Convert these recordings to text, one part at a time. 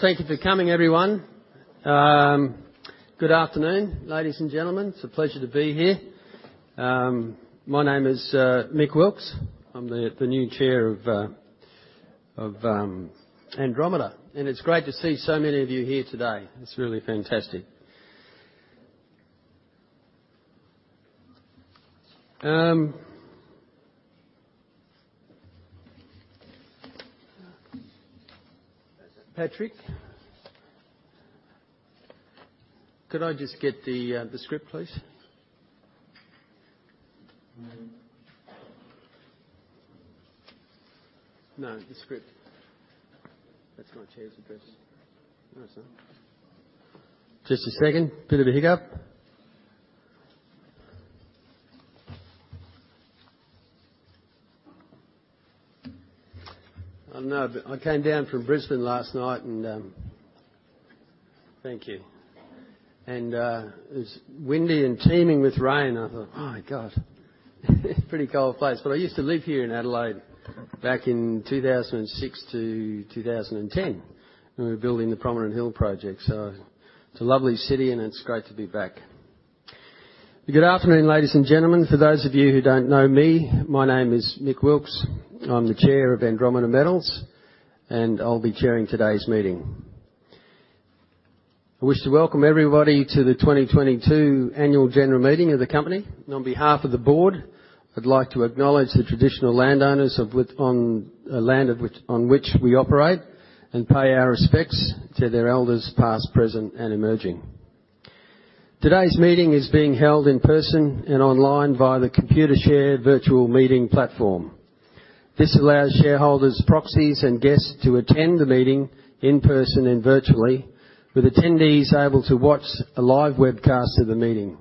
Thank you for coming, everyone. Good afternoon, ladies and gentlemen. It's a pleasure to be here. My name is Mick Wilkes. I'm the new Chair of Andromeda, and it's great to see so many of you here today. It's really fantastic. Patrick, could I just get the script, please? No, the script. That's not Chair's address. No, it's not. Just a second. Bit of a hiccup. No, I came down from Brisbane last night. Thank you. It was windy and teeming with rain. I thought, "Oh, my God." Pretty cold place. I used to live here in Adelaide back in 2006-2010 when we were building the Prominent Hill project. It's a lovely city, and it's great to be back. Good afternoon, ladies and gentlemen. For those of you who don't know me, my name is Mick Wilkes. I'm the Chair of Andromeda Metals, and I'll be chairing today's meeting. I wish to welcome everybody to the 2022 Annual General Meeting of the company. On behalf of the Board, I'd like to acknowledge the traditional landowners of land on which we operate and pay our respects to their elders past, present, and emerging. Today's meeting is being held in person and online via the Computershare Virtual Meeting Platform. This allows shareholders, proxies, and guests to attend the meeting in person and virtually, with attendees able to watch a live webcast of the meeting.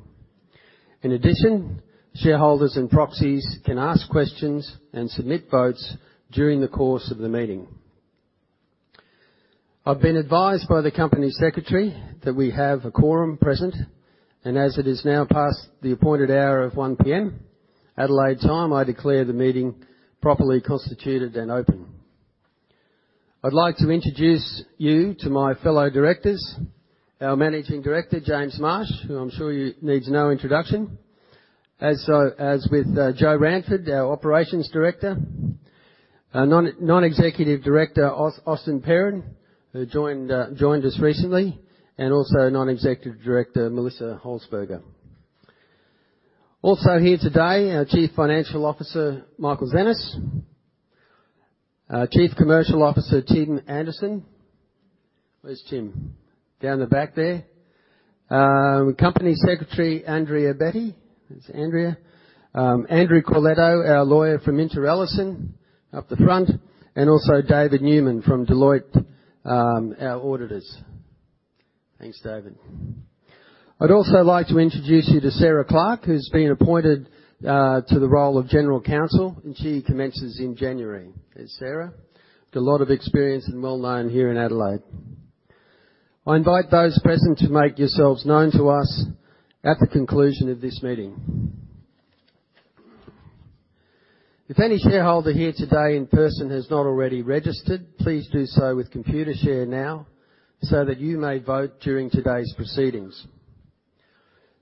In addition, shareholders and proxies can ask questions and submit votes during the course of the meeting. I've been advised by the Company Secretary that we have a quorum present, and as it is now past the appointed hour of 1:00 P.M. Adelaide time, I declare the meeting properly constituted and open. I'd like to introduce you to my fellow directors. Our Managing Director, James Marsh, who I'm sure needs no introduction, as with Joe Ranford, our Operations Director. Non-Executive Director Austen Perrin, who joined us recently, and also Non-Executive Director Melissa Holzberger. Also here today, our Chief Financial Officer, Michael Zanis. Our Chief Commercial Officer, Tim Anderson. Where's Tim? Down the back there. Company Secretary, Andrea Betti. There's Andrea. Andrew Corletto, our lawyer from MinterEllison up the front, and also David Newman from Deloitte, our auditors. Thanks, David. I'd also like to introduce you to Sarah Clarke, who's been appointed to the role of General Counsel, and she commences in January. There's Sarah. Got a lot of experience and well-known here in Adelaide. I invite those present to make yourselves known to us at the conclusion of this meeting. If any shareholder here today in person has not already registered, please do so with Computershare now so that you may vote during today's proceedings.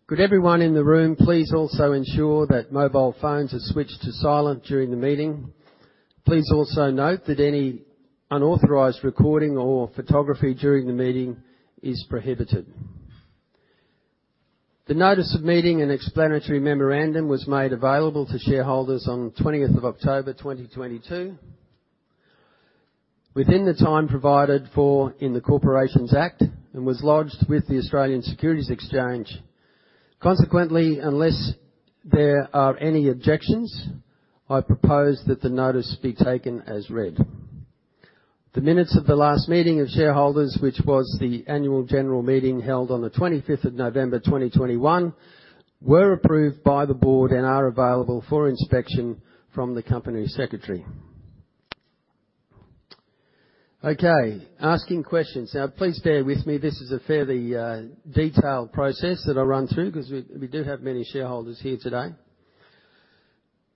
Could everyone in the room please also ensure that mobile phones are switched to silent during the meeting? Please also note that any unauthorized recording or photography during the meeting is prohibited. The notice of meeting and explanatory memorandum was made available to shareholders on 20th of October, 2022 within the time provided for in the Corporations Act and was lodged with the Australian Securities Exchange. Consequently, unless there are any objections, I propose that the notice be taken as read. The minutes of the last meeting of shareholders, which was the Annual General Meeting held on the 25th of November, 2021, were approved by the Board and are available for inspection from the Company Secretary. Okay, asking questions. Now, please bear with me. This is a fairly detailed process that I'll run through because we do have many shareholders here today.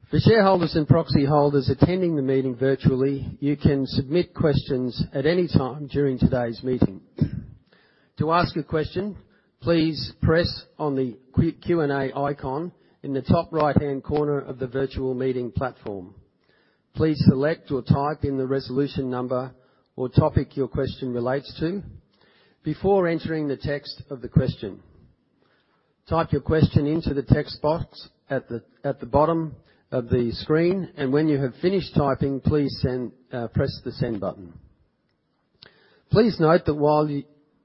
For shareholders and proxy holders attending the meeting virtually, you can submit questions at any time during today's meeting. To ask a question, please press on the Q&A icon in the top right-hand corner of the virtual meeting platform. Please select or type in the resolution number or topic your question relates to before entering the text of the question. Type your question into the text box at the bottom of the screen, and when you have finished typing, please press the Send button. Please note that while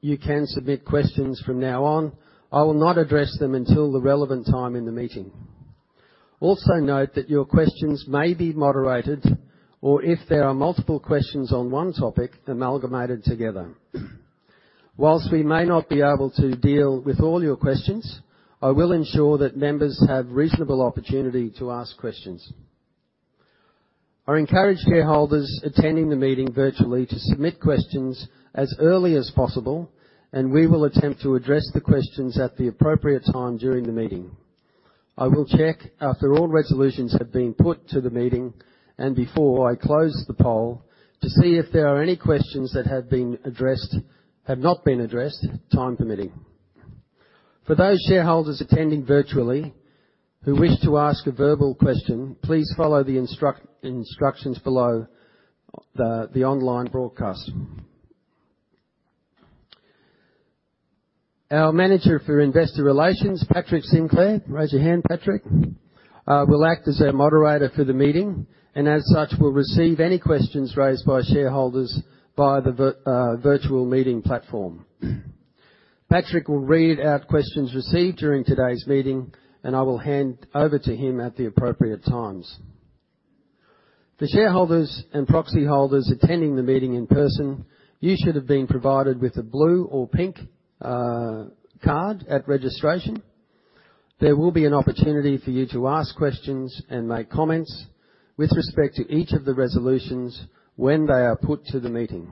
you can submit questions from now on, I will not address them until the relevant time in the meeting. Also note that your questions may be moderated or if there are multiple questions on one topic, amalgamated together. Whilst we may not be able to deal with all your questions, I will ensure that members have reasonable opportunity to ask questions. I encourage shareholders attending the meeting virtually to submit questions as early as possible, and we will attempt to address the questions at the appropriate time during the meeting. I will check after all resolutions have been put to the meeting, and before I close the poll to see if there are any questions that have not been addressed, time permitting. For those shareholders attending virtually who wish to ask a verbal question, please follow the instructions below the online broadcast. Our Manager for Investor Relations, Patrick Sinclair, raise your hand Patrick, will act as our moderator for the meeting, and as such will receive any questions raised by shareholders via the virtual meeting platform. Patrick will read out questions received during today's meeting, and I will hand over to him at the appropriate times. For shareholders and proxy holders attending the meeting in person, you should have been provided with a blue or pink card at registration. There will be an opportunity for you to ask questions and make comments with respect to each of the resolutions when they are put to the meeting.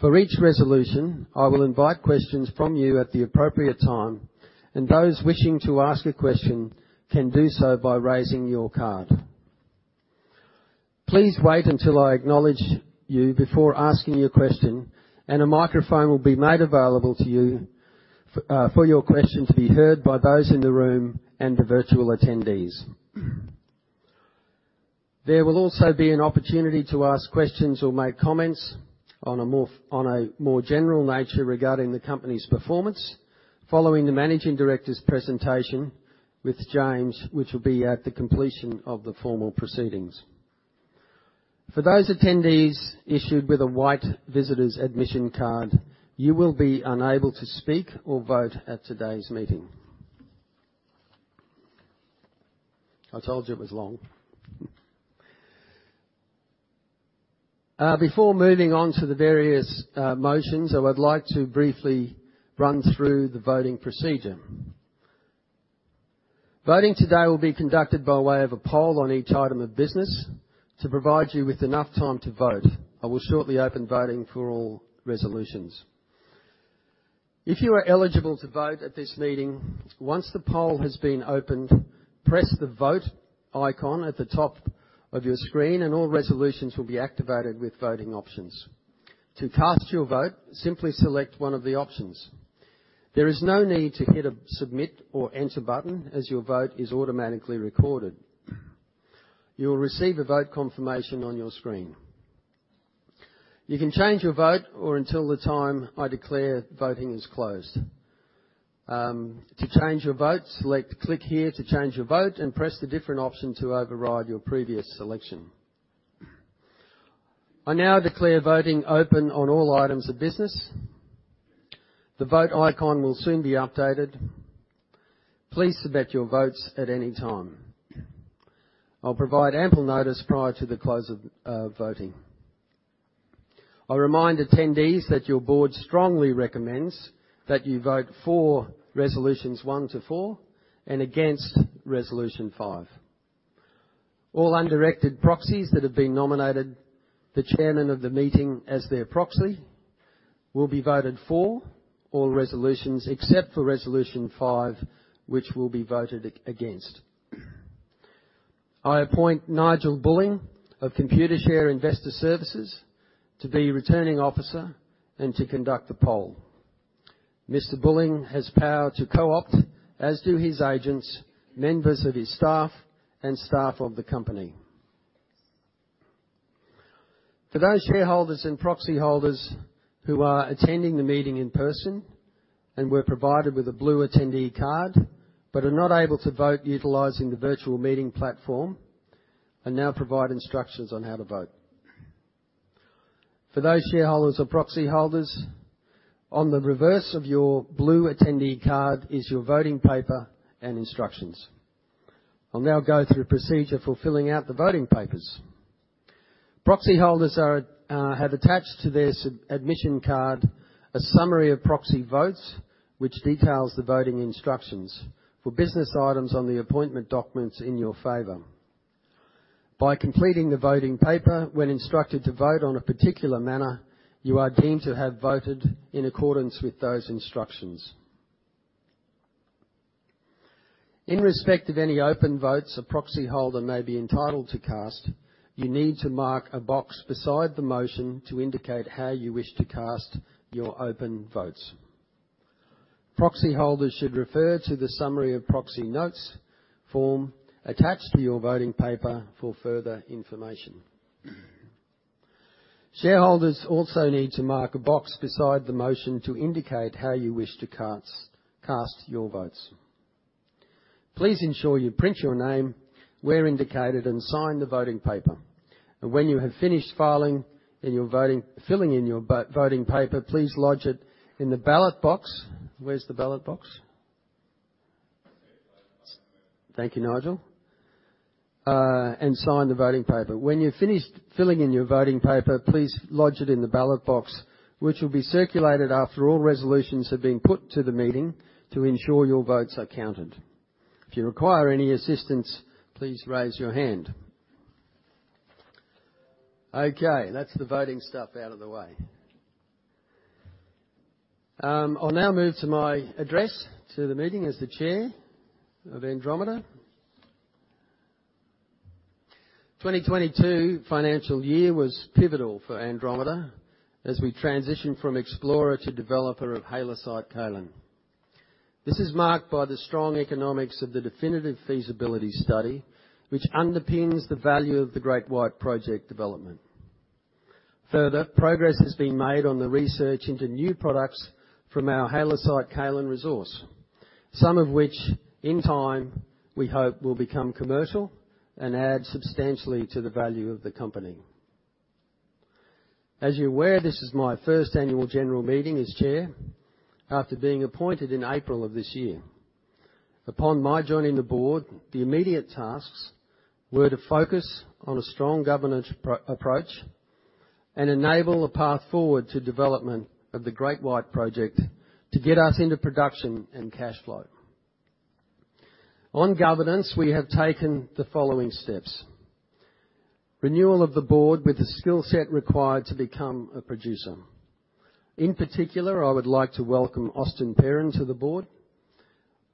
For each resolution, I will invite questions from you at the appropriate time, and those wishing to ask a question can do so by raising your card. Please wait until I acknowledge you before asking your question, and a microphone will be made available to you for your question to be heard by those in the room and the virtual attendees. There will also be an opportunity to ask questions or make comments on a more general nature regarding the company's performance following the Managing Director's presentation with James, which will be at the completion of the formal proceedings. For those attendees issued with a white visitor's admission card, you will be unable to speak or vote at today's meeting. I told you it was long. Before moving on to the various motions, I would like to briefly run through the voting procedure. Voting today will be conducted by way of a poll on each item of business. To provide you with enough time to vote, I will shortly open voting for all resolutions. If you are eligible to vote at this meeting, once the poll has been opened, press the Vote icon at the top of your screen and all resolutions will be activated with voting options. To cast your vote, simply select one of the options. There is no need to hit a Submit or Enter button as your vote is automatically recorded. You will receive a vote confirmation on your screen. You can change your vote up until the time I declare voting is closed. To change your vote, select Click Here to Change Your Vote and press the different option to override your previous selection. I now declare voting open on all items of business. The Vote icon will soon be updated. Please submit your votes at any time. I'll provide ample notice prior to the close of voting. I remind attendees that your Board strongly recommends that you vote for resolutions one to four and against resolution five. All undirected proxies that have been nominated the Chairman of the meeting as their proxy will be voted for all resolutions except for resolution five, which will be voted against. I appoint Nigel Bulling of Computershare Investor Services to be Returning Officer and to conduct the poll. Mr. Bulling has power to co-opt, as do his agents, members of his staff and staff of the Company. For those shareholders and proxy holders who are attending the meeting in person and were provided with a blue attendee card but are not able to vote utilizing the virtual meeting platform, I now provide instructions on how to vote. For those shareholders or proxy holders, on the reverse of your blue attendee card is your voting paper and instructions. I'll now go through procedure for filling out the voting papers. Proxy holders have attached to their sub-admission card a summary of proxy votes, which details the voting instructions for business items on the appointment documents in your favor. By completing the voting paper when instructed to vote on a particular manner, you are deemed to have voted in accordance with those instructions. In respect of any open votes a proxy holder may be entitled to cast, you need to mark a box beside the motion to indicate how you wish to cast your open votes. Proxy holders should refer to the summary of proxy notes form attached to your voting paper for further information. Shareholders also need to mark a box beside the motion to indicate how you wish to cast your votes. Please ensure you print your name where indicated and sign the voting paper. When you have finished filling in your voting paper, please lodge it in the ballot box. Where's the ballot box? It's there by the microphone. Thank you, Nigel. Sign the voting paper. When you're finished filling in your voting paper, please lodge it in the ballot box, which will be circulated after all resolutions have been put to the meeting to ensure your votes are counted. If you require any assistance, please raise your hand. Okay, that's the voting stuff out of the way. I'll now move to my address to the meeting as the Chair of Andromeda. 2022 financial year was pivotal for Andromeda as we transition from explorer to developer of halloysite-kaolin. This is marked by the strong economics of the definitive feasibility study, which underpins the value of the Great White Project development. Further, progress has been made on the research into new products from our halloysite-kaolin resource. Some of which, in time, we hope will become commercial and add substantially to the value of the company. As you're aware, this is my first annual general meeting as Chair after being appointed in April of this year. Upon my joining the board, the immediate tasks were to focus on a strong governance approach and enable a path forward to development of the Great White Project to get us into production and cash flow. On governance, we have taken the following steps. Renewal of the board with the skill set required to become a producer. In particular, I would like to welcome Austen Perrin to the board.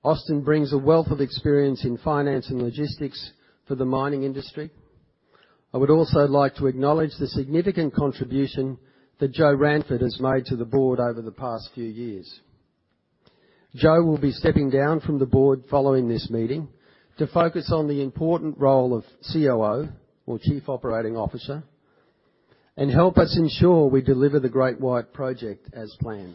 Austen brings a wealth of experience in finance and logistics for the mining industry. I would also like to acknowledge the significant contribution that Joe Ranford has made to the board over the past few years. Joe will be stepping down from the Board following this meeting to focus on the important role of COO, or Chief Operating Officer, and help us ensure we deliver the Great White Project as planned.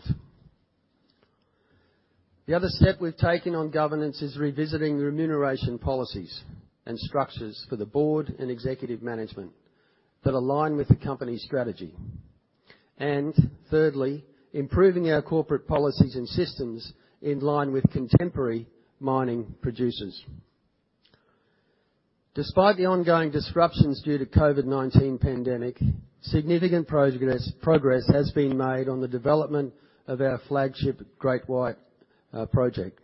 The other step we've taken on governance is revisiting remuneration policies and structures for the Board and executive management that align with the company strategy. Thirdly, improving our corporate policies and systems in line with contemporary mining producers. Despite the ongoing disruptions due to COVID-19 pandemic, significant progress has been made on the development of our flagship Great White Project.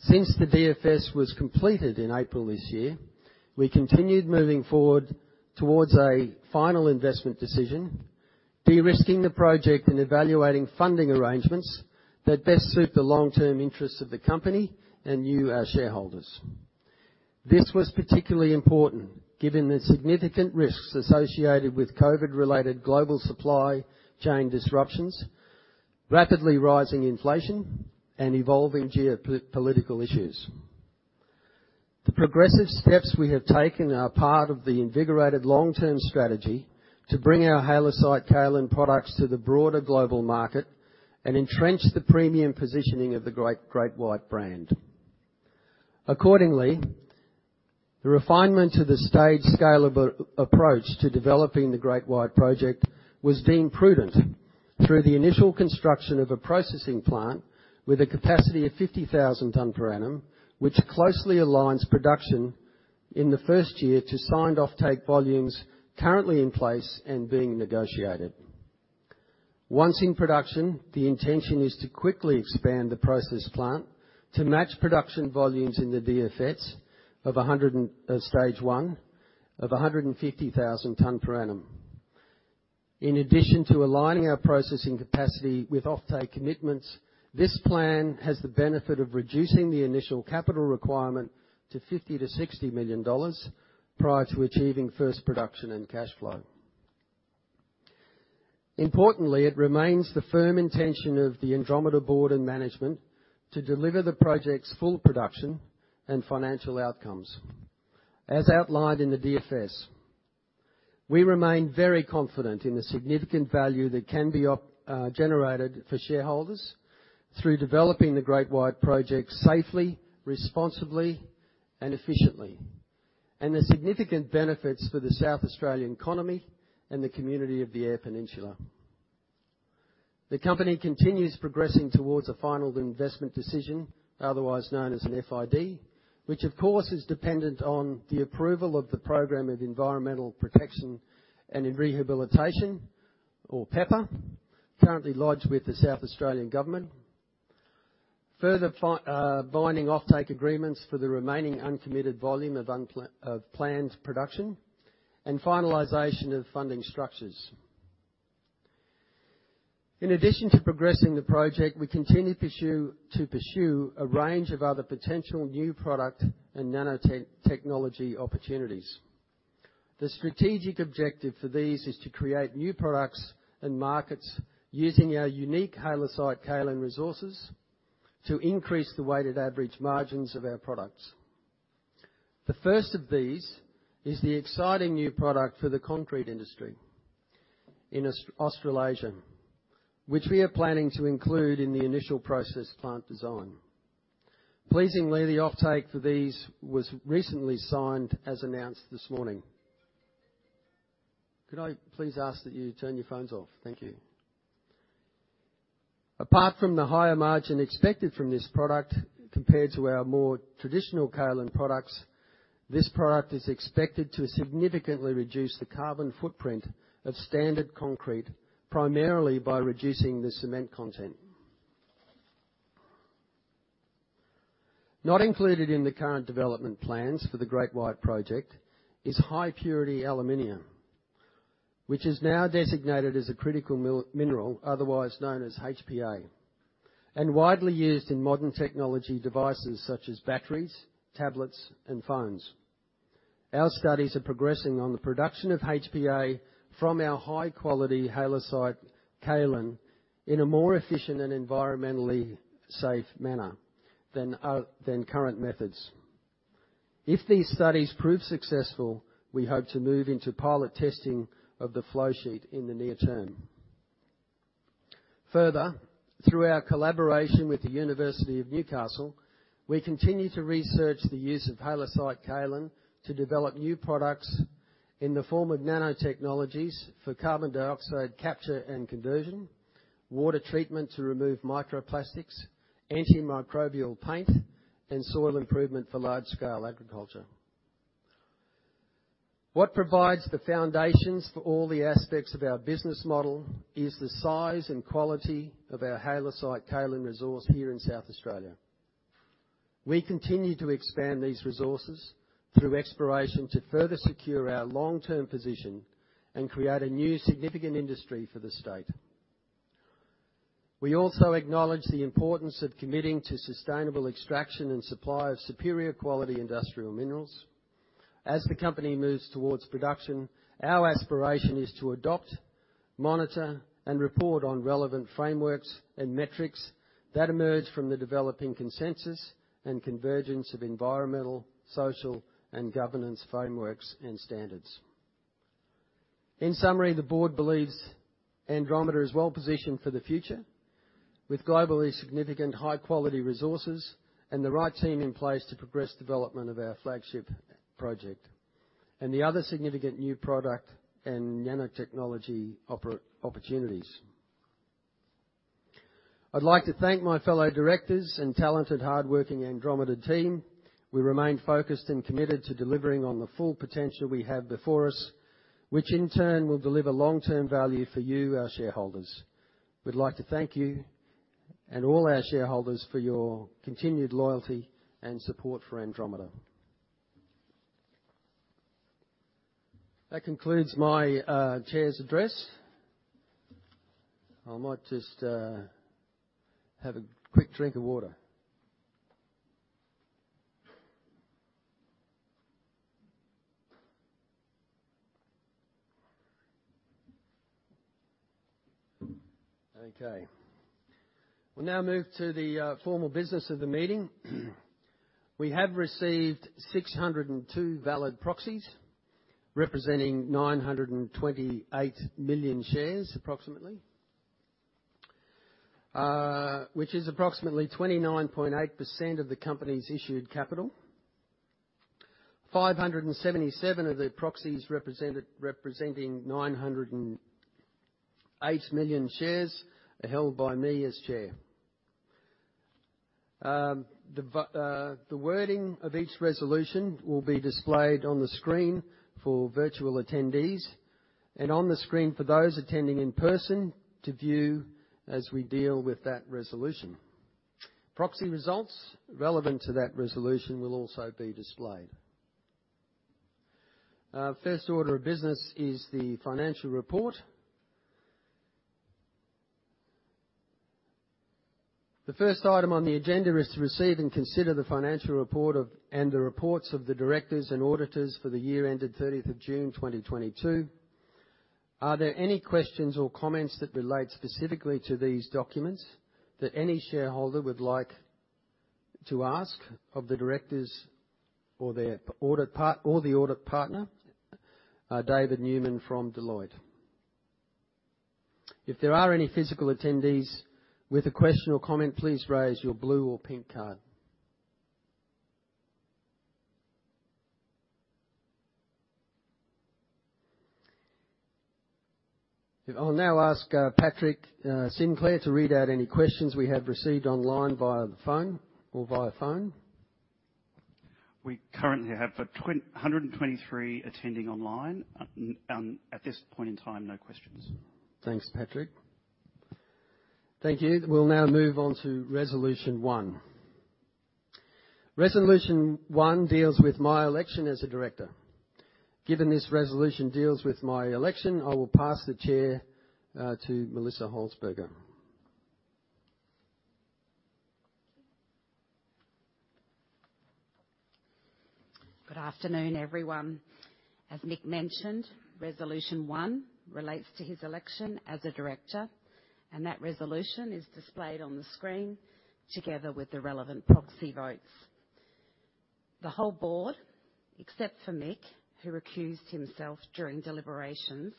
Since the DFS was completed in April this year, we continued moving forward towards a final investment decision, de-risking the project and evaluating funding arrangements that best suit the long-term interests of the company and you, our shareholders. This was particularly important given the significant risks associated with COVID-related global supply chain disruptions, rapidly rising inflation, and evolving geopolitical issues. The progressive steps we have taken are part of the invigorated long-term strategy to bring our halloysite-kaolin products to the broader global market and entrench the premium positioning of the Great White brand. Accordingly, the refinement of the stage scalable approach to developing the Great White Project was deemed prudent through the initial construction of a processing plant with a capacity of 50,000 ton per annum, which closely aligns production in the first year to signed offtake volumes currently in place and being negotiated. Once in production, the intention is to quickly expand the process plant to match production volumes in the DFS of Stage one, of 150,000 ton per annum. In addition to aligning our processing capacity with offtake commitments, this plan has the benefit of reducing the initial capital requirement to 50 million-60 million dollars prior to achieving first production and cash flow. Importantly, it remains the firm intention of the Andromeda Board and management to deliver the project's full production and financial outcomes as outlined in the DFS. We remain very confident in the significant value that can be generated for shareholders through developing the Great White Project safely, responsibly, and efficiently, and the significant benefits for the South Australian economy and the community of the Eyre Peninsula. The Company continues progressing towards a final investment decision, otherwise known as an FID, which of course is dependent on the approval of the Program for Environment Protection and Rehabilitation, or PEPR, currently lodged with the South Australian Government. Further binding offtake agreements for the remaining uncommitted volume of planned production and finalization of funding structures. In addition to progressing the project, we continue to pursue a range of other potential new product and nanotechnology opportunities. The strategic objective for these is to create new products and markets using our unique halloysite-kaolin resources to increase the weighted average margins of our products. The first of these is the exciting new product for the concrete industry in Australasia, which we are planning to include in the initial process plant design. Pleasingly, the offtake for these was recently signed as announced this morning. Could I please ask that you turn your phones off? Thank you. Apart from the higher margin expected from this product, compared to our more traditional kaolin products, this product is expected to significantly reduce the carbon footprint of standard concrete, primarily by reducing the cement content. Not included in the current development plans for the Great White Project is high-purity alumina, which is now designated as a critical mineral, otherwise known as HPA, and widely used in modern technology devices such as batteries, tablets, and phones. Our studies are progressing on the production of HPA from our high-quality halloysite-kaolin in a more efficient and environmentally safe manner than current methods. If these studies prove successful, we hope to move into pilot testing of the flow sheet in the near term. Further, through our collaboration with the University of Newcastle, we continue to research the use of halloysite-kaolin to develop new products in the form of nanotechnologies for carbon dioxide capture and conversion, water treatment to remove microplastics, antimicrobial paint, and soil improvement for large-scale agriculture. What provides the foundations for all the aspects of our business model is the size and quality of our halloysite-kaolin resource here in South Australia. We continue to expand these resources through exploration to further secure our long-term position and create a new significant industry for the state. We also acknowledge the importance of committing to sustainable extraction and supply of superior quality industrial minerals. As the company moves towards production, our aspiration is to adopt, monitor, and report on relevant frameworks and metrics that emerge from the developing consensus and convergence of environmental, social, and governance frameworks and standards. In summary, the board believes Andromeda is well-positioned for the future with globally significant high-quality resources and the right team in place to progress development of our flagship project and the other significant new product and nanotechnology opportunities. I'd like to thank my fellow directors and talented, hardworking Andromeda team. We remain focused and committed to delivering on the full potential we have before us, which in turn will deliver long-term value for you, our shareholders. We'd like to thank you and all our shareholders for your continued loyalty and support for Andromeda. That concludes my Chair's address. I might just have a quick drink of water. Okay. We'll now move to the formal business of the meeting. We have received 602 valid proxies, representing 928 million shares approximately. Which is approximately 29.8% of the Company's issued capital. 577 of the proxies representing 908 million shares are held by me as Chair. The wording of each resolution will be displayed on the screen for virtual attendees and on the screen for those attending in person to view as we deal with that resolution. Proxy results relevant to that resolution will also be displayed. First order of business is the financial report. The first item on the agenda is to receive and consider the financial report of, and the reports of the Directors and Auditors for the year ended 30th of June 2022. Are there any questions or comments that relate specifically to these documents that any shareholder would like to ask of the directors or the Audit Partner, David Newman from Deloitte? If there are any physical attendees with a question or comment, please raise your blue or pink card. I'll now ask Patrick Sinclair to read out any questions we have received online or via phone. We currently have 123 attending online. At this point in time, no questions. Thanks, Patrick. Thank you. We'll now move on to Resolution one. Resolution one deals with my election as a Director. Given this resolution deals with my election, I will pass the chair to Melissa Holzberger. Good afternoon, everyone. As Mick mentioned, resolution one relates to his election as a director, and that resolution is displayed on the screen together with the relevant proxy votes. The whole board, except for Mick, who recused himself during deliberations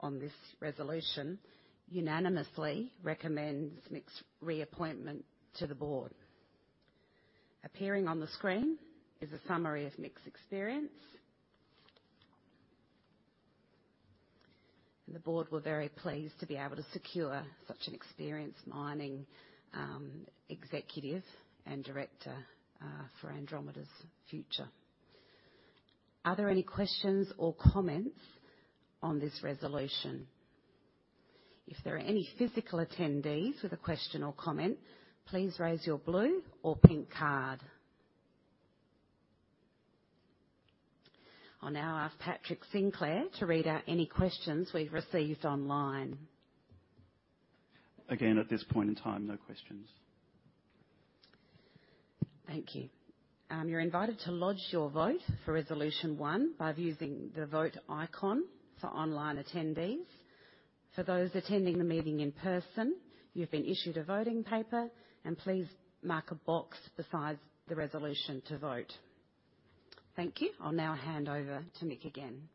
on this resolution, unanimously recommends Mick's reappointment to the board. Appearing on the screen is a summary of Mick's experience. The board were very pleased to be able to secure such an experienced mining executive and director for Andromeda's future. Are there any questions or comments on this resolution? If there are any physical attendees with a question or comment, please raise your blue or pink card. I'll now ask Patrick Sinclair to read out any questions we've received online. Again, at this point in time, no questions. Thank you. You're invited to lodge your vote for resolution one by using the Vote icon for online attendees. For those attending the meeting in person, you've been issued a voting paper, and please mark a box beside the resolution to vote. Thank you. I'll now hand over to Mick Wilkes again.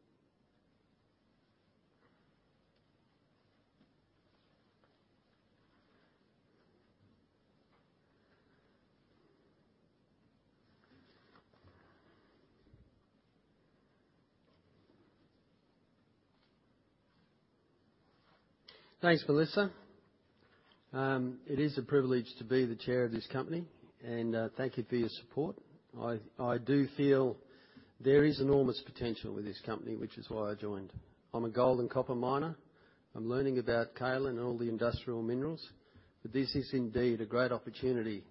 Thanks, Melissa. It is a privilege to be the Chair of this company, and thank you for your support. I do feel there is enormous potential with this company, which is why I joined. I'm a gold and copper miner. I'm learning about kaolin and all the industrial minerals. This is indeed a great opportunity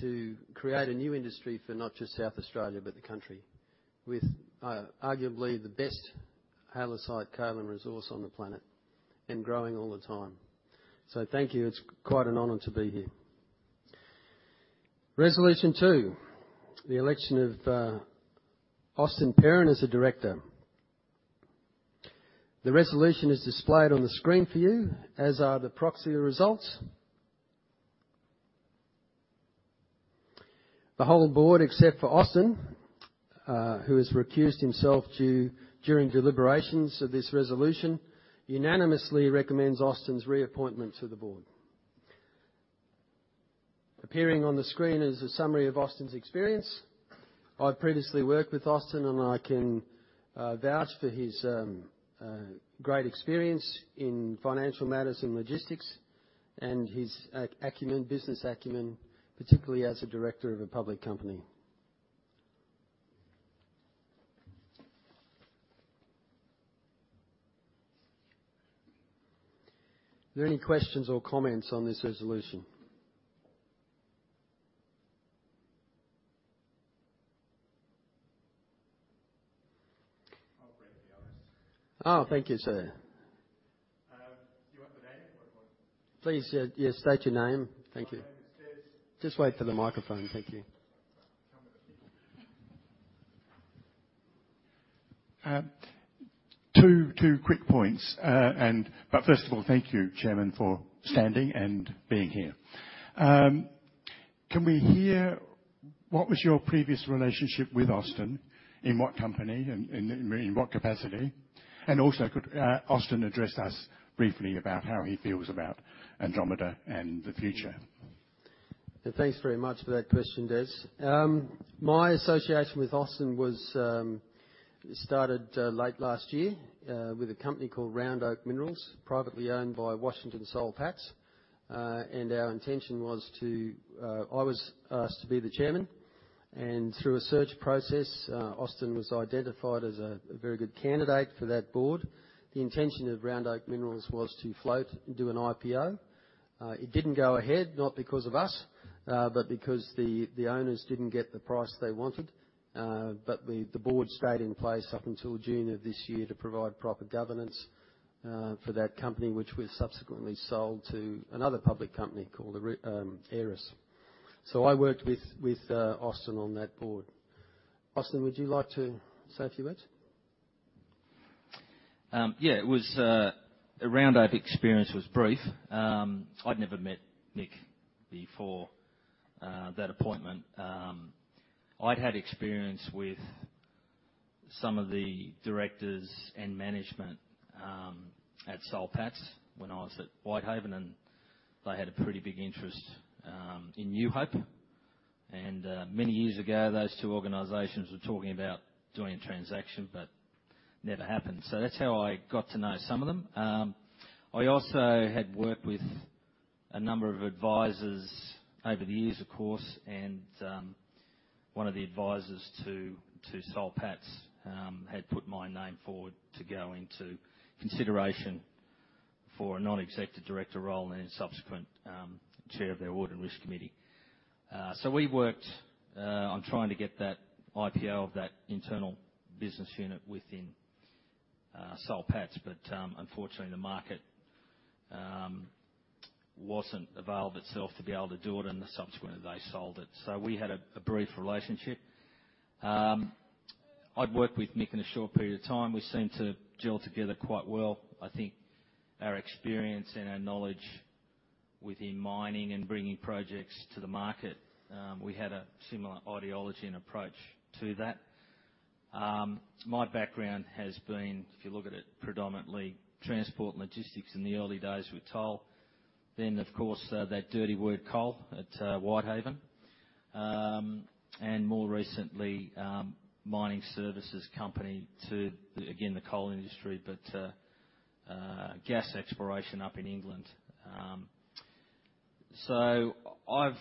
to create a new industry for not just South Australia, but the country, with arguably the best halloysite-kaolin resource on the planet and growing all the time. Thank you. It's quite an honor to be here. Resolution two. The election of Austen Perrin as a Director. The resolution is displayed on the screen for you, as are the proxy results. The whole Board, except for Austen, who has recused himself during deliberations of this resolution, unanimously recommends Austen's reappointment to the Board. Appearing on the screen is a summary of Austen's experience. I've previously worked with Austen, and I can vouch for his great experience in financial matters and logistics and his business acumen, particularly as a director of a public company. Are there any questions or comments on this resolution? I'll break the ice. Oh, thank you, sir. Do you want the name or what? Please, yes, state your name. Thank you. My name is Des. Just wait for the microphone. Thank you. Two quick points. First of all, thank you, Chairman, for standing and being here. Can we hear what was your previous relationship with Austen? In what company and in what capacity? Also, could Austen address us briefly about how he feels about Andromeda and the future? Thanks very much for that question, Des. My association with Austen was started late last year with a company called Round Oak Minerals, privately owned by Washington H. Soul Pattinson. I was asked to be the Chairman, and through a search process, Austen was identified as a very good candidate for that board. The intention of Round Oak Minerals was to float and do an IPO. It didn't go ahead, not because of us, but because the owners didn't get the price they wanted. The board stayed in place up until June of this year to provide proper governance for that company which was subsequently sold to another public company called Aeris. I worked with Austen on that board Austen, would you like to say a few words? Yeah, Round Oak experience was brief. I'd never met Mick before that appointment. I'd had experience with some of the directors and management at Soul Pattinson when I was at Whitehaven, and they had a pretty big interest in New Hope. Many years ago, those two organizations were talking about doing a transaction but never happened. That's how I got to know some of them. I also had worked with a number of advisors over the years, of course, and one of the advisors to Soul Pattinson had put my name forward to go into consideration for a Non-Executive Director role and then subsequent Chair of their Audit Risk Committee. We worked on trying to get that IPO of that internal business unit within Soul Pattinson, but, unfortunately, the market wasn't avail of itself to be able to do it, and subsequently, they sold it. We had a brief relationship. I'd worked with Mick in a short period of time. We seemed to gel together quite well. I think our experience and our knowledge within mining and bringing projects to the market, we had a similar ideology and approach to that. My background has been, if you look at it, predominantly transport and logistics in the early days with Toll. Of course, that dirty word, coal, at Whitehaven. More recently, mining services company to, again, the coal industry, but gas exploration up in England. I've,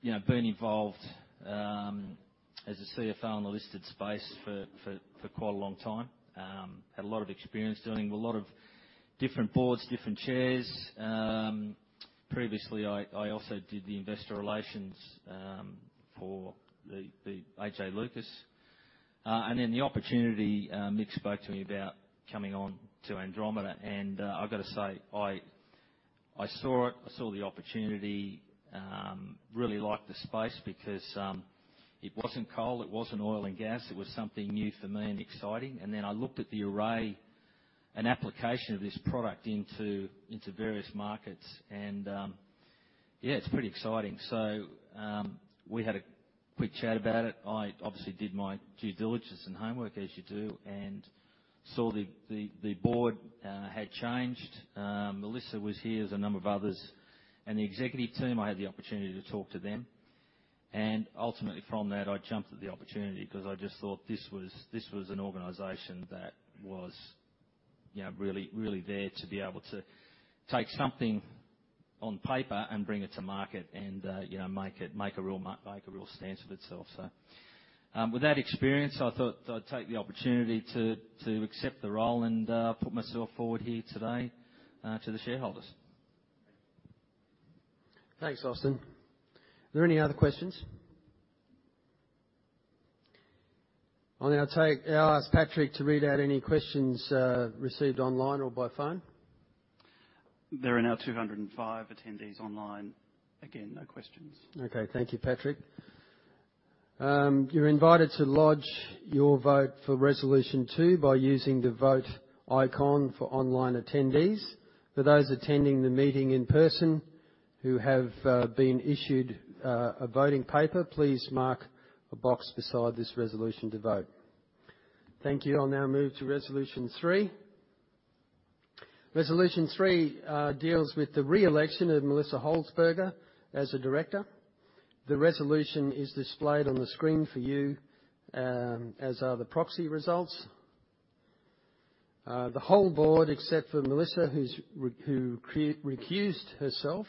you know, been involved as a CFO in the listed space for quite a long time. Had a lot of experience dealing with a lot of different boards, different chairs. Previously, I also did the investor relations for the AJ Lucas. Mick spoke to me about coming on to Andromeda, and I've gotta say, I saw the opportunity, really liked the space because it wasn't coal, it wasn't oil and gas. It was something new for me and exciting. I looked at the array and application of this product into various markets and yeah, it's pretty exciting. We had a quick chat about it. I obviously did my due diligence and homework as you do, and saw the Board had changed. Melissa was here, there's a number of others. The executive team, I had the opportunity to talk to them. Ultimately from that, I jumped at the opportunity 'cause I just thought this was an organization that was, you know, really there to be able to take something on paper and bring it to market and, you know, make a real stance of itself. With that experience, I thought I'd take the opportunity to accept the role and put myself forward here today to the shareholders. Thanks, Austen. Are there any other questions? I'll ask Patrick to read out any questions received online or by phone. There are now 205 attendees online. Again, no questions. Thank you, Patrick. You're invited to lodge your vote for resolution two by using the Vote icon for online attendees. For those attending the meeting in person who have been issued a voting paper, please mark a box beside this resolution to vote. Thank you. I'll now move to resolution three. Resolution three deals with the reelection of Melissa Holzberger as a director. The resolution is displayed on the screen for you as are the proxy results. The whole board, except for Melissa, who recused herself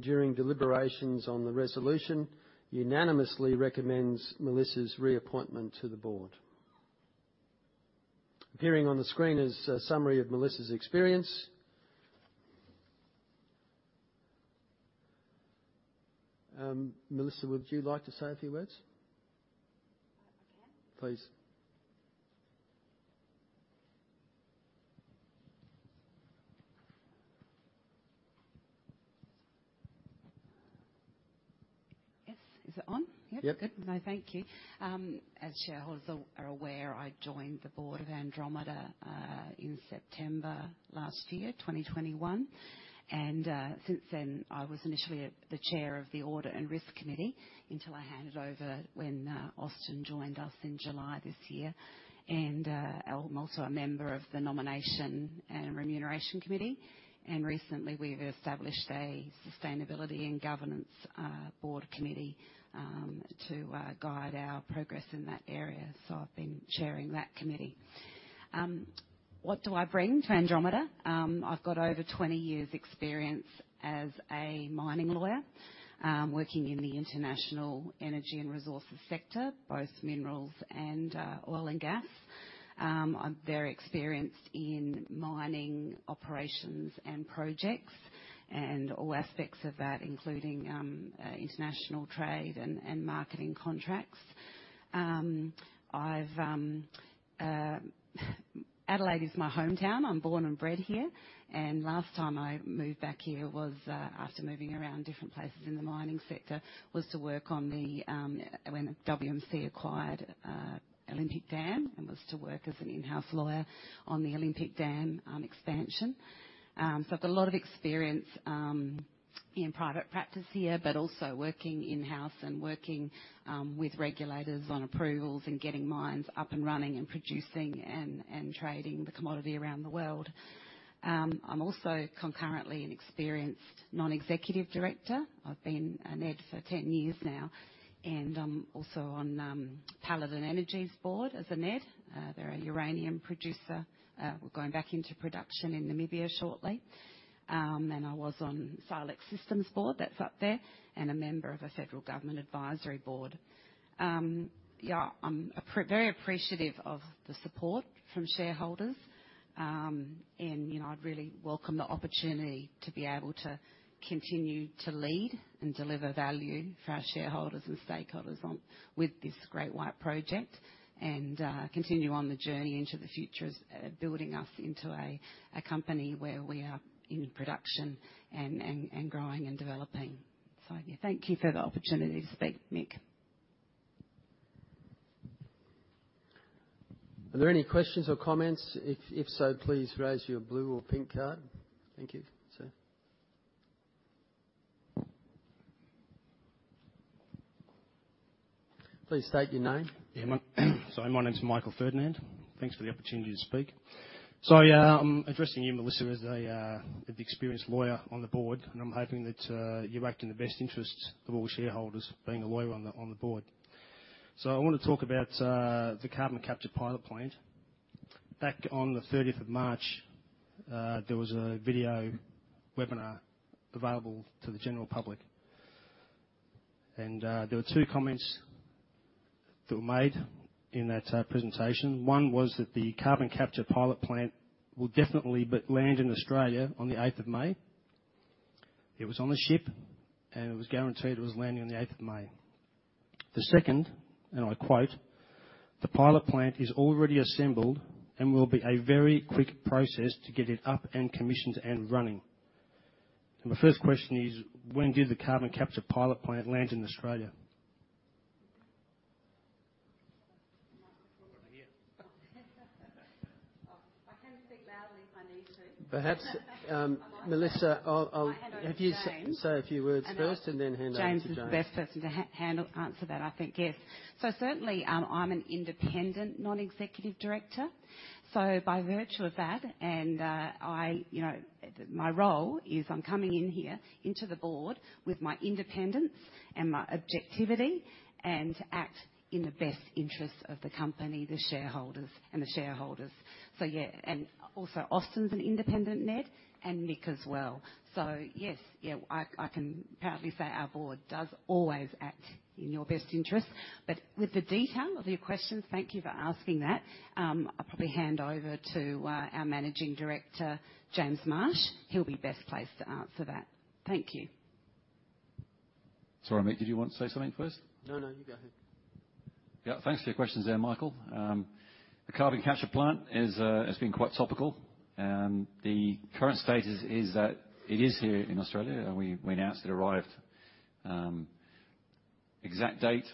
during deliberations on the resolution, unanimously recommends Melissa's reappointment to the board. Appearing on the screen is a summary of Melissa's experience. Melissa, would you like to say a few words? I can. Please. Yes. Is it on? Yep. Good. No, thank you. As shareholders are aware, I joined the Board of Andromeda in September last year, 2021. Since then, I was initially the Chair of the Audit and Risk Committee until I handed over when Austen joined us in July this year. I'm also a Member of the Nomination and Remuneration Committee. Recently, we've established a Sustainability and Governance Board Committee to guide our progress in that area. I've been chairing that committee. What do I bring to Andromeda? I've got over 20 years experience as a mining lawyer working in the international energy and resources sector, both minerals and oil and gas. I'm very experienced in mining operations and projects and all aspects of that, including international trade and marketing contracts. Adelaide is my hometown. I'm born and bred here. Last time I moved back here was after moving around different places in the mining sector, was to work on when WMC acquired Olympic Dam, and was to work as an in-house lawyer on the Olympic Dam expansion. I've got a lot of experience in private practice here, but also working in-house and working with regulators on approvals and getting mines up and running and producing and trading the commodity around the world. I'm also concurrently an experienced Non-Executive Director. I've been an NED for 10 years now, and I'm also on Paladin Energy's board as an NED. They're a uranium producer. We're going back into production in Namibia shortly. I was on Silex Systems board that's up there and a member of a federal government advisory board. Yeah, I'm very appreciative of the support from shareholders. You know, I'd really welcome the opportunity to be able to continue to lead and deliver value for our shareholders and stakeholders with this Great White Project and continue on the journey into the future as building us into a company where we are in production and growing and developing. Yeah, thank you for the opportunity to speak, Mick. Are there any questions or comments? If so, please raise your blue or pink card. Thank you. Sir, please state your name. Yeah. Sorry, my name is Michael Ferdinand. Thanks for the opportunity to speak. Yeah, I'm addressing you, Melissa, as the experienced lawyer on the Board, and I'm hoping that you act in the best interest of all shareholders being a lawyer on the Board. I wanna talk about the carbon capture pilot plant. Back on the 30th of March, there was a video webinar available to the general public. There were two comments that were made in that presentation. One was that the carbon capture pilot plant will definitely but land in Australia on the 8th of May. It was on the ship, and it was guaranteed it was landing on the 8th of May. The second, and I quote, the pilot plant is already assembled and will be a very quick process to get it up and commissioned and running. My first question is, when did the carbon capture pilot plant land in Australia? I can speak loudly if I need to. Perhaps, Melissa, I'll. I'll hand over to James. If you say a few words first, and then hand over to James. James is the best person to answer that, I think, yes. Certainly, I'm an independent Non-Executive Director. By virtue of that, and I, you know, my role is I'm coming in here into the board with my independence and my objectivity and to act in the best interest of the company and the shareholders. Yeah, and also, Austen's an independent NED and Mick as well. Yes, yeah, I can proudly say our board does always act in your best interest. With the detail of your question, thank you for asking that. I'll probably hand over to our Managing Director, James Marsh. He'll be best placed to answer that. Thank you. Sorry, Mick, did you want to say something first? No, no, you go ahead. Yeah. Thanks for your questions there, Michael. The carbon capture plant has been quite topical. The current status is that it is here in Australia. We announced it arrived. Exact date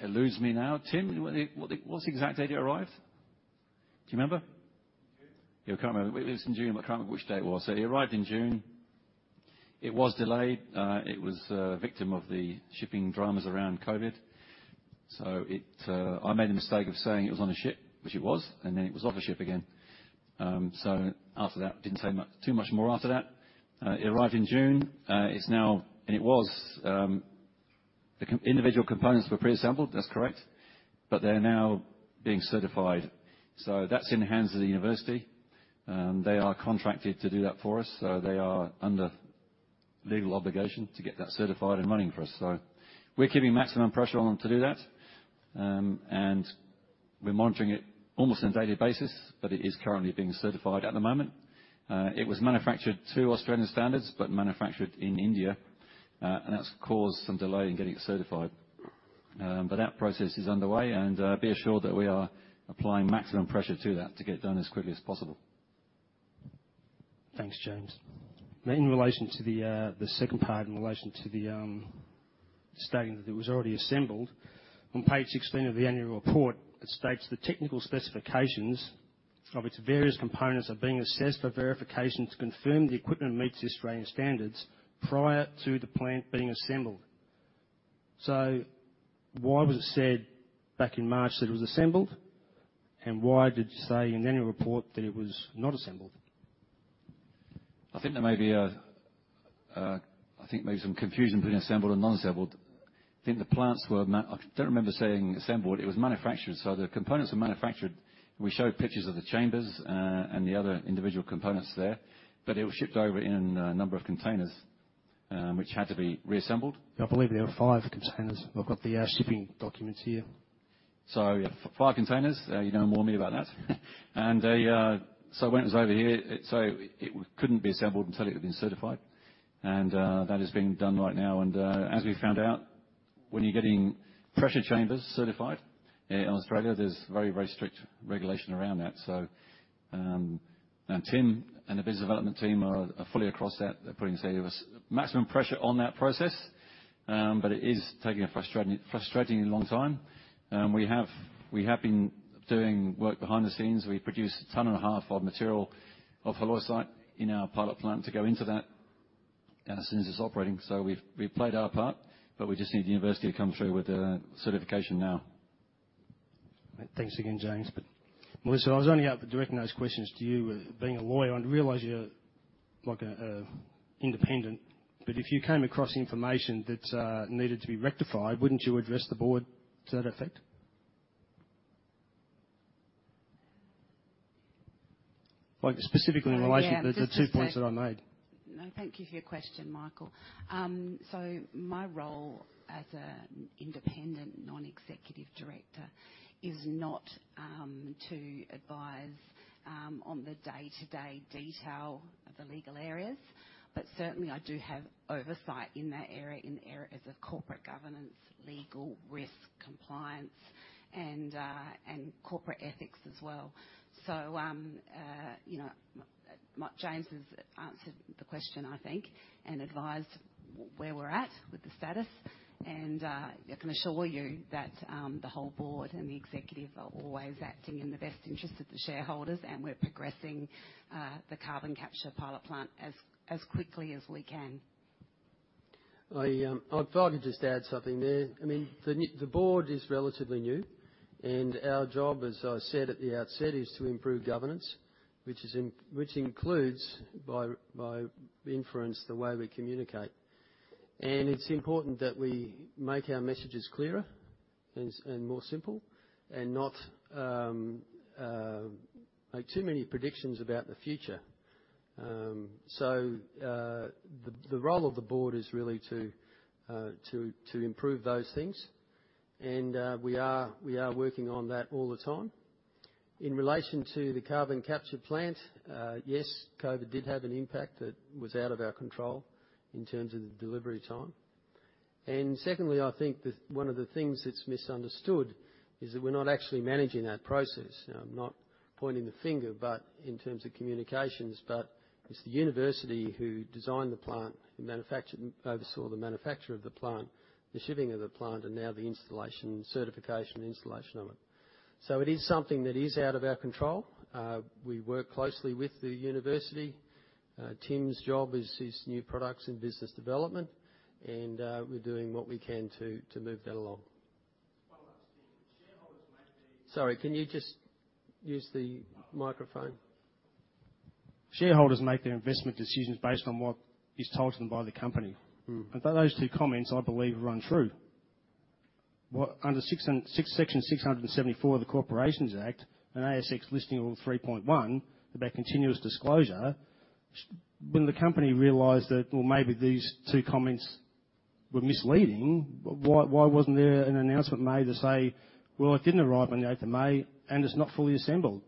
eludes me now. Tim, what's the exact date it arrived? Do you remember? June. Yeah, I can't remember. It was in June, but I can't remember which date it was. It arrived in June. It was delayed. It was a victim of the shipping dramas around COVID. I made the mistake of saying it was on a ship, which it was, and then it was off a ship again. After that, didn't say much, too much more after that. It arrived in June. Individual components were preassembled. That's correct. They're now being certified. That's in the hands of the university. They are contracted to do that for us, so they are under legal obligation to get that certified and running for us. We're keeping maximum pressure on them to do that, and we're monitoring it almost on a daily basis, but it is currently being certified at the moment. It was manufactured to Australian standards, but manufactured in India, and that's caused some delay in getting it certified. That process is underway, and be assured that we are applying maximum pressure to that to get it done as quickly as possible. Thanks, James. Now in relation to the second part, in relation to the stating that it was already assembled. On page 16 of the annual report, it states the technical specifications of its various components are being assessed for verification to confirm the equipment meets the Australian Standards prior to the plant being assembled. Why was it said back in March that it was assembled? Why did you say in the annual report that it was not assembled? I think maybe some confusion between assembled and non-assembled. I don't remember saying assembled. It was manufactured, so the components were manufactured. We showed pictures of the chambers and the other individual components there. It was shipped over in a number of containers which had to be reassembled. Yeah, I believe there were five containers. I've got he shipping documents here. Five containers. You know more me about that. When it was over here, it couldn't be assembled until it had been certified. That is being done right now. As we found out, when you're getting pressure chambers certified in Australia, there's very, very strict regulation around that. Tim and the business development team are fully across that. They're putting, say, it was maximum pressure on that process. It is taking a frustratingly long time. We have been doing work behind the scenes. We produced a ton and a half of material of halloysite in our pilot plant to go into that as soon as it's operating. We've played our part, but we just need the university to come through with the certification now. Thanks again, James. Melissa, I was only able to direct those questions to you. Being a lawyer, I realize you're like an independent, but if you came across information that needed to be rectified, wouldn't you address the board to that effect? Like, specifically in relation. Yeah, just to say. To the two points that I made. No, thank you for your question, Michael. My role as an Independent Non-Executive Director is not to advise on the day-to-day detail of the legal areas, but certainly I do have oversight in that area, in the area as a corporate governance, legal, risk, compliance, and corporate ethics as well. You know, James has answered the question, I think, and advised where we're at with the status. I can assure you that the whole Board and the Executive are always acting in the best interest of the shareholders, and we're progressing the carbon capture pilot plant as quickly as we can. If I could just add something there. I mean, the Board is relatively new, and our job, as I said at the outset, is to improve governance, which includes, by inference, the way we communicate. It's important that we make our messages clearer and more simple and not make too many predictions about the future. The role of the Board is really to improve those things, and we are working on that all the time. In relation to the carbon capture plant, yes, COVID did have an impact that was out of our control in terms of the delivery time. Secondly, I think that one of the things that's misunderstood is that we're not actually managing that process. Now, I'm not pointing the finger, but in terms of communications, but it's the university who designed the plant and manufactured and oversaw the manufacture of the plant, the shipping of the plant, and now the installation, certification and installation of it. It is something that is out of our control. We work closely with the university. Tim's job is new products and business development, and we're doing what we can to move that along. One last thing. Sorry, can you just use the microphone? Shareholders make their investment decisions based on what is told to them by the company. Those two comments, I believe, run through. Under Section 674 of the Corporations Act and ASX Listing Rule 3.1 about continuous disclosure, when the company realized that, "Well, maybe these two comments were misleading," why wasn't there an announcement made to say, "Well, it didn't arrive on the eighth of May, and it's not fully assembled"?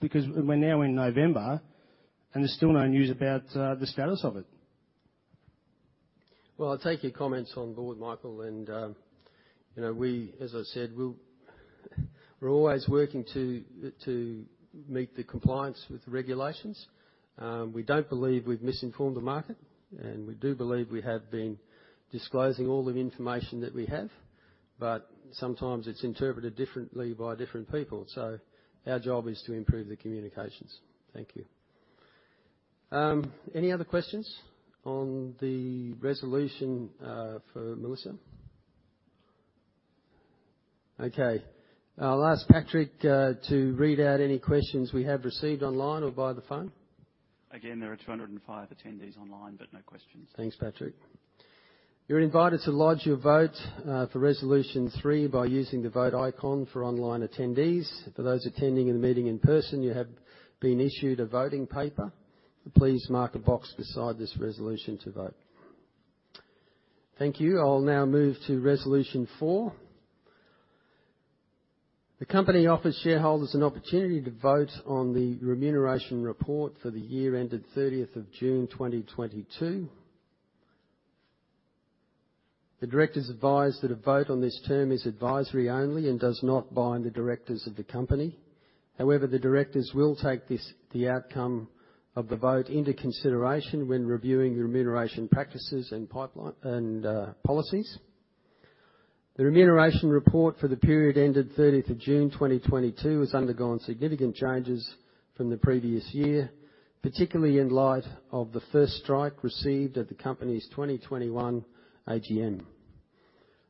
Because we're now in November, and there's still no news about the status of it. Well, I'll take your comments on board, Michael, and you know, we, as I said, we're always working to meet the compliance with the regulations. We don't believe we've misinformed the market, and we do believe we have been disclosing all the information that we have. Sometimes it's interpreted differently by different people, so our job is to improve the communications. Thank you. Any other questions on the resolution for Melissa? Okay. I'll ask Patrick to read out any questions we have received online or via the phone. Again, there are 205 attendees online, but no questions. Thanks, Patrick. You're invited to lodge your vote for Resolution three by using the Vote icon for online attendees. For those attending the meeting in person, you have been issued a voting paper. Please mark a box beside this resolution to vote. Thank you. I'll now move to Resolution four. The company offers shareholders an opportunity to vote on the remuneration report for the year ended 30th of June 2022. The directors advise that a vote on this term is advisory only and does not bind the directors of the company. However, the directors will take the outcome of the vote into consideration when reviewing the remuneration practices and policies. The remuneration report for the period ended 30th of June 2022 has undergone significant changes from the previous year, particularly in light of the first strike received at the company's 2021 AGM.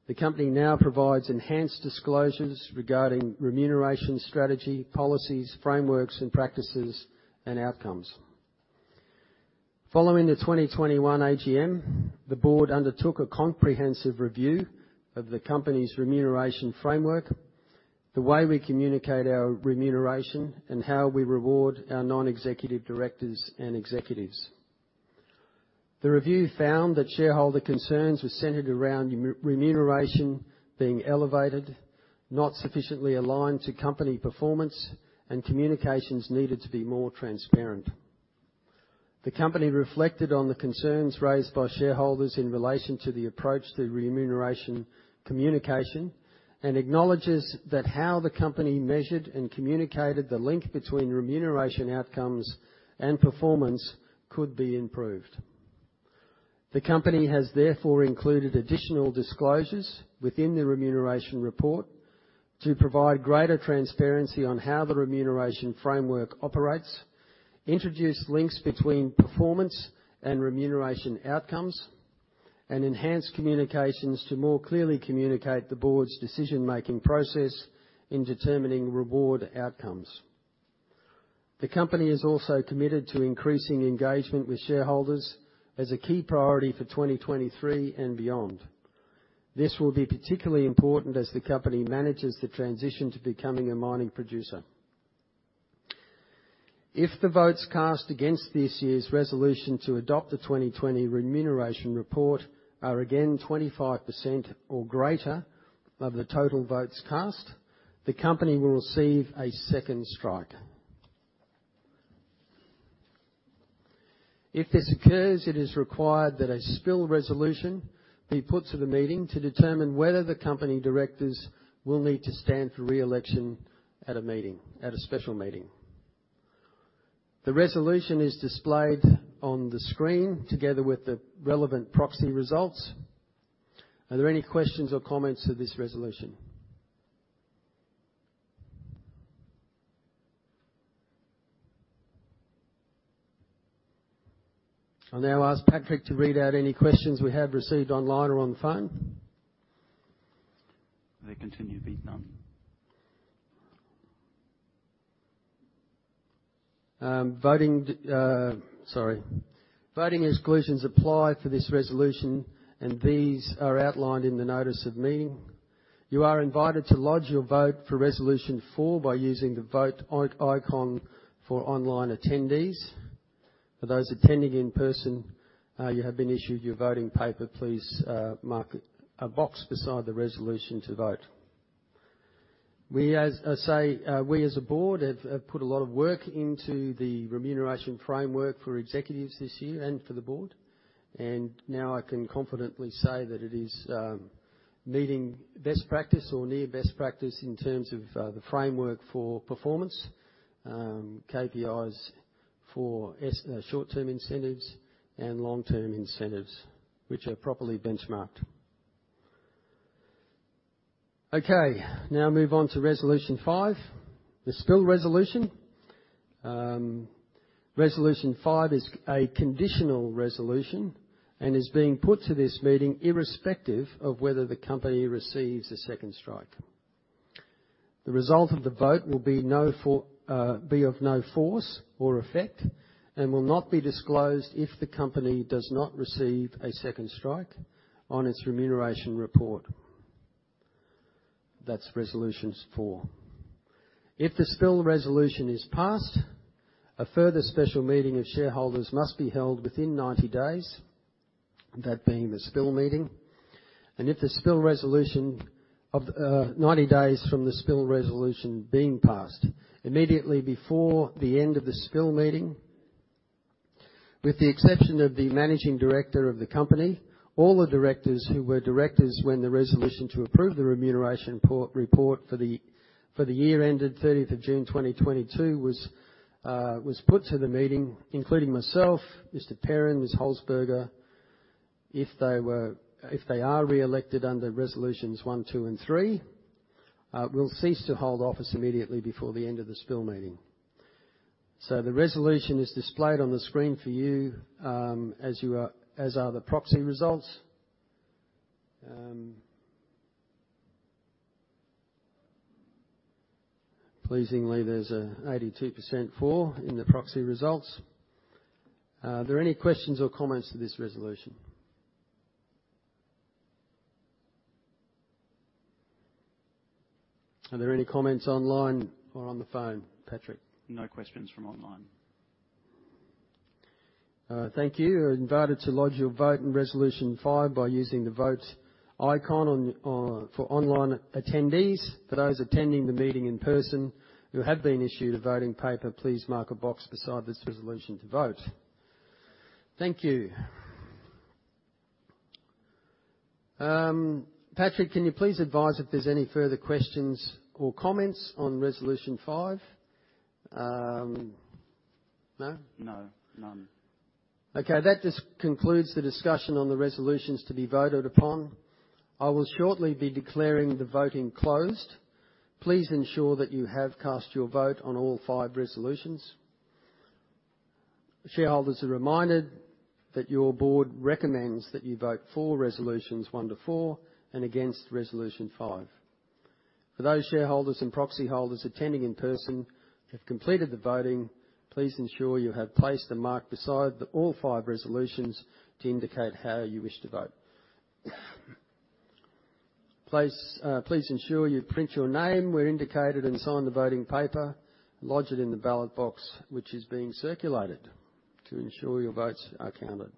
The company now provides enhanced disclosures regarding remuneration strategy, policies, frameworks, and practices and outcomes. Following the 2021 AGM, the board undertook a comprehensive review of the company's remuneration framework, the way we communicate our remuneration, and how we reward our non-executive directors and executives. The review found that shareholder concerns were centered around remuneration being elevated, not sufficiently aligned to company performance, and communications needed to be more transparent. The company reflected on the concerns raised by shareholders in relation to the approach to remuneration communication and acknowledges that how the company measured and communicated the link between remuneration outcomes and performance could be improved. The company has therefore included additional disclosures within the remuneration report to provide greater transparency on how the remuneration framework operates, introduce links between performance and remuneration outcomes, and enhance communications to more clearly communicate the board's decision-making process in determining reward outcomes. The company is also committed to increasing engagement with shareholders as a key priority for 2023 and beyond. This will be particularly important as the company manages the transition to becoming a mining producer. If the votes cast against this year's resolution to adopt the 2020 remuneration report are again 25% or greater of the total votes cast, the company will receive a second strike. If this occurs, it is required that a spill resolution be put to the meeting to determine whether the company directors will need to stand for re-election at a special meeting. The resolution is displayed on the screen together with the relevant proxy results. Are there any questions or comments to this resolution? I'll now ask Patrick to read out any questions we have received online or on the phone. They continue to be none. Voting exclusions apply for this resolution, and these are outlined in the notice of meeting. You are invited to lodge your vote for Resolution four by using the vote icon for online attendees. For those attending in person, you have been issued your voting paper. Please mark a box beside the resolution to vote. We as a board have put a lot of work into the remuneration framework for executives this year and for the board. Now I can confidently say that it is meeting best practice or near best practice in terms of the framework for performance, KPIs for short-term incentives and long-term incentives, which are properly benchmarked. Okay, now move on to Resolution five, the spill resolution. Resolution five is a conditional resolution and is being put to this meeting irrespective of whether the company receives a second strike. The result of the vote will be of no force or effect and will not be disclosed if the company does not receive a second strike on its remuneration report. That's Resolution four. If the spill resolution is passed, a further special meeting of shareholders must be held within 90 days, that being the spill meeting. If the spill resolution of 90 days from the spill resolution being passed, immediately before the end of the spill meeting. With the exception of the Managing Director of the company, all the directors who were directors when the resolution to approve the remuneration report for the year ended 30th of June 2022 was put to the meeting, including myself, Mr. Perrin, Ms. Holzberger, if they are reelected under resolutions one, two, and three, will cease to hold office immediately before the end of the spill meeting. The resolution is displayed on the screen for you, as are the proxy results. Pleasingly, there's a 82% for in the proxy results. Are there any questions or comments to this resolution? Are there any comments online or on the phone, Patrick? No questions from online. Thank you. You're invited to lodge your vote in Resolution five by using the vote icon for online attendees. For those attending the meeting in person who have been issued a voting paper, please mark a box beside this resolution to vote. Thank you. Patrick, can you please advise if there's any further questions or comments on Resolution five? No? No, none. That just concludes the discussion on the resolutions to be voted upon. I will shortly be declaring the voting closed. Please ensure that you have cast your vote on all five resolutions. Shareholders are reminded that your board recommends that you vote for resolutions one to four and against resolution five. For those shareholders and proxy holders attending in person who have completed the voting, please ensure you have placed a mark beside all five resolutions to indicate how you wish to vote. Please ensure you print your name where indicated and sign the voting paper. Lodge it in the ballot box, which is being circulated to ensure your votes are counted.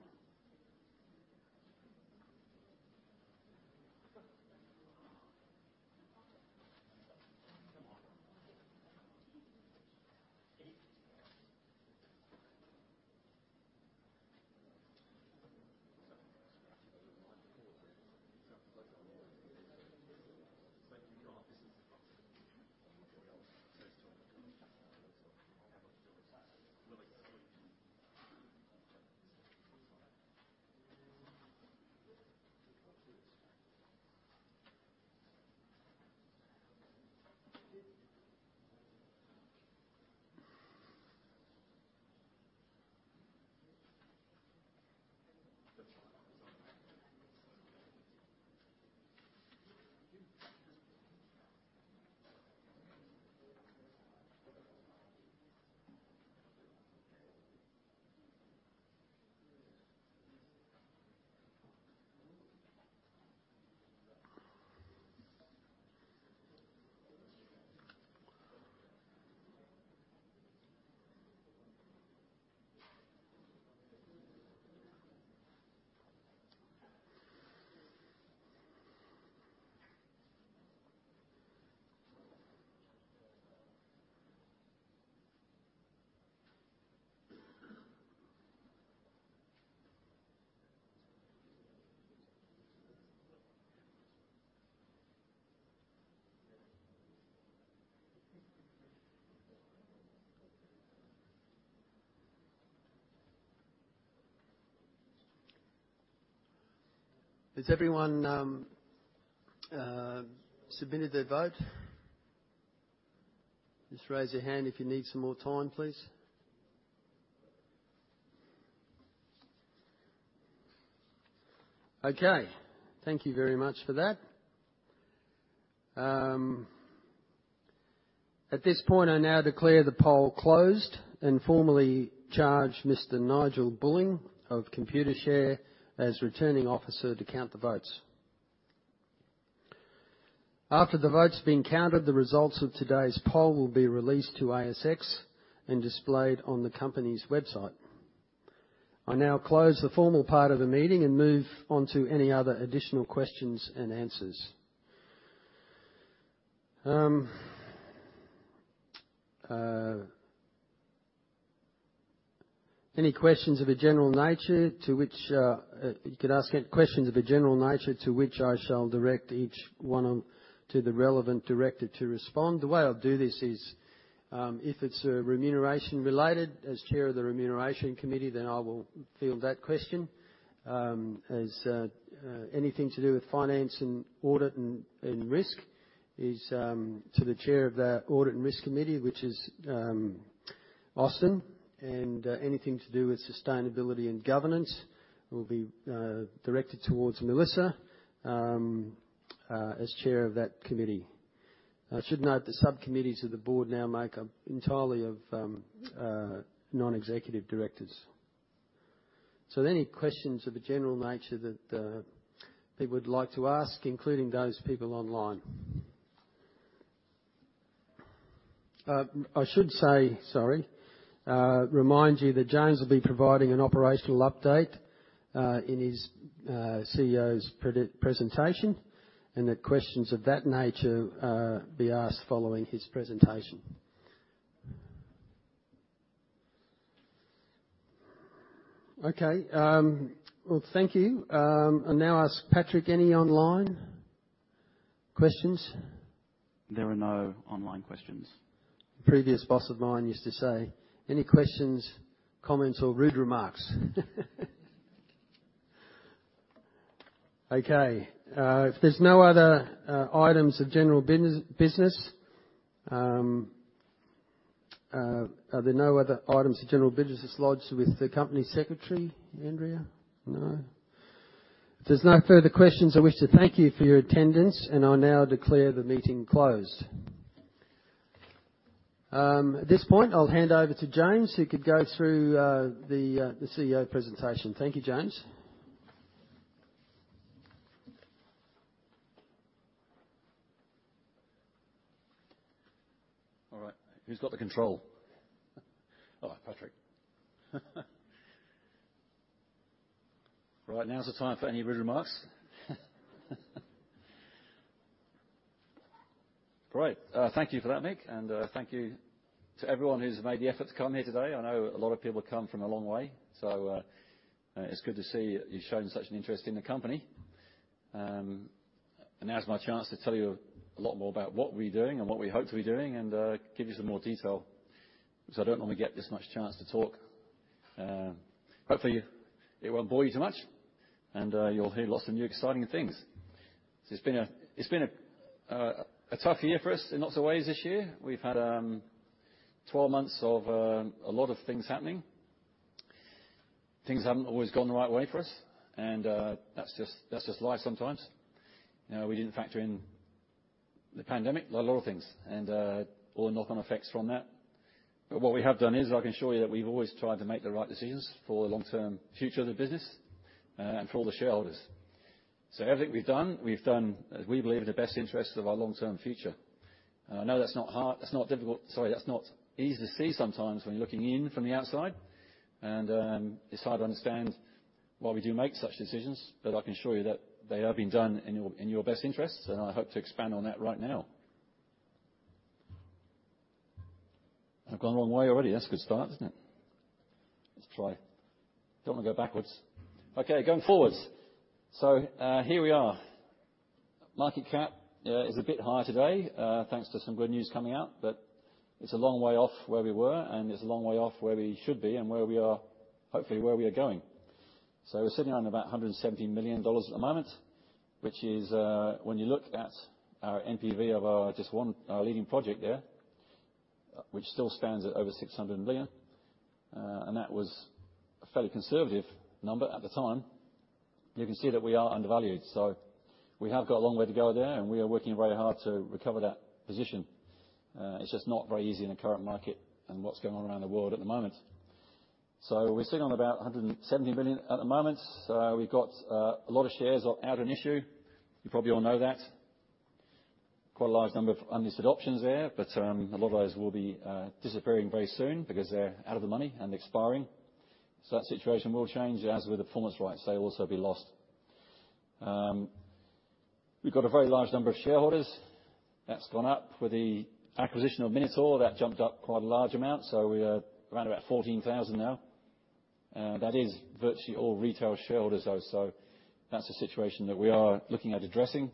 Has everyone submitted their vote? Just raise your hand if you need some more time, please. Okay. Thank you very much for that. At this point, I now declare the poll closed and formally charge Mr. Nigel Bulling of Computershare as Returning Officer to count the votes. After the votes have been counted, the results of today's poll will be released to ASX and displayed on the company's website. I now close the formal part of the meeting and move on to any other additional questions and answers. You could ask any questions of a general nature to which I shall direct each one of to the relevant director to respond. The way I'll do this is if it's remuneration related, as Chair of the Remuneration Committee, then I will field that question. Anything to do with finance and audit and risk is to the Chair of that Audit and Risk Committee, which is Austen. Anything to do with sustainability and governance will be directed towards Melissa as Chair of that committee. I should note the subcommittees of the board now make up entirely of non-executive directors. Any questions of a general nature that people would like to ask, including those people online? I should remind you that James will be providing an operational update in his CEO's presentation, and that questions of that nature be asked following his presentation. Okay. Well, thank you. I now ask Patrick, any online questions? There are no online questions. Previous boss of mine used to say, any questions, comments, or rude remarks? Okay. If there's no other items of general business, are there no other items of general business lodged with the Company Secretary, Andrea? No. If there's no further questions, I wish to thank you for your attendance, and I now declare the meeting closed. At this point, I'll hand over to James, who could go through the CEO presentation. Thank you, James. All right. Who's got the control? Oh, Patrick. Right. Now is the time for any rude remarks. Great. Thank you for that, Mick, and thank you to everyone who's made the effort to come here today. I know a lot of people have come from a long way. It's good to see you showing such an interest in the company. Now is my chance to tell you a lot more about what we're doing and what we hope to be doing and give you some more detail 'cause I don't normally get this much chance to talk. Hopefully it won't bore you too much and you'll hear lots of new exciting things. It's been a tough year for us in lots of ways this year. We've had 12 months of a lot of things happening. Things haven't always gone the right way for us and that's just life sometimes. We didn't factor in the pandemic, like a lot of things, and all the knock-on effects from that. What we have done is, I can assure you that we've always tried to make the right decisions for the long-term future of the business and for all the shareholders. Everything we've done, we believe in the best interest of our long-term future. I know that's not easy to see sometimes when you're looking in from the outside and it's hard to understand why we do make such decisions. I can assure you that they have been done in your best interests, and I hope to expand on that right now. I've gone a long way already. That's a good start, isn't it? Let's try. Don't wanna go backwards. Okay, going forwards. Here we are. Market cap is a bit higher today thanks to some good news coming out, but it's a long way off where we were, and it's a long way off where we should be and where we are, hopefully where we are going. We're sitting on about 170 million dollars at the moment, which is when you look at our NPV of our leading project there, which still stands at over 600 million, and that was a fairly conservative number at the time. You can see that we are undervalued. We have got a long way to go there, and we are working very hard to recover that position. It's just not very easy in the current market and what's going on around the world at the moment. We're sitting on about 170 million at the moment. We've got a lot of shares out on issue. You probably all know that. Quite a large number of unlisted options there, but a lot of those will be disappearing very soon because they're out of the money and expiring. That situation will change, as with the performance rights, they'll also be lost. We've got a very large number of shareholders. That's gone up. With the acquisition of Minotaur, that jumped up quite a large amount. We are around about 14,000 now. That is virtually all retail shareholders though, so that's a situation that we are looking at addressing.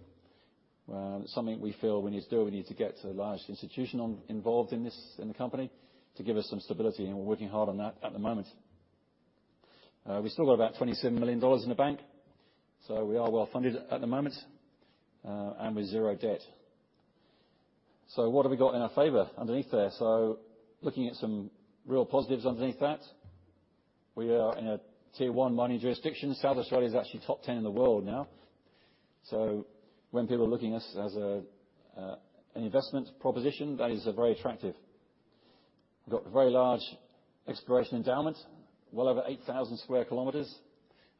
Something we feel we need to do, we need to get to the large institutional involved in the company to give us some stability, and we're working hard on that at the moment. We've still got about 27 million dollars in the bank. We are well funded at the moment and with zero debt. What have we got in our favor underneath there? Looking at some real positives underneath that. We are in a tier one mining jurisdiction. South Australia is actually top 10 in the world now. When people are looking at us as an investment proposition, that is very attractive. We've got very large exploration endowment, well over 8,000 sq km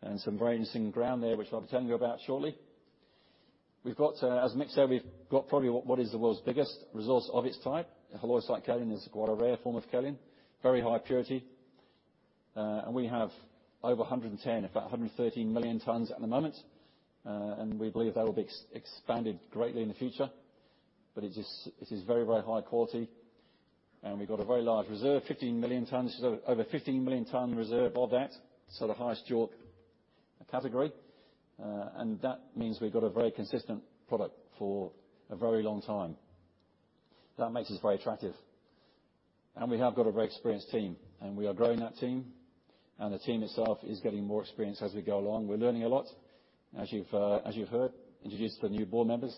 and some very interesting ground there, which I'll be telling you about shortly. We've got, as Mick said, we've got probably what is the world's biggest resource of its type. Halloysite-kaolin is quite a rare form of kaolin, very high purity. We have over 110, about 113 million tons at the moment. We believe that'll be expanded greatly in the future. It is very high quality. We've got a very large reserve, 15 million tons. Over 15 million ton reserve of that. The highest JORC category. That means we've got a very consistent product for a very long time. That makes us very attractive. We have got a very experienced team, and we are growing that team. The team itself is getting more experienced as we go along. We're learning a lot. As you heard, introduced to the new board members.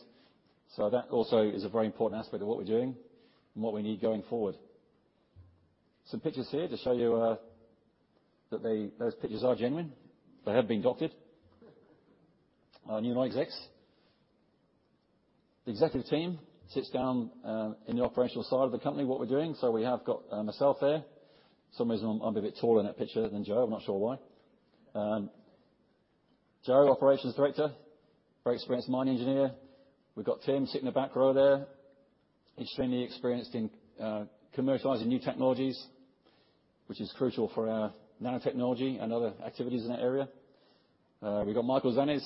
That also is a very important aspect of what we're doing and what we need going forward. Some pictures here to show you, those pictures are genuine. They have been doctored. Our new execs. The executive team sits down in the operational side of the company, what we're doing. We have got myself there. For some reason, I'm a bit taller in that picture than Joe. I'm not sure why. Joe, Operations Director, very experienced mining engineer. We've got Tim sitting in the back row there. Extremely experienced in commercializing new technologies, which is crucial for our nanotechnology and other activities in that area. We've got Michael Zanis,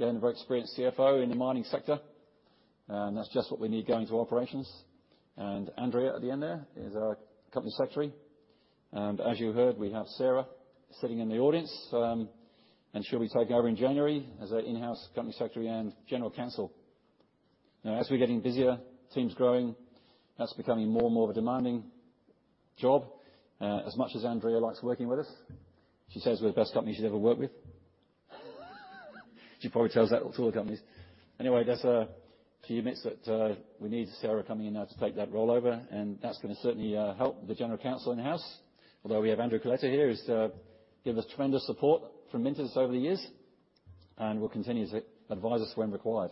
again, a very experienced CFO in the mining sector, and that's just what we need going to operations. Andrea at the end there is our Company Secretary. As you heard, we have Sarah sitting in the audience. She'll be taking over in January as our in-house Company Secretary and General Counsel. Now, as we're getting busier, team's growing, that's becoming more and more of a demanding job. As much as Andrea likes working with us, she says we're the best company she's ever worked with. She probably tells that to all the companies. Anyway, she admits that we need Sarah coming in now to take that role over, and that's gonna certainly help the General Counsel in-house. Although we have Andrew Corletto here, who's give us tremendous support from MinterEllison over the years and will continue to advise us when required.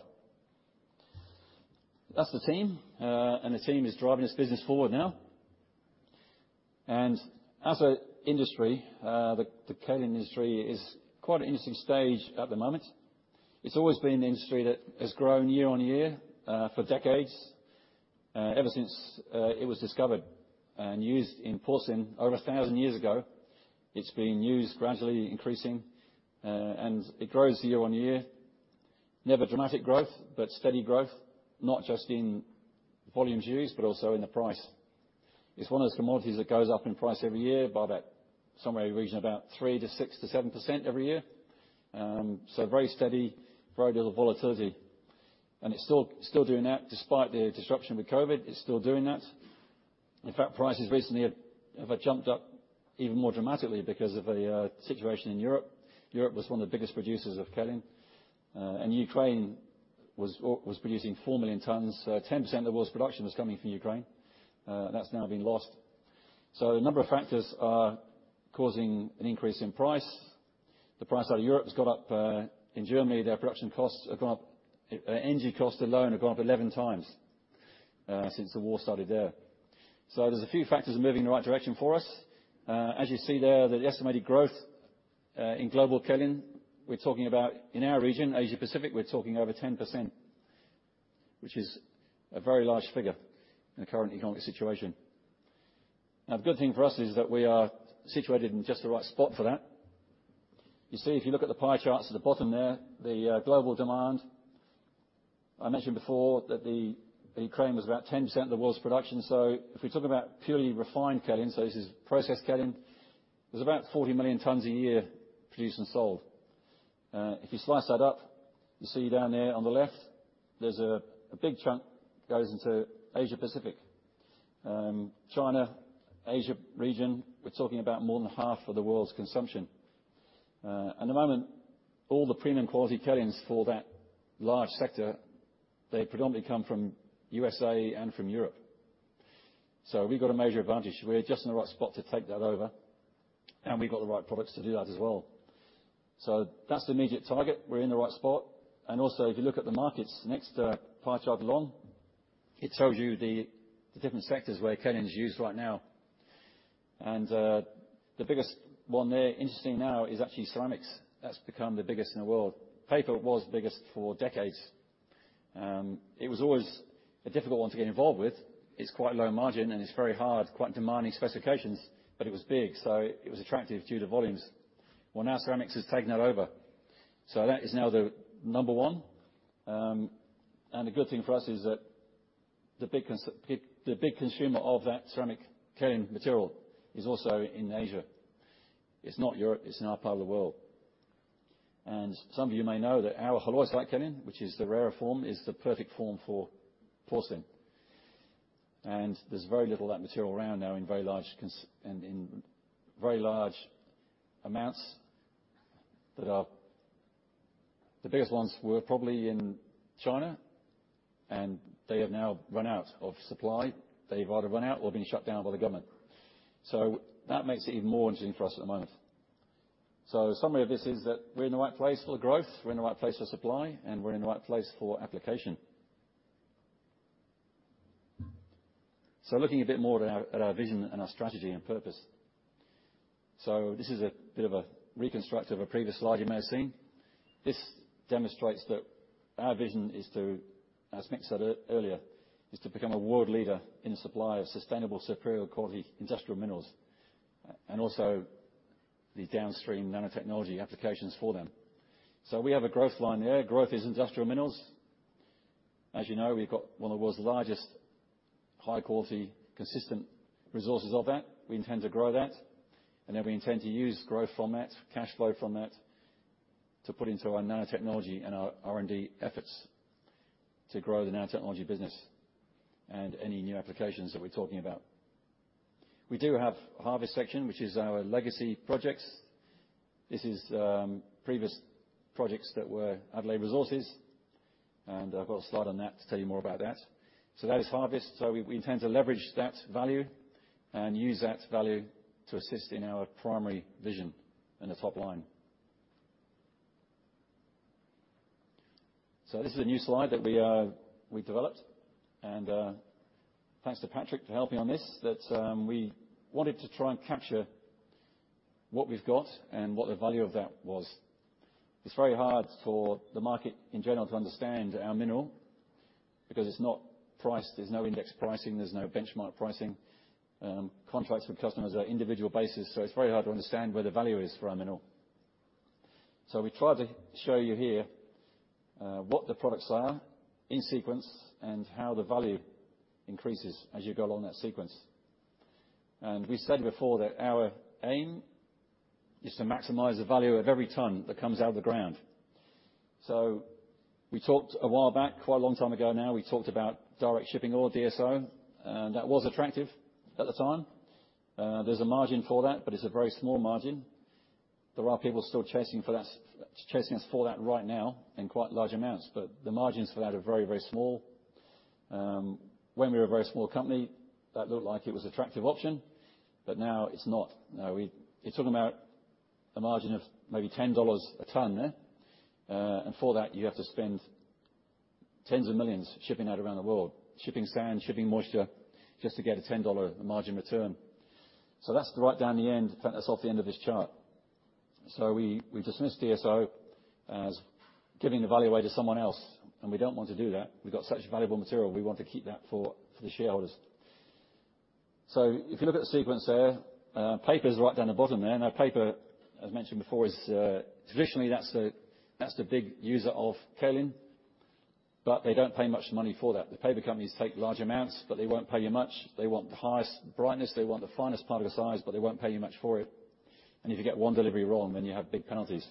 That's the team, and the team is driving this business forward now. As an industry, the kaolin industry is quite an interesting stage at the moment. It's always been an industry that has grown year-on-year for decades, ever since it was discovered and used in porcelain over 1,000 years ago. It's been used, gradually increasing, and it grows year-on-year. Never dramatic growth, but steady growth, not just in volumes used, but also in the price. It's one of those commodities that goes up in price every year by about somewhere in the region about 3%-6%-7% every year. Very steady, very little volatility. It's still doing that despite the disruption with COVID. It's still doing that. In fact, prices recently have jumped up even more dramatically because of a situation in Europe. Europe was one of the biggest producers of kaolin. Ukraine was producing 4 million tons. 10% of the world's production was coming from Ukraine. That's now been lost. A number of factors are causing an increase in price. The price out of Europe has gone up. In Germany, their production costs have gone up. Energy costs alone have gone up 11 times since the war started there. There's a few factors moving in the right direction for us. As you see there, the estimated growth in global kaolin, we're talking about in our region, Asia-Pacific, we're talking over 10%, which is a very large figure in the current economic situation. Now, the good thing for us is that we are situated in just the right spot for that. You see, if you look at the pie charts at the bottom there, the global demand. I mentioned before that the Ukraine was about 10% of the world's production. If we talk about purely refined kaolin, so this is processed kaolin, there's about 40 million tons a year produced and sold. If you slice that up, you see down there on the left, there's a big chunk goes into Asia-Pacific. China, Asia region, we're talking about more than half of the world's consumption. At the moment, all the premium quality kaolins for that large sector, they predominantly come from USA and from Europe. We've got a major advantage. We're just in the right spot to take that over, and we've got the right products to do that as well. That's the immediate target. We're in the right spot. Also, if you look at the markets next to pie chart along, it shows you the different sectors where kaolin is used right now. The biggest one there interesting now is actually ceramics. That's become the biggest in the world. Paper was the biggest for decades. It was always a difficult one to get involved with. It's quite low margin, and it's very hard, quite demanding specifications, but it was big, so it was attractive due to volumes. Well, now ceramics has taken that over. That is now the number one. The good thing for us is that the big consumer of that ceramic kaolin material is also in Asia. It's not Europe, it's in our part of the world. Some of you may know that our halloysite-kaolin, which is the rarer form, is the perfect form for porcelain. There's very little of that material around now in very large amounts that are. The biggest ones were probably in China, and they have now run out of supply. They've either run out or been shut down by the government. That makes it even more interesting for us at the moment. Summary of this is that we're in the right place for growth, we're in the right place for supply, and we're in the right place for application. Looking a bit more at our vision and our strategy and purpose. This is a bit of a reconstruct of a previous slide you may have seen. This demonstrates that our vision is to, as Mick said earlier, is to become a world leader in the supply of sustainable, superior quality industrial minerals and also the downstream nanotechnology applications for them. We have a growth line there. Growth is industrial minerals. As you know, we've got one of the world's largest high-quality, consistent resources of that. We intend to grow that, and then we intend to use growth from that, cash flow from that, to put into our nanotechnology and our R&D efforts to grow the nanotechnology business and any new applications that we're talking about. We do have a harvest section, which is our legacy projects. This is previous projects that were Adelaide Resources, and I've got a slide on that to tell you more about that. That is harvest. We intend to leverage that value and use that value to assist in our primary vision in the top line. This is a new slide that we developed. Thanks to Patrick for helping on this. We wanted to try and capture what we've got and what the value of that was. It's very hard for the market in general to understand our mineral because it's not priced. There's no index pricing. There's no benchmark pricing. Contracts with customers are individual basis, so it's very hard to understand where the value is for our mineral. We tried to show you here what the products are in sequence and how the value increases as you go along that sequence. We said before that our aim is to maximize the value of every ton that comes out of the ground. We talked a while back, quite a long time ago now, we talked about direct shipping ore, DSO. That was attractive at the time. There's a margin for that, but it's a very small margin. There are people still chasing us for that right now in quite large amounts, but the margins for that are very, very small. When we were a very small company, that looked like it was attractive option, but now it's not. You're talking about a margin of maybe 10 dollars a ton there. For that, you have to spend AUD 10s of millions shipping that around the world, shipping sand, shipping moisture just to get a 10 dollar margin return. That's right down the end. In fact, that's off the end of this chart. We've dismissed DSO as giving the value away to someone else, and we don't want to do that. We've got such valuable material. We want to keep that for the shareholders. If you look at the sequence there, paper's right down the bottom there. Now paper, as mentioned before, is traditionally, that's the big user of kaolin, but they don't pay much money for that. The paper companies take large amounts, but they won't pay you much. They want the highest brightness, they want the finest particle size, but they won't pay you much for it. If you get one delivery wrong, then you have big penalties.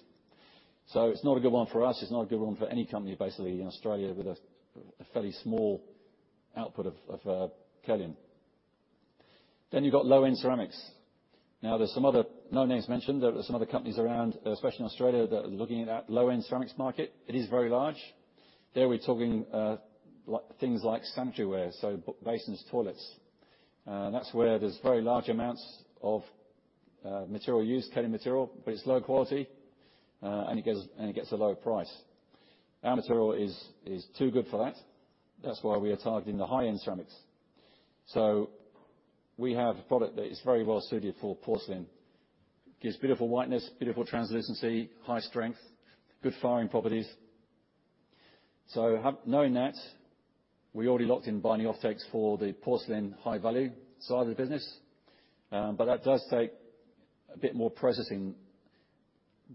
It's not a good one for us. It's not a good one for any company, basically, in Australia with a fairly small output of kaolin. You've got low-end ceramics. No names mentioned, there are some other companies around, especially in Australia that are looking at that low-end ceramics market. It is very large. There, we're talking like things like sanitary ware, basins, toilets. That's where there's very large amounts of material used, kaolin material, but it's low quality and it gets a low price. Our material is too good for that. That's why we are targeting the high-end ceramics. We have a product that is very well suited for porcelain. Gives beautiful whiteness, beautiful translucency, high strength, good firing properties. Knowing that, we already locked in binding offtakes for the porcelain high-value side of the business. That does take a bit more processing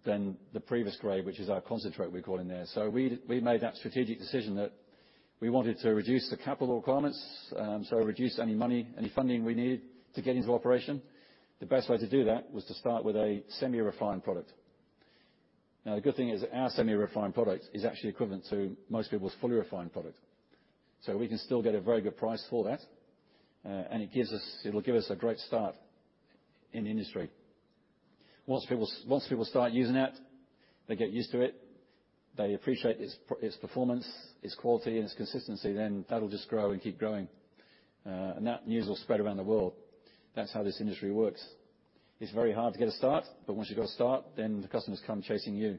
than the previous grade, which is our concentrate we've got in there. We made that strategic decision that we wanted to reduce the capital requirements, so reduce any money, any funding we need to get into operation. The best way to do that was to start with a semi-refined product. Now, the good thing is our semi-refined product is actually equivalent to most people's fully refined product. We can still get a very good price for that. It'll give us a great start in the industry. Once people start using that, they get used to it, they appreciate its performance, its quality and its consistency, then that'll just grow and keep growing. That news will spread around the world. That's how this industry works. It's very hard to get a start, but once you've got a start, then the customers come chasing you.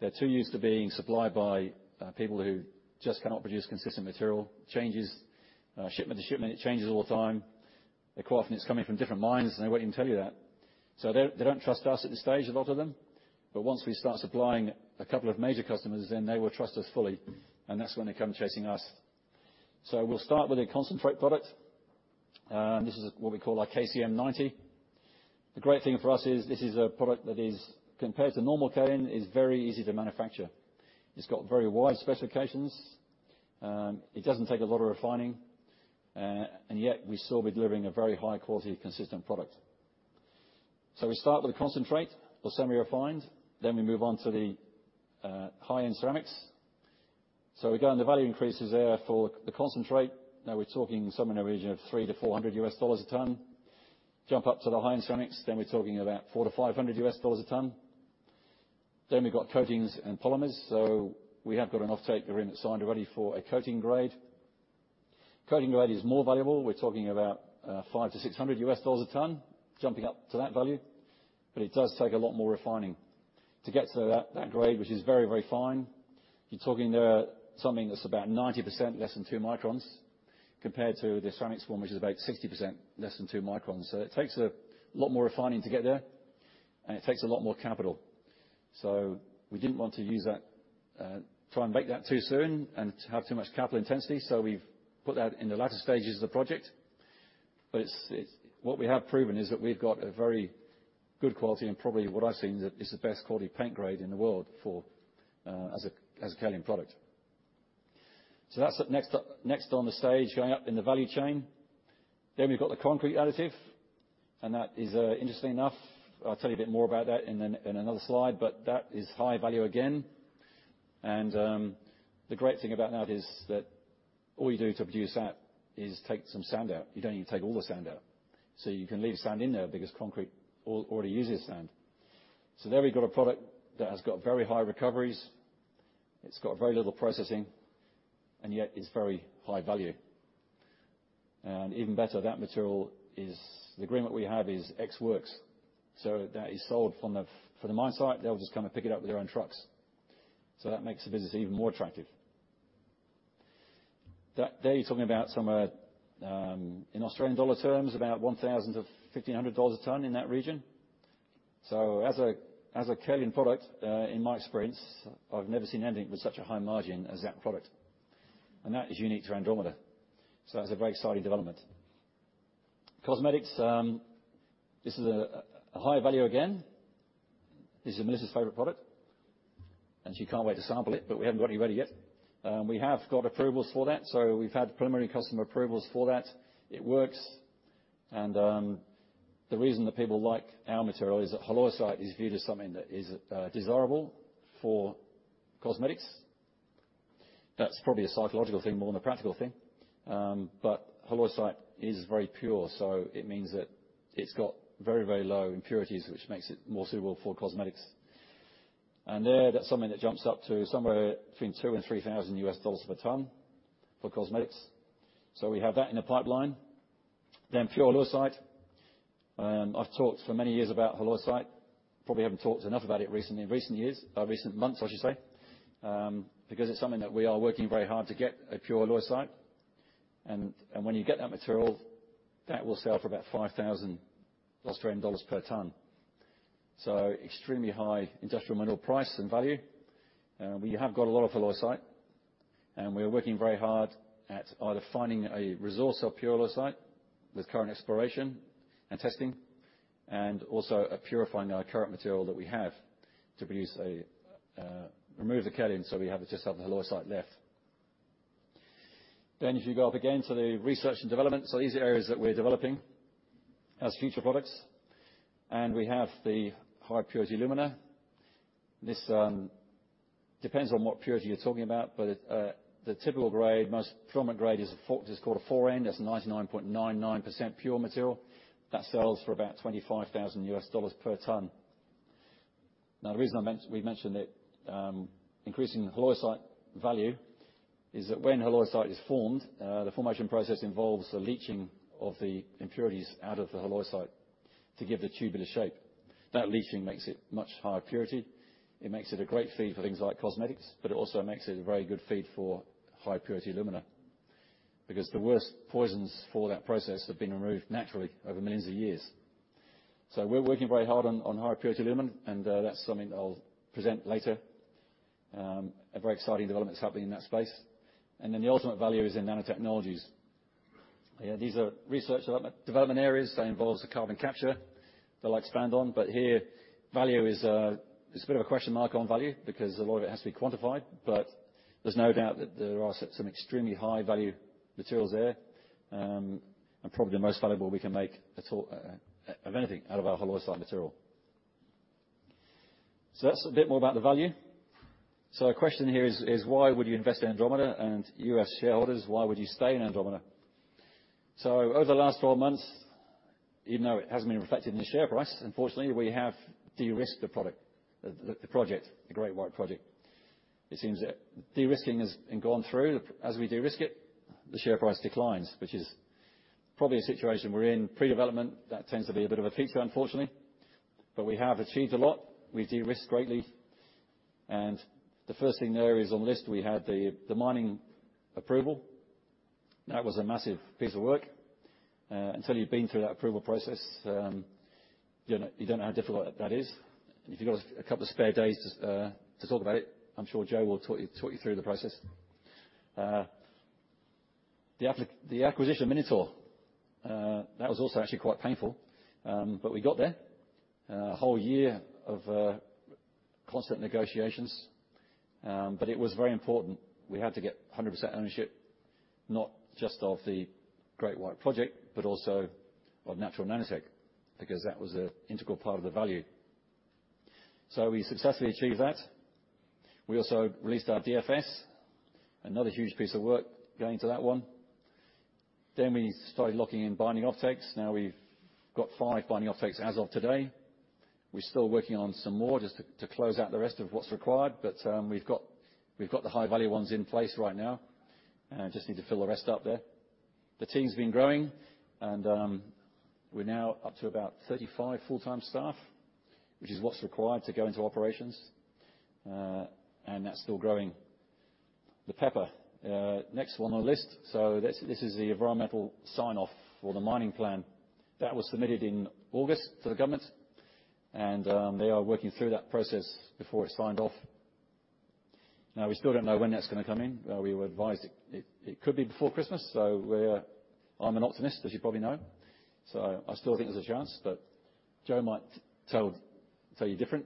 They're too used to being supplied by people who just cannot produce consistent material. Changes shipment to shipment, it changes all the time. Quite often it's coming from different mines, and they won't even tell you that. They don't trust us at this stage, a lot of them. Once we start supplying a couple of major customers, then they will trust us fully, and that's when they come chasing us. We'll start with a concentrate product. This is what we call our KCM 90. The great thing for us is this is a product that is, compared to normal kaolin, is very easy to manufacture. It's got very wide specifications. It doesn't take a lot of refining, and yet we're still delivering a very high quality, consistent product. We start with a concentrate or semi-refined, then we move on to the high-end ceramics. We go on the value increases there for the concentrate. Now we're talking somewhere in the region of $300-$400 a ton. Jump up to the high ceramics, then we're talking about $400-$500 a ton. We've got coatings and polymers. We have got an offtake agreement signed already for a coating grade. Coating grade is more valuable. We're talking about $500-$600 a ton jumping up to that value. It does take a lot more refining to get to that grade, which is very, very fine. You're talking there something that's about 90% less than 2 microns compared to the ceramics one, which is about 60% less than 2 microns. It takes a lot more refining to get there, and it takes a lot more capital. We didn't want to try and make that too soon and to have too much capital intensity, so we've put that in the latter stages of the project. What we have proven is that we've got a very good quality and probably what I've seen is the best quality paint grade in the world as a kaolin product. That's what next up, next on the stage, going up in the value chain. We've got the concrete additive, and that is interesting enough. I'll tell you a bit more about that in another slide, but that is high value again. The great thing about that is that all you do to produce that is take some sand out. You don't need to take all the sand out. You can leave sand in there because concrete already uses sand. There we've got a product that has got very high recoveries, it's got very little processing, and yet is very high value. Even better, the agreement we have is Ex Works. That is sold from the mine site. They'll just come and pick it up with their own trucks. That makes the business even more attractive. There you're talking about somewhere in Australian dollar terms, about 1,000-1,500 dollars a ton in that region. As a kaolin product in my experience, I've never seen anything with such a high margin as that product. That is unique to Andromeda. That's a very exciting development. Cosmetics, this is a high value again. This is Melissa's favorite product, and she can't wait to sample it, but we haven't got any ready yet. We have got approvals for that. We've had preliminary customer approvals for that. It works. The reason that people like our material is that halloysite is viewed as something that is desirable for cosmetics. That's probably a psychological thing more than a practical thing. Halloysite is very pure, so it means that it's got very, very low impurities, which makes it more suitable for cosmetics. There, that's something that jumps up to somewhere between $2,000 and $3,000 per ton for cosmetics. We have that in the pipeline. Pure halloysite. I've talked for many years about halloysite. Probably haven't talked enough about it recently, in recent years, recent months, I should say. Because it's something that we are working very hard to get a pure halloysite. When you get that material, that will sell for about 5,000 Australian dollars per ton. Extremely high industrial mineral price and value. We have got a lot of halloysite, and we are working very hard at either finding a resource of pure halloysite with current exploration and testing, and also at purifying our current material that we have to remove the kaolin, so we just have the halloysite left. If you go up again to the research and development. These are areas that we're developing as future products, and we have the high purity alumina. This depends on what purity you're talking about, but the typical grade, most prominent grade is a four. It is called a 4N. That's 99.99% pure material. That sells for about $25 thousand per ton. Now, the reason we mentioned it, increasing the halloysite value, is that when halloysite is formed, the formation process involves the leaching of the impurities out of the halloysite to give the tubular shape. That leaching makes it much higher purity. It makes it a great feed for things like cosmetics, but it also makes it a very good feed for high purity alumina. Because the worst poisons for that process have been removed naturally over millions of years. We're working very hard on high purity alumina, and that's something I'll present later. A very exciting development is happening in that space. The ultimate value is in nanotechnologies. Yeah, these are research development areas that involves the carbon capture that I'll expand on. Here, value is a bit of a question mark on value because a lot of it has to be quantified. There's no doubt that there are some extremely high value materials there. Probably the most valuable we can make at all of anything out of our halloysite material. That's a bit more about the value. Our question here is why would you invest in Andromeda, and you as shareholders, why would you stay in Andromeda? Over the last 12 months, even though it hasn't been reflected in the share price, unfortunately, we have de-risked the Great White Project. It seems that de-risking has been gone through. As we de-risk it, the share price declines, which is probably a situation we're in. Pre-development, that tends to be a bit of a feature, unfortunately. We have achieved a lot. We de-risked greatly. The first thing there is on the list, we had the mining approval. That was a massive piece of work. Until you've been through that approval process, you know, you don't know how difficult that is. If you've got a couple of spare days to talk about it, I'm sure Joe will talk you through the process. The acquisition of Minotaur, that was also actually quite painful, but we got there. A whole year of constant negotiations, but it was very important. We had to get 100% ownership, not just of the Great White Project, but also of Natural Nanotech, because that was an integral part of the value. We successfully achieved that. We also released our DFS, another huge piece of work going to that one. We started locking in binding offtakes. Now we've got five binding offtakes as of today. We're still working on some more just to close out the rest of what's required. We've got the high value ones in place right now, just need to fill the rest up there. The team's been growing and we're now up to about 35 full-time staff, which is what's required to go into operations, and that's still growing. The PEPR, next one on the list. This is the environmental sign-off for the mining plan. That was submitted in August to the government, and they are working through that process before it's signed off. Now, we still don't know when that's gonna come in. We were advised it could be before Christmas. I'm an optimist, as you probably know, so I still think there's a chance, but Joe might tell you different.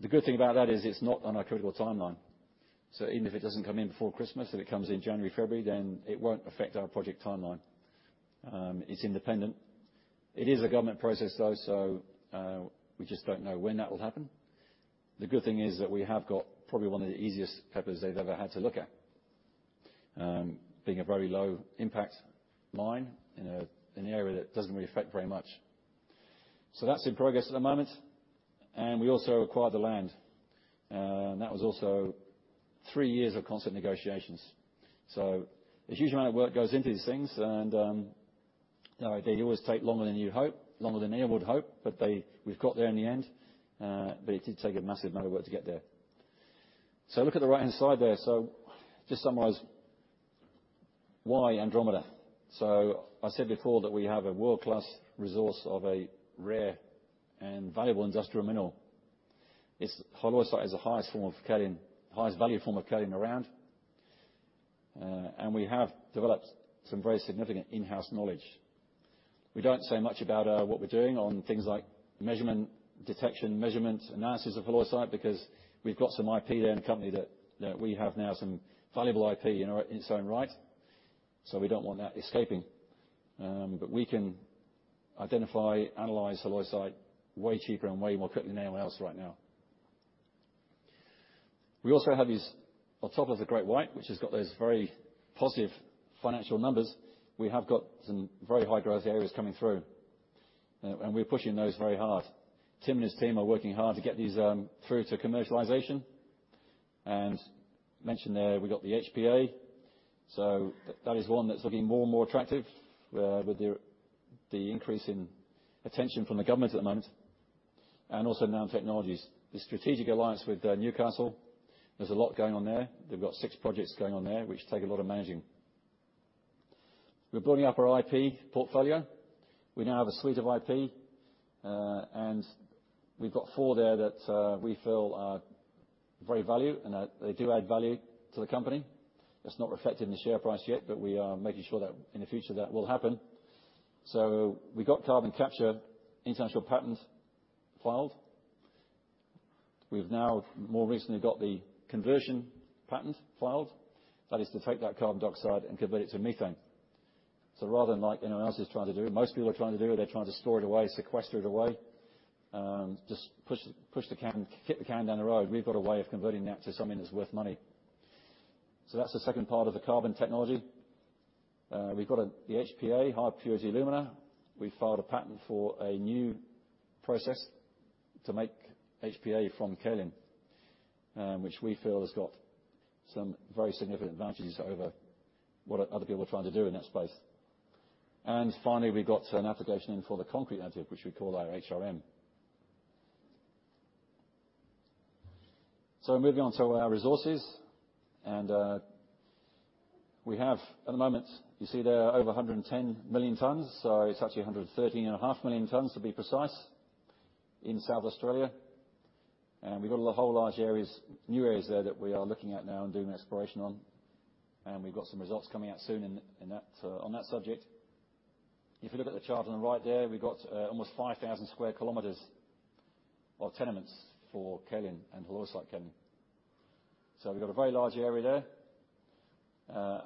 The good thing about that is it's not on our critical timeline. Even if it doesn't come in before Christmas, if it comes in January, February, then it won't affect our project timeline. It's independent. It is a government process though, so we just don't know when that will happen. The good thing is that we have got probably one of the easiest PEPRs they've ever had to look at, being a very low impact mine in an area that doesn't really affect very much. That's in progress at the moment. We also acquired the land. That was also three years of constant negotiations. A huge amount of work goes into these things and they always take longer than you hope, longer than anyone would hope. We've got there in the end, but it did take a massive amount of work to get there. Look at the right-hand side there. Just summarize why Andromeda. I said before that we have a world-class resource of a rare and valuable industrial mineral. Halloysite is the highest form of kaolin, highest value form of kaolin around. We have developed some very significant in-house knowledge. We don't say much about what we're doing on things like measurement, detection, analysis of halloysite because we've got some IP there in the company that we have now some valuable IP in its own right, so we don't want that escaping. We can identify, analyze halloysite way cheaper and way more quickly than anyone else right now. We also have these, on top of the Great White, which has got those very positive financial numbers. We have got some very high growth areas coming through. We're pushing those very hard. Tim and his team are working hard to get these through to commercialization. Mentioned there, we got the HPA. That is one that's looking more and more attractive with the increase in attention from the government at the moment and also nanotechnology. The strategic alliance with Newcastle, there's a lot going on there. They've got six projects going on there, which take a lot of managing. We're building up our IP portfolio. We now have a suite of I.P. and we've got four there that we feel are very value and that they do add value to the company. It's not reflected in the share price yet, but we are making sure that in the future that will happen. We got carbon capture international patent filed. We've now more recently got the conversion patent filed. That is to take that carbon dioxide and convert it to methane. Rather than most people are trying to do, they're trying to store it away, sequester it away, just kick the can down the road. We've got a way of converting that to something that's worth money. That's the second part of the carbon technology. We've got the HPA, high purity alumina. We filed a patent for a new process to make HPA from kaolin, which we feel has got some very significant advantages over what other people are trying to do in that space. Finally, we got an application in for the concrete additive, which we call our HRM. Moving on to our resources, we have at the moment, you see there over 110 million tons. It's actually 130 and a half million tons to be precise in South Australia. We've got whole large areas, new areas there that we are looking at now and doing exploration on. We've got some results coming out soon in that, on that subject. If you look at the chart on the right there, we've got almost 5,000 square kilometers of tenements for kaolin and halloysite-kaolin. We've got a very large area there.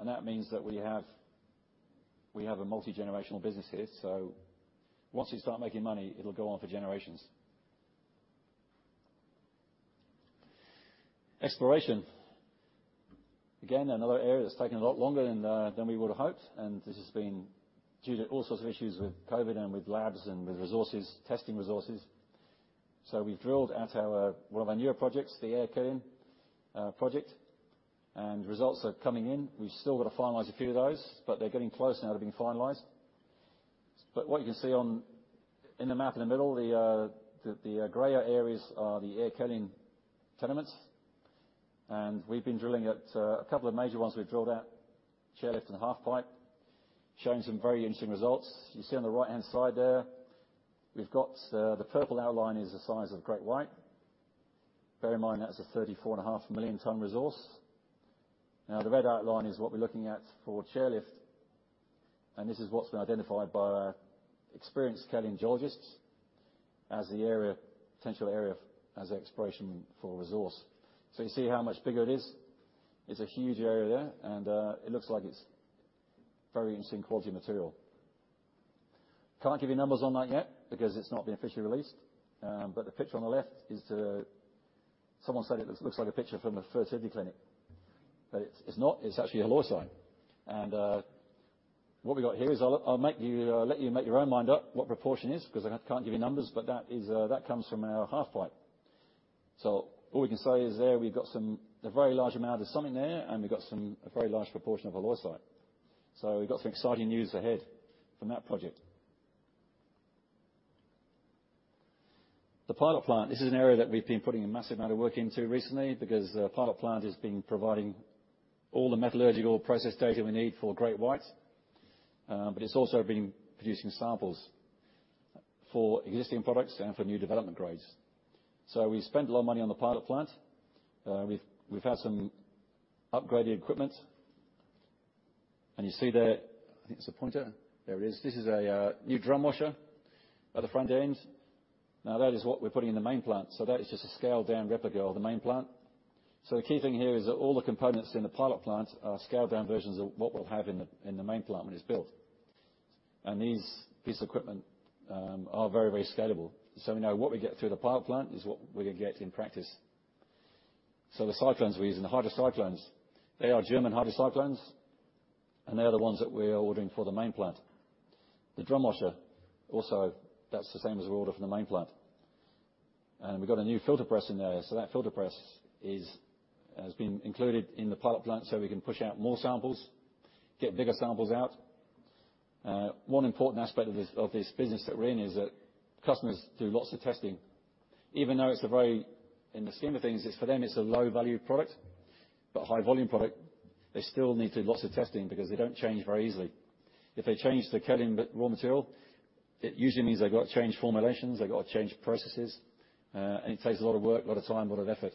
That means that we have a multi-generational business here. Once we start making money, it'll go on for generations. Exploration. Again, another area that's taken a lot longer than we would've hoped, and this has been due to all sorts of issues with COVID and with labs and with resources, testing resources. We've drilled at one of our newer projects, the Eyre Kaolin Project. Results are coming in. We've still got to finalize a few of those, but they're getting close now to being finalized. What you can see in the map in the middle, the gray areas are the Eyre Kaolin tenements. We've been drilling at a couple of major ones we've drilled out, Chairlift and Halfpipe, showing some very interesting results. You see on the right-hand side there, we've got the purple outline is the size of Great White. Bear in mind, that is a 34.5 million ton resource. Now, the red outline is what we're looking at for Chairlift, and this is what's been identified by our experienced kaolin geologists as the potential area as exploration for resource. You see how much bigger it is. It's a huge area there and it looks like it's very interesting quality material. Can't give you numbers on that yet because it's not been officially released. The picture on the left, someone said it looks like a picture from a fertility clinic. It's not. It's actually a halloysite. What we got here is I'll let you make your own mind up what proportion is, 'cause I can't give you numbers, but that is what comes from our HPA. All we can say is there we've got a very large amount of something there, and we've got a very large proportion of halloysite. We've got some exciting news ahead from that project. The pilot plant, this is an area that we've been putting a massive amount of work into recently because the pilot plant has been providing all the metallurgical process data we need for Great White. It's also been producing samples for existing products and for new development grades. We spent a lot of money on the pilot plant. We've had some upgraded equipment. You see there, I think it's a pointer. There it is. This is a new drum washer at the front end. Now, that is what we're putting in the main plant. That is just a scaled-down replica of the main plant. The key thing here is that all the components in the pilot plant are scaled-down versions of what we'll have in the main plant when it's built. These piece of equipment are very scalable. We know what we get through the pilot plant is what we're gonna get in practice. The cyclones we use, and the hydrocyclones, they are German hydrocyclones, and they are the ones that we're ordering for the main plant. The drum washer also, that's the same as we order for the main plant. We've got a new filter press in there. That filter press has been included in the pilot plant so we can push out more samples, get bigger samples out. One important aspect of this business that we're in is that customers do lots of testing. In the scheme of things, it's for them, it's a low-value product, but high-volume product. They still need to lots of testing because they don't change very easily. If they change the kaolin raw material, it usually means they've got to change formulations, they've got to change processes, and it takes a lot of work, a lot of time, a lot of effort.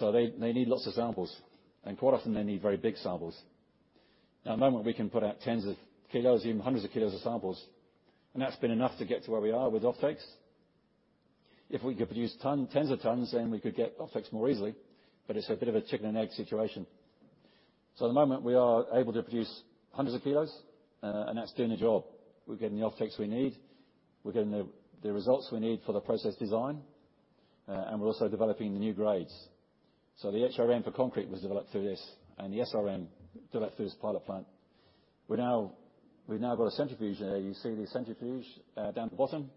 They need lots of samples, and quite often they need very big samples. Now, at the moment, we can put out tens of kilos, even hundreds of kilos of samples, and that's been enough to get to where we are with offtakes. If we could produce tens of tons, then we could get offtakes more easily, but it's a bit of a chicken and egg situation. At the moment, we are able to produce hundreds of kilos, and that's doing the job. We're getting the offtakes we need, we're getting the results we need for the process design, and we're also developing the new grades. The HRM for concrete was developed through this and the SRM developed through this pilot plant. We've now got a centrifuge there. You see the centrifuge down the bottom.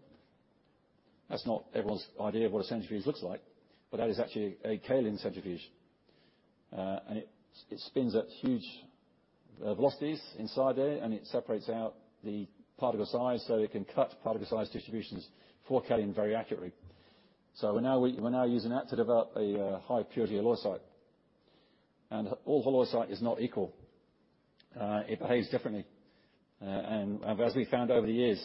That's not everyone's idea of what a centrifuge looks like, but that is actually a kaolin centrifuge. It spins at huge velocities inside there, and it separates out the particle size, so it can cut particle size distributions for kaolin very accurately. We're now using that to develop a high purity halloysite. All halloysite is not equal. It behaves differently. As we found over the years,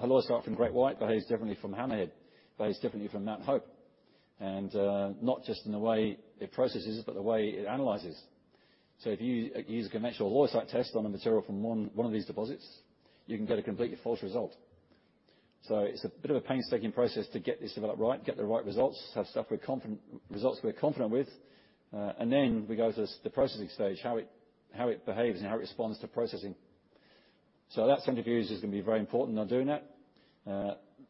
halloysite from Great White behaves differently from Hammerhead, behaves differently from Mount Hope, not just in the way it processes, but the way it analyzes. If you use a commercial halloysite test on a material from one of these deposits, you can get a completely false result. It's a bit of a painstaking process to get this developed right, get the right results, have results we're confident with. We go to the processing stage, how it behaves and how it responds to processing. That centrifuge is gonna be very important on doing that.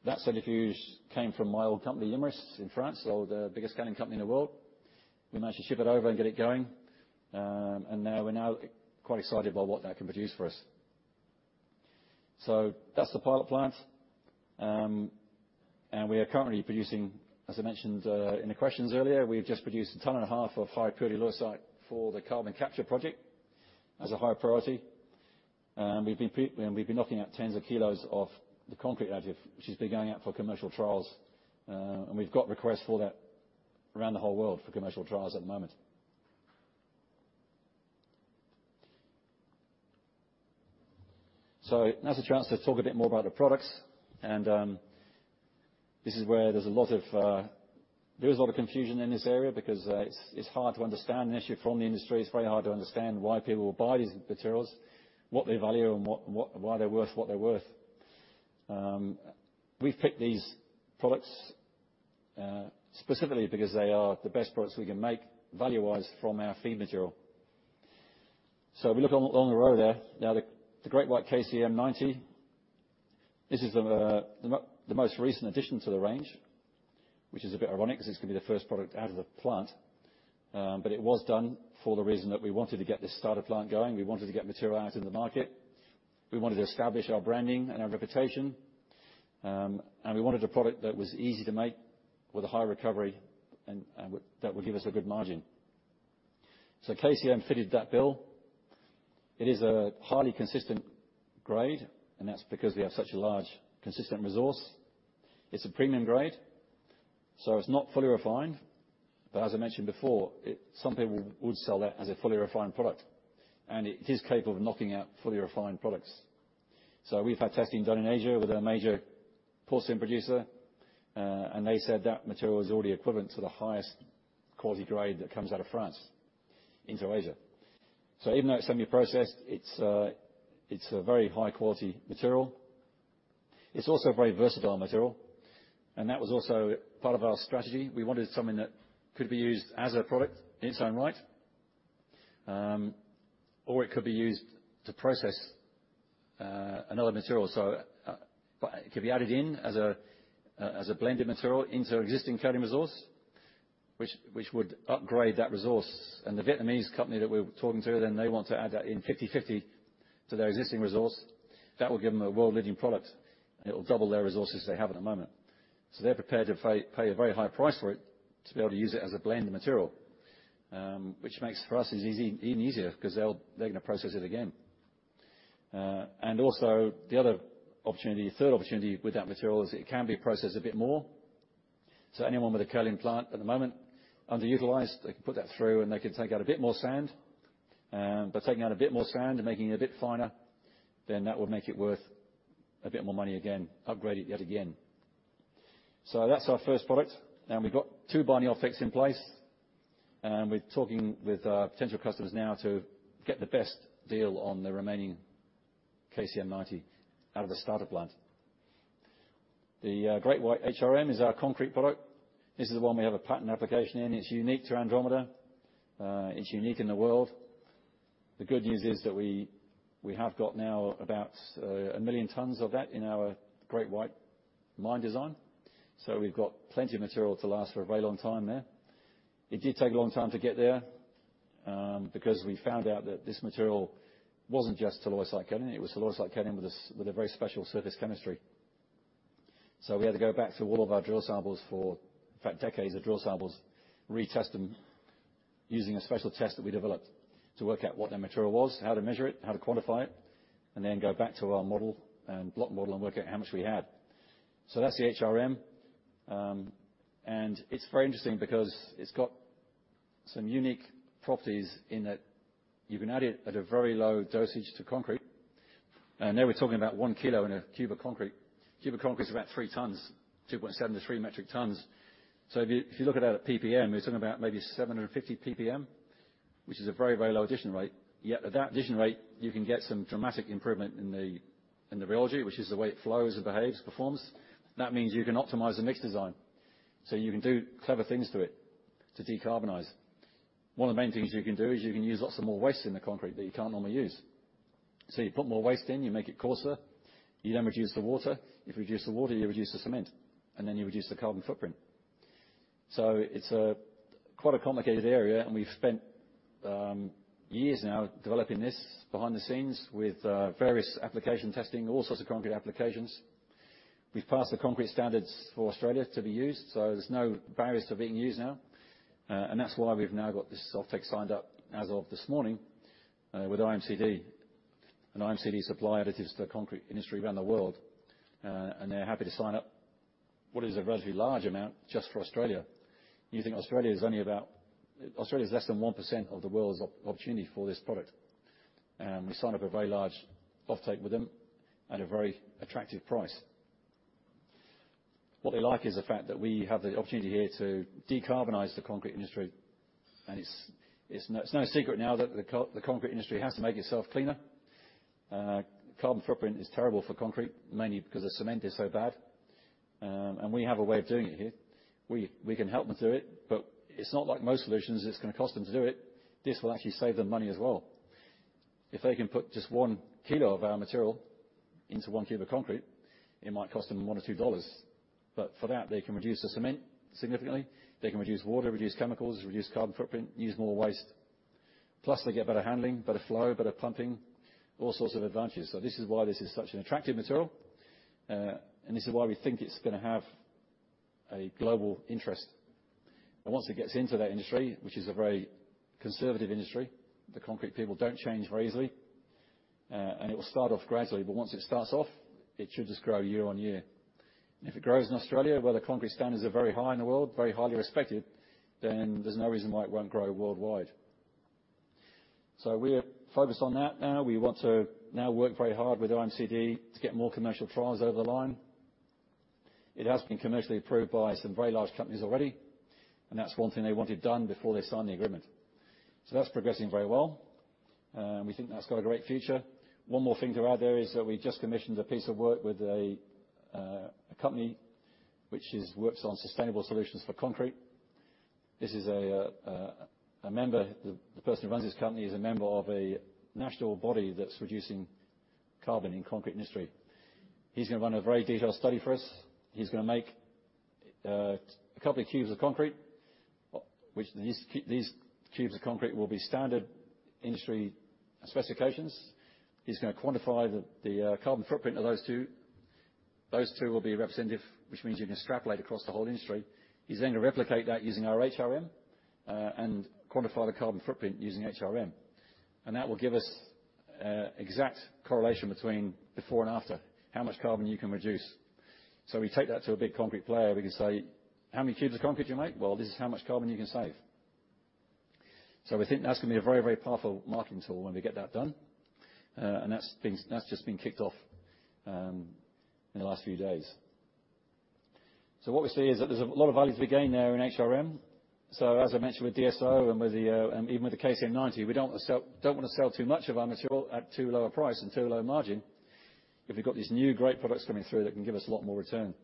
That centrifuge came from my old company, Imerys in France, so the biggest kaolin company in the world. We managed to ship it over and get it going. Now we're quite excited by what that can produce for us. That's the pilot plant. We are currently producing, as I mentioned in the questions earlier, we've just produced a ton and a half of high purity halloysite for the carbon capture project as a high priority. We've been knocking out tens of kilos of the concrete additive, which has been going out for commercial trials. We've got requests for that around the whole world for commercial trials at the moment. Now's a chance to talk a bit more about the products. This is where there is a lot of confusion in this area because it's hard to understand the issue from the industry. It's very hard to understand why people will buy these materials, what they value and why they're worth what they're worth. We've picked these products specifically because they are the best products we can make value-wise from our feed material. If we look along the row there, now the Great White KCM 90, this is the most recent addition to the range, which is a bit ironic because it's gonna be the first product out of the plant. It was done for the reason that we wanted to get this starter plant going. We wanted to get material out in the market. We wanted to establish our branding and our reputation. We wanted a product that was easy to make with a high recovery and that would give us a good margin. KCM fitted that bill. It is a highly consistent grade, and that's because we have such a large, consistent resource. It's a premium grade, so it's not fully refined. As I mentioned before, some people would sell that as a fully refined product, and it is capable of knocking out fully refined products. We've had testing done in Asia with a major porcelain producer, and they said that material is already equivalent to the highest quality grade that comes out of France into Asia. Even though it's only processed, it's a very high-quality material. It's also a very versatile material, and that was also part of our strategy. We wanted something that could be used as a product in its own right. It could be used to process another material. It could be added in as a blended material into existing kaolin resource, which would upgrade that resource. The Vietnamese company that we're talking to then they want to add that in 50/50 to their existing resource. That will give them a world-leading product, and it'll double their resources they have at the moment. So they're prepared to pay a very high price for it to be able to use it as a blended material, um, which makes for us it's easy, even easier 'cause they'll, they're gonna process it again. Uh, and also the other opportunity, third opportunity with that material is it can be processed a bit more. So anyone with a kaolin plant at the moment underutilized, they can put that through, and they can take out a bit more sand. Um, by taking out a bit more sand and making it a bit finer, then that will make it worth a bit more money again, upgrade it yet again. So that's our first product, and we've got two binding off takes in place. And we're talking with our potential customers now to get the best deal on the remaining KCM ninety out of the starter plant. The Great White HRM is our concrete product. This is the one we have a patent application in. It's unique to Andromeda. It's unique in the world. The good news is that we have got now about 1 million tons of that in our Great White mine design. We've got plenty of material to last for a very long time there. It did take a long time to get there because we found out that this material wasn't just talc-like kaolin, it was talc-like kaolin with a very special surface chemistry. We had to go back through all of our drill samples for, in fact, decades of drill samples, retest them using a special test that we developed to work out what that material was, how to measure it, how to quantify it, and then go back to our model and block model and work out how much we had. That's the HRM. It's very interesting because it's got some unique properties in that you can add it at a very low dosage to concrete. There we're talking about one kilo in a cube of concrete. Cube of concrete is about three tons, 2.7 metric tons-3 metric tons. If you look at that at PPM, we're talking about maybe 750 PPM, which is a very, very low addition rate. Yet at that addition rate, you can get some dramatic improvement in the rheology, which is the way it flows and behaves, performs. That means you can optimize the mix design. You can do clever things to it to decarbonize. One of the main things you can do is you can use lots of more waste in the concrete that you can't normally use. You put more waste in, you make it coarser, you then reduce the water. If you reduce the water, you reduce the cement, and then you reduce the carbon footprint. It's quite a complicated area, and we've spent years now developing this behind the scenes with various application testing, all sorts of concrete applications. We've passed the concrete standards for Australia to be used, so there's no barriers to being used now. That's why we've now got this offtake signed up as of this morning with IMCD. IMCD supply additives to the concrete industry around the world. They're happy to sign up what is a relatively large amount just for Australia. You think Australia is less than 1% of the world's opportunity for this product. We signed up a very large offtake with them at a very attractive price. What they like is the fact that we have the opportunity here to decarbonize the concrete industry. It's no secret now that the concrete industry has to make itself cleaner. Carbon footprint is terrible for concrete, mainly because the cement is so bad. We have a way of doing it here. We can help them do it, but it's not like most solutions, it's gonna cost them to do it. This will actually save them money as well. If they can put just 1 kilo of our material into 1 cube of concrete, it might cost them 1 or 2 dollars. For that, they can reduce the cement significantly. They can reduce water, reduce chemicals, reduce carbon footprint, use more waste. Plus they get better handling, better flow, better pumping, all sorts of advantages. This is why this is such an attractive material. This is why we think it's gonna have a global interest. Once it gets into that industry, which is a very conservative industry, the concrete people don't change very easily, and it will start off gradually. Once it starts off, it should just grow year on year. If it grows in Australia, where the concrete standards are very high in the world, very highly respected, then there's no reason why it won't grow worldwide. We're focused on that now. We want to now work very hard with IMCD to get more commercial trials over the line. It has been commercially approved by some very large companies already, and that's one thing they wanted done before they signed the agreement. That's progressing very well. We think that's got a great future. One more thing to add there is that we just commissioned a piece of work with a company which works on sustainable solutions for concrete. The person who runs this company is a member of a national body that's reducing carbon in concrete industry. He's gonna run a very detailed study for us. He's gonna make a couple of cubes of concrete, which these cubes of concrete will be standard industry specifications. He's gonna quantify the carbon footprint of those two. Those two will be representative, which means you can extrapolate across the whole industry. He's then gonna replicate that using our HRM and quantify the carbon footprint using HRM. That will give us exact correlation between before and after, how much carbon you can reduce. We take that to a big concrete player, we can say, "How many cubes of concrete do you make? Well, this is how much carbon you can save." We think that's gonna be a very powerful marketing tool when we get that done. That's just been kicked off in the last few days. What we see is that there's a lot of value to be gained there in HRM. As I mentioned with DSO and even with the KCM 90, we don't want to sell too much of our material at too low a price and too low a margin if we've got these new great products coming through that can give us a lot more return.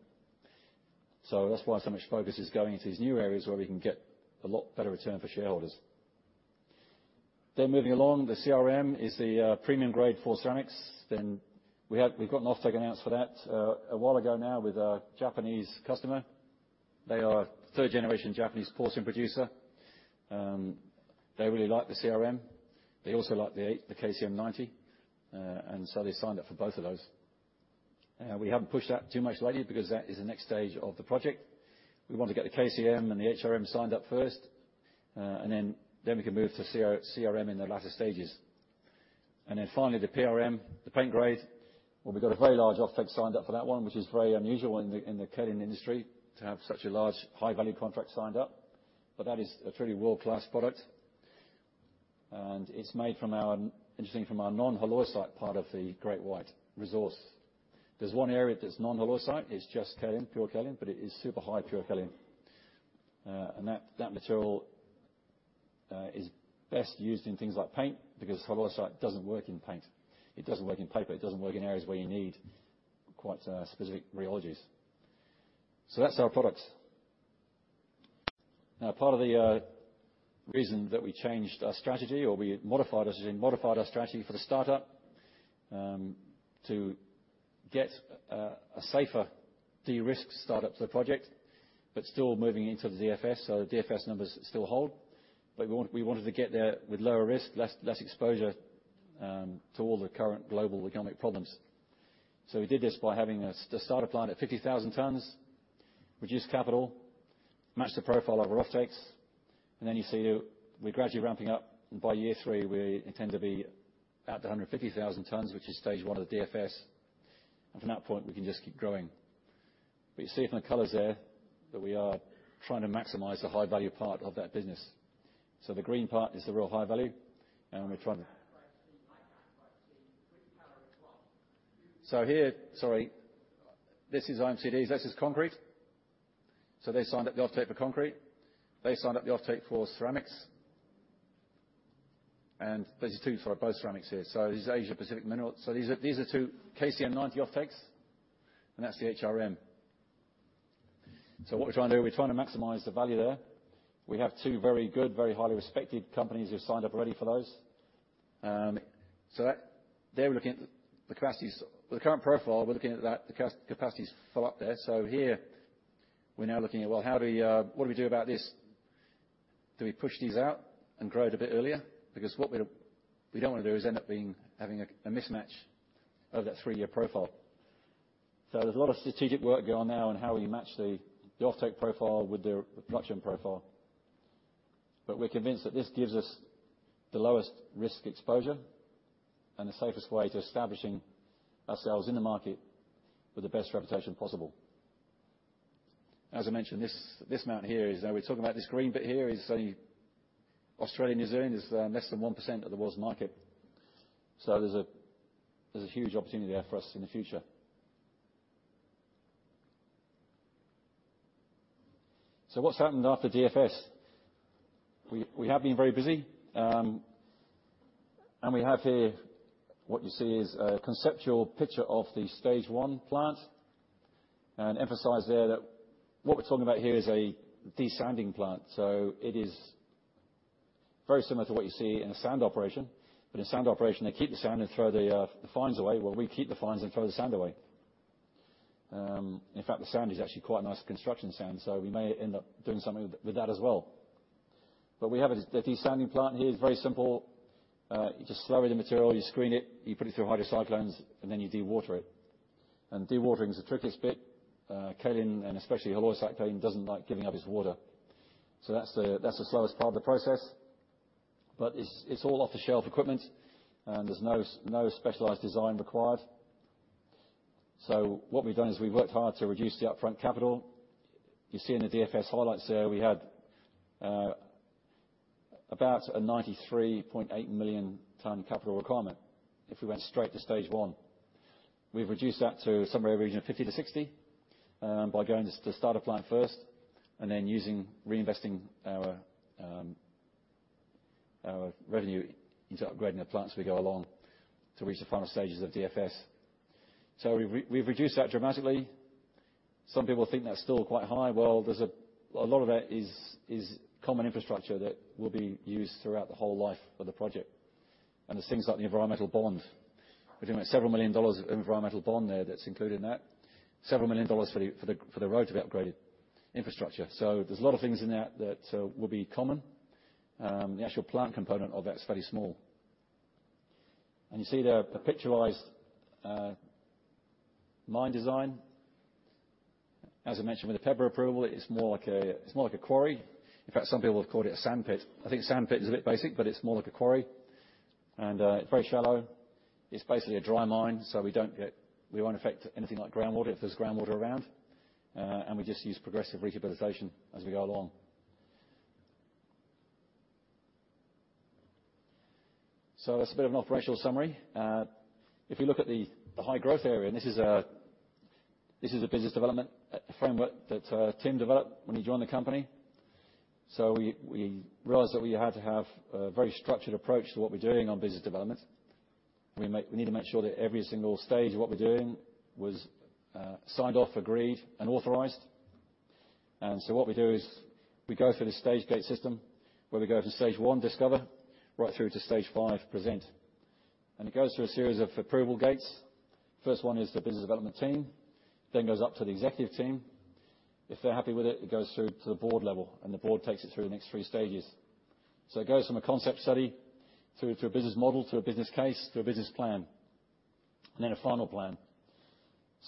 That's why so much focus is going into these new areas where we can get a lot better return for shareholders. Moving along, the CRM is the premium grade for ceramics. We've got an offtake announced for that a while ago now with a Japanese customer. They are a 3rd-generation Japanese porcelain producer. They really like the CRM. They also like the KCM 90. They signed up for both of those. We haven't pushed that too much lately because that is the next stage of the project. We want to get the KCM and the HRM signed up first, and then we can move to CRM in the latter stages. Finally, the PRM, the paint grade, where we've got a very large offtake signed up for that one, which is very unusual in the kaolin industry to have such a large high-value contract signed up. That is a truly world-class product. It's made, interesting, from our non-halloysite part of the Great White resource. There's one area that's non-halloysite. It's just kaolin, pure kaolin, but it is super high pure kaolin. That material is best used in things like paint because halloysite doesn't work in paint. It doesn't work in paper. It doesn't work in areas where you need quite specific rheologies. That's our products. Now, part of the reason that we changed our strategy, or we modified our strategy for the startup to get a safer de-risk startup to the project, but still moving into the DFS. The DFS numbers still hold, but we wanted to get there with lower risk, less exposure to all the current global economic problems. We did this by having a starter plant at 50,000 tons, reduced capital, matched the profile of our offtakes, and then you see we're gradually ramping up. By year three, we intend to be at the 150,000 tons, which is stage one of the DFS. From that point, we can just keep growing. You see from the colors there that we are trying to maximize the high-value part of that business. The green part is the real high value. Here, sorry, this is IMCD. This is concrete. They signed up the offtake for concrete. They signed up the offtake for ceramics. There's two for both ceramics here. This is Asia Mineral Resources. These are two KCM 90 offtakes, and that's the HRM. What we're trying to do, we're trying to maximize the value there. We have two very good, very highly respected companies who have signed up already for those. They're looking at the capacities. With the current profile, we're looking at that, the capacities fill up there. Here, we're now looking at, well, what do we do about this? Do we push these out and grow it a bit earlier? Because what we don't want to do is end up having a mismatch of that three-year profile. There's a lot of strategic work going on now on how we match the offtake profile with the production profile. We're convinced that this gives us the lowest risk exposure and the safest way to establishing ourselves in the market with the best reputation possible. As I mentioned, this mountain here is, we're talking about this green bit here, is only Australia and New Zealand is less than 1% of the world's market. There's a huge opportunity there for us in the future. What's happened after DFS? We have been very busy, and we have here what you see is a conceptual picture of the stage one plant, and emphasize there that what we're talking about here is a desanding plant. It is very similar to what you see in a sand operation. In a sand operation, they keep the sand and throw the fines away. Well, we keep the fines and throw the sand away. In fact, the sand is actually quite a nice construction sand, so we may end up doing something with that as well. We have a desanding plant here. It's very simple. You just slow the material, you screen it, you put it through hydrocyclones, and then you dewater it. Dewatering is the trickiest bit. Kaolin, and especially halloysite-kaolin, doesn't like giving up its water. That's the slowest part of the process. It's all off-the-shelf equipment, and there's no specialized design required. What we've done is we've worked hard to reduce the upfront capital. You see in the DFS highlights there, we had about a 93.8 million capital requirement if we went straight to stage one. We've reduced that to somewhere in the region of 50-60 by going to starter plant first, and then using, reinvesting our revenue into upgrading the plant as we go along to reach the final stages of DFS. We've reduced that dramatically. Some people think that's still quite high. Well, a lot of it is common infrastructure that will be used throughout the whole life of the project. There's things like the environmental bond. We're doing, like, AUD several million of environmental bond there that's included in that. AUD several million for the road to be upgraded, infrastructure. There's a lot of things in there that will be common. The actual plant component of that is fairly small. You see there the picturized mine design. As I mentioned, with the PEPR approval, it's more like a quarry. In fact, some people have called it a sand pit. I think sand pit is a bit basic, but it's more like a quarry. It's very shallow. It's basically a dry mine, so we won't affect anything like groundwater if there's groundwater around. We just use progressive rehabilitation as we go along. That's a bit of an operational summary. If we look at the high growth area, and this is a business development framework that Tim developed when he joined the company. We realized that we had to have a very structured approach to what we're doing on business development. We need to make sure that every single stage of what we're doing was signed off, agreed, and authorized. What we do is we go through the stage gate system, where we go from stage 1, discover, right through to stage 5, present. It goes through a series of approval gates. First 1 is the business development team, then goes up to the executive team. If they're happy with it goes through to the board level, and the board takes it through the next 3 stages. It goes from a concept study through to a business model, to a business case, to a business plan, and then a final plan.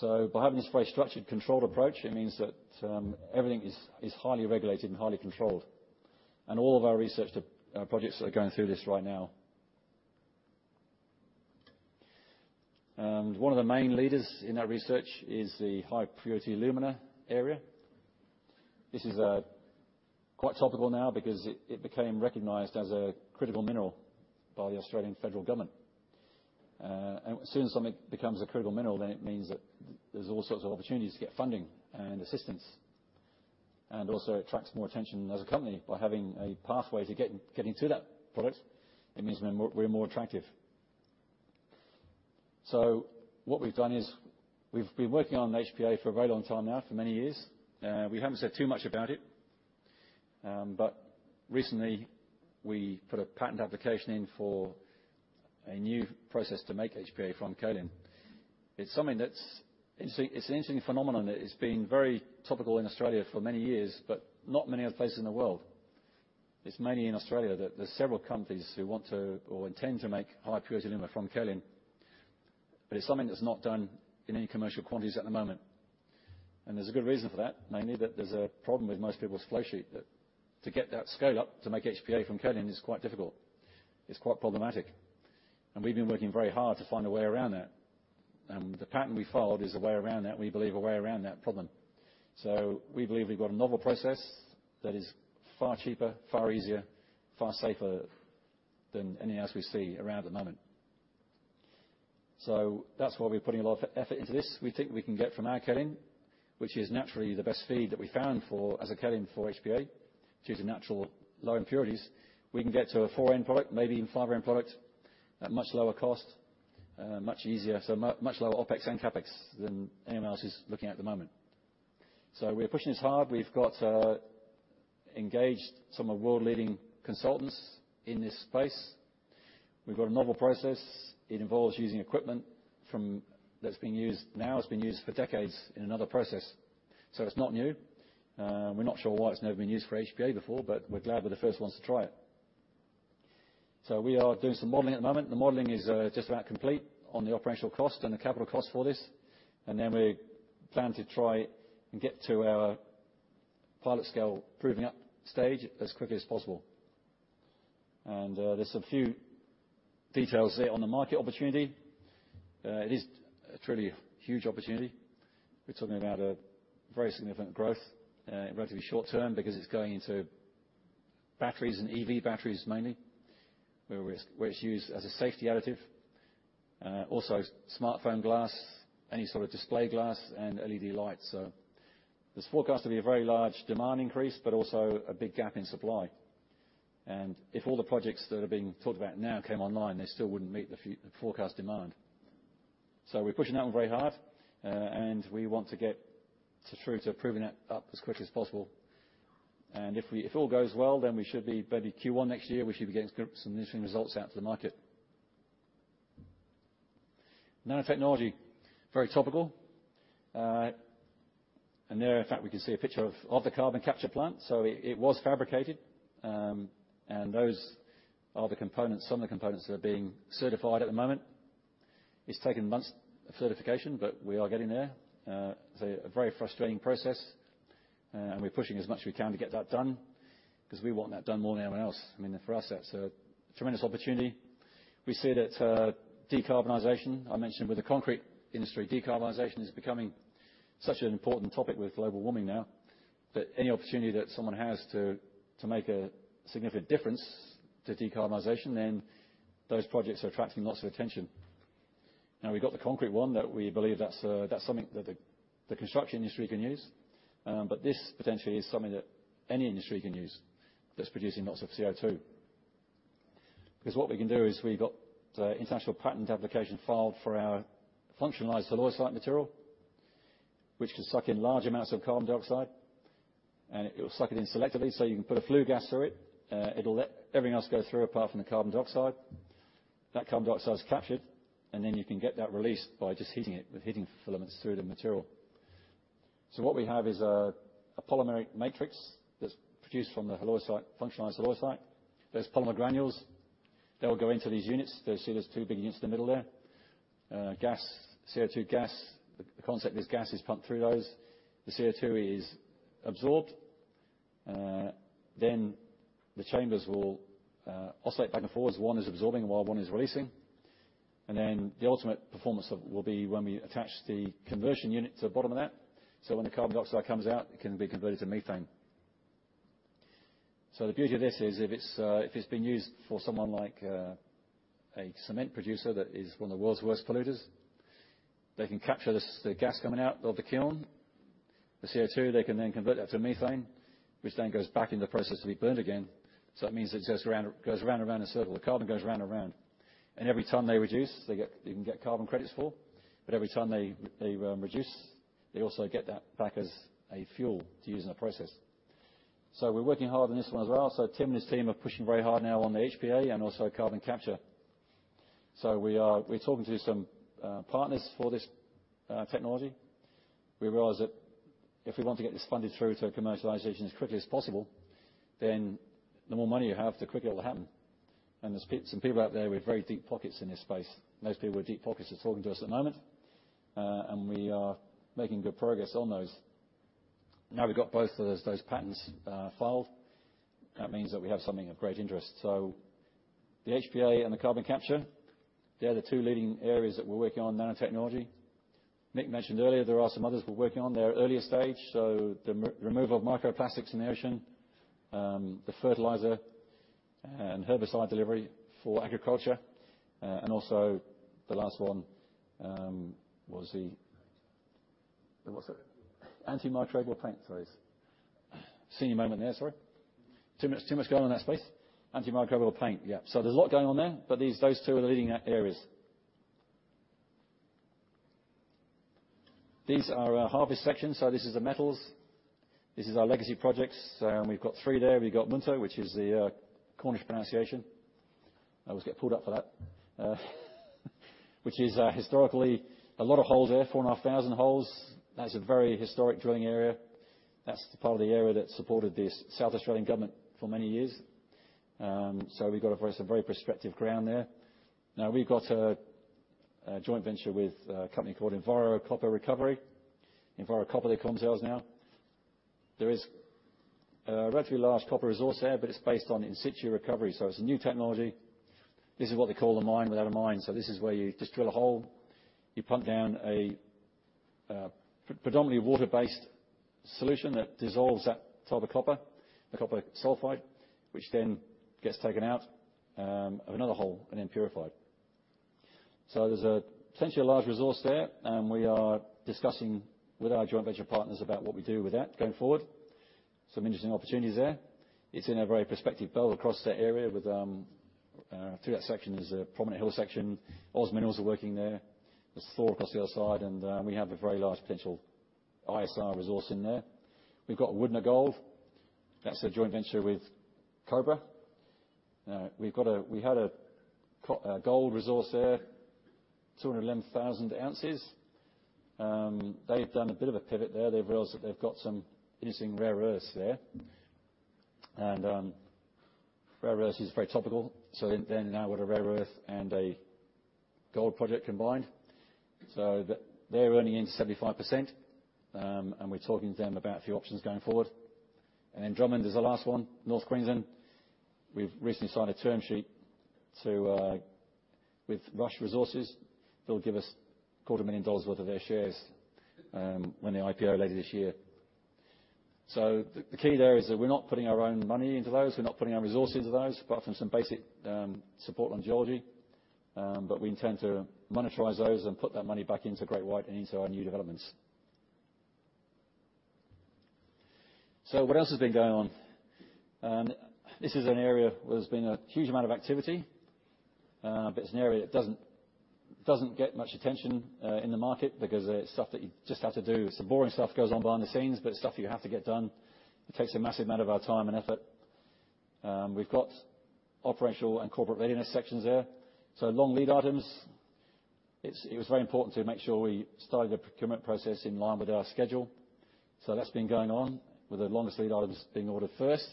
By having this very structured, controlled approach, it means that everything is highly regulated and highly controlled. All of our research projects are going through this right now. One of the main leaders in that research is the high purity alumina area. This is quite topical now because it became recognized as a critical mineral by the Australian Federal Government. As soon as something becomes a critical mineral, then it means that there's all sorts of opportunities to get funding and assistance. Also attracts more attention as a company by having a pathway to getting to that product. It means we're more attractive. What we've done is we've been working on HPA for a very long time now, for many years. We haven't said too much about it. Recently we put a patent application in for a new process to make HPA from kaolin. It's an interesting phenomenon. It's been very topical in Australia for many years, but not many other places in the world. It's mainly in Australia that there's several companies who want to or intend to make high purity alumina from kaolin. It's something that's not done in any commercial quantities at the moment. There's a good reason for that, mainly that there's a problem with most people's flowsheet. That to get that scale up to make HPA from kaolin is quite difficult. It's quite problematic. We've been working very hard to find a way around that. The patent we filed is a way around that, we believe, a way around that problem. We believe we've got a novel process that is far cheaper, far easier, far safer than any else we see around at the moment. That's why we're putting a lot of effort into this. We think we can get from our kaolin, which is naturally the best feed that we found for as a kaolin for HPA, due to natural low impurities. We can get to a 4N product, maybe even 4N product, at much lower cost, much easier. Much lower OpEx and CapEx than anyone else is looking at the moment. We're pushing this hard. We've got engaged some of world-leading consultants in this space. We've got a novel process. It involves using equipment that's being used now. It's been used for decades in another process, so it's not new. We're not sure why it's never been used for HPA before, but we're glad we're the first ones to try it. We are doing some modeling at the moment. The modeling is just about complete on the operational cost and the capital cost for this. We plan to try and get to our pilot scale proving up stage as quickly as possible. There's a few details there on the market opportunity. It is truly a huge opportunity. We're talking about a very significant growth in relatively short term because it's going into batteries and EV batteries mainly, where it's used as a safety additive. Also smartphone glass, any sort of display glass and LED lights. There's forecast to be a very large demand increase, but also a big gap in supply. If all the projects that are being talked about now came online, they still wouldn't meet the forecast demand. We're pushing that one very hard. We want to get through to proving it up as quickly as possible. If all goes well, then we should be maybe Q1 next year, we should be getting some interesting results out to the market. Nanotechnology, very topical. There in fact we can see a picture of the carbon capture plant. It was fabricated. Those are the components, some of the components that are being certified at the moment. It's taken months of certification, but we are getting there. A very frustrating process, and we're pushing as much as we can to get that done because we want that done more than anyone else. I mean, for us, that's a tremendous opportunity. We see that decarbonization, I mentioned with the concrete industry, decarbonization is becoming such an important topic with global warming now, that any opportunity that someone has to make a significant difference to decarbonization, then those projects are attracting lots of attention. Now, we've got the concrete one that we believe that's something that the construction industry can use. This potentially is something that any industry can use that's producing lots of CO2. Because what we can do is we've got international patent application filed for our functionalized halloysite material, which can suck in large amounts of carbon dioxide, and it will suck it in selectively. You can put a flue gas through it. It'll let everything else go through apart from the carbon dioxide. That carbon dioxide is captured, and then you can get that released by just heating it with heating filaments through the material. What we have is a polymeric matrix that's produced from the halloysite, functionalized halloysite. There's polymer granules that will go into these units. See those two big units in the middle there. CO2 gas, the concept is gas is pumped through those. The CO2 is absorbed. The chambers will oscillate back and forth. One is absorbing while one is releasing. The ultimate performance of it will be when we attach the conversion unit to the bottom of that. When the carbon dioxide comes out, it can be converted to methane. The beauty of this is if it's being used for someone like a cement producer that is one of the world's worst polluters, they can capture this, the gas coming out of the kiln. The CO2, they can then convert that to methane, which then goes back in the process to be burned again. That means it goes round and round in a circle. The carbon goes round and round. Every ton they reduce, they can get carbon credits for. Every ton they reduce, they also get that back as a fuel to use in the process. We're working hard on this one as well. Tim and his team are pushing very hard now on the HPA and also carbon capture. We're talking to some partners for this technology. We realize that if we want to get this funded through to commercialization as quickly as possible, then the more money you have, the quicker it will happen. There's some people out there with very deep pockets in this space. Those people with deep pockets are talking to us at the moment. We are making good progress on those. Now we've got both those patents filed. That means that we have something of great interest. The HPA and the carbon capture, they are the two leading areas that we're working on nanotechnology. Mick mentioned earlier, there are some others we're working on. They're at earlier stage. The removal of microplastics in the ocean, the fertilizer, and herbicide delivery for agriculture. Also the last one was the, what's it? Antimicrobial paint. Sorry. Senior moment there. Sorry. Too much going on in that space. Antimicrobial paint, yeah. There's a lot going on there, but these, those two are the leading areas. These are our harvest sections. This is the metals. This is our legacy projects. We've got three there. We've got Moonta, which is the Cornish pronunciation. I always get pulled up for that. Which is, historically, a lot of holes there, 4,500 holes. That is a very historic drilling area. That's the part of the area that supported the South Australian Government for many years. We've got some very prospective ground there. Now we've got a joint venture with a company called Enviro Copper Recovery. EnviroCopper they call themselves now. There is a relatively large copper resource there, but it's based on in situ recovery. It's a new technology. This is what they call a mine without a mine. This is where you just drill a hole, you pump down a predominantly water-based solution that dissolves that type of copper, the copper sulfide, which then gets taken out of another hole and then purified. There's a potentially large resource there, and we are discussing with our joint venture partners about what we do with that going forward. Some interesting opportunities there. It's in a very prospective belt across that area. Through that section, there's a Prominent Hill section. OZ Minerals are working there. There's Thor across the other side, and we have a very large potential ISR resource in there. We've got Wudinna Gold. That's a joint venture with Cobra. We had a gold resource there, 211,000 ounces. They've done a bit of a pivot there. They've realized that they've got some interesting rare earths there. Rare earths is very topical. They now have a rare earth and a gold project combined. They're only in 75%. We're talking to them about a few options going forward. Drummond is the last one, North Queensland. We've recently signed a term sheet with Rush Resources. They'll give us AUD a quarter million dollars worth of their shares when they IPO later this year. The key there is that we're not putting our own money into those. We're not putting our resources into those, apart from some basic support on geology. We intend to monetize those and put that money back into Great White and into our new developments. What else has been going on? This is an area where there's been a huge amount of activity, but it's an area that doesn't get much attention in the market because it's stuff that you just have to do. Some boring stuff goes on behind the scenes, but it's stuff you have to get done. It takes a massive amount of our time and effort. We've got operational and corporate readiness sections there. Long lead items. It was very important to make sure we started the procurement process in line with our schedule. That's been going on, with the longest lead items being ordered first.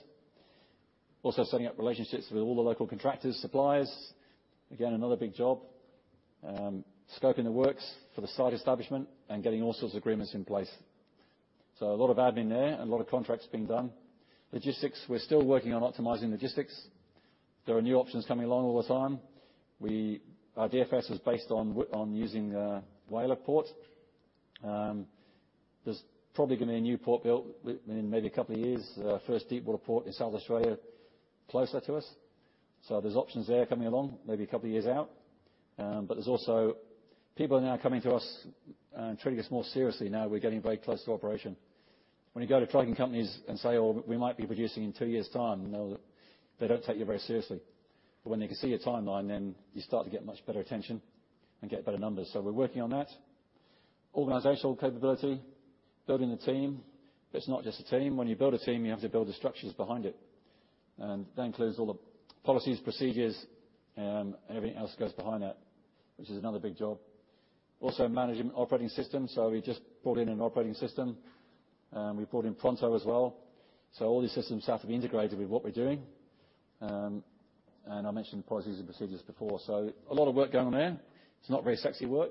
Also setting up relationships with all the local contractors, suppliers. Again, another big job. Scoping the works for the site establishment and getting all sorts of agreements in place. A lot of admin there and a lot of contracts being done. Logistics, we're still working on optimizing logistics. There are new options coming along all the time. Our DFS is based on using Whyalla Port. There's probably gonna be a new port built within maybe a couple of years. First deep water port in South Australia, closer to us. There's options there coming along, maybe a couple of years out. There's also people are now coming to us and treating us more seriously now we're getting very close to operation. When you go to trucking companies and say, "Oh, we might be producing in two years' time," they don't take you very seriously. When they can see a timeline, then you start to get much better attention and get better numbers. We're working on that. Organizational capability, building the team. It's not just a team. When you build a team, you have to build the structures behind it. That includes all the policies, procedures, and everything else that goes behind that, which is another big job. Also managing operating systems. We just brought in an operating system, we brought in Pronto as well. All these systems have to be integrated with what we're doing. I mentioned policies and procedures before. A lot of work going on there. It's not very sexy work.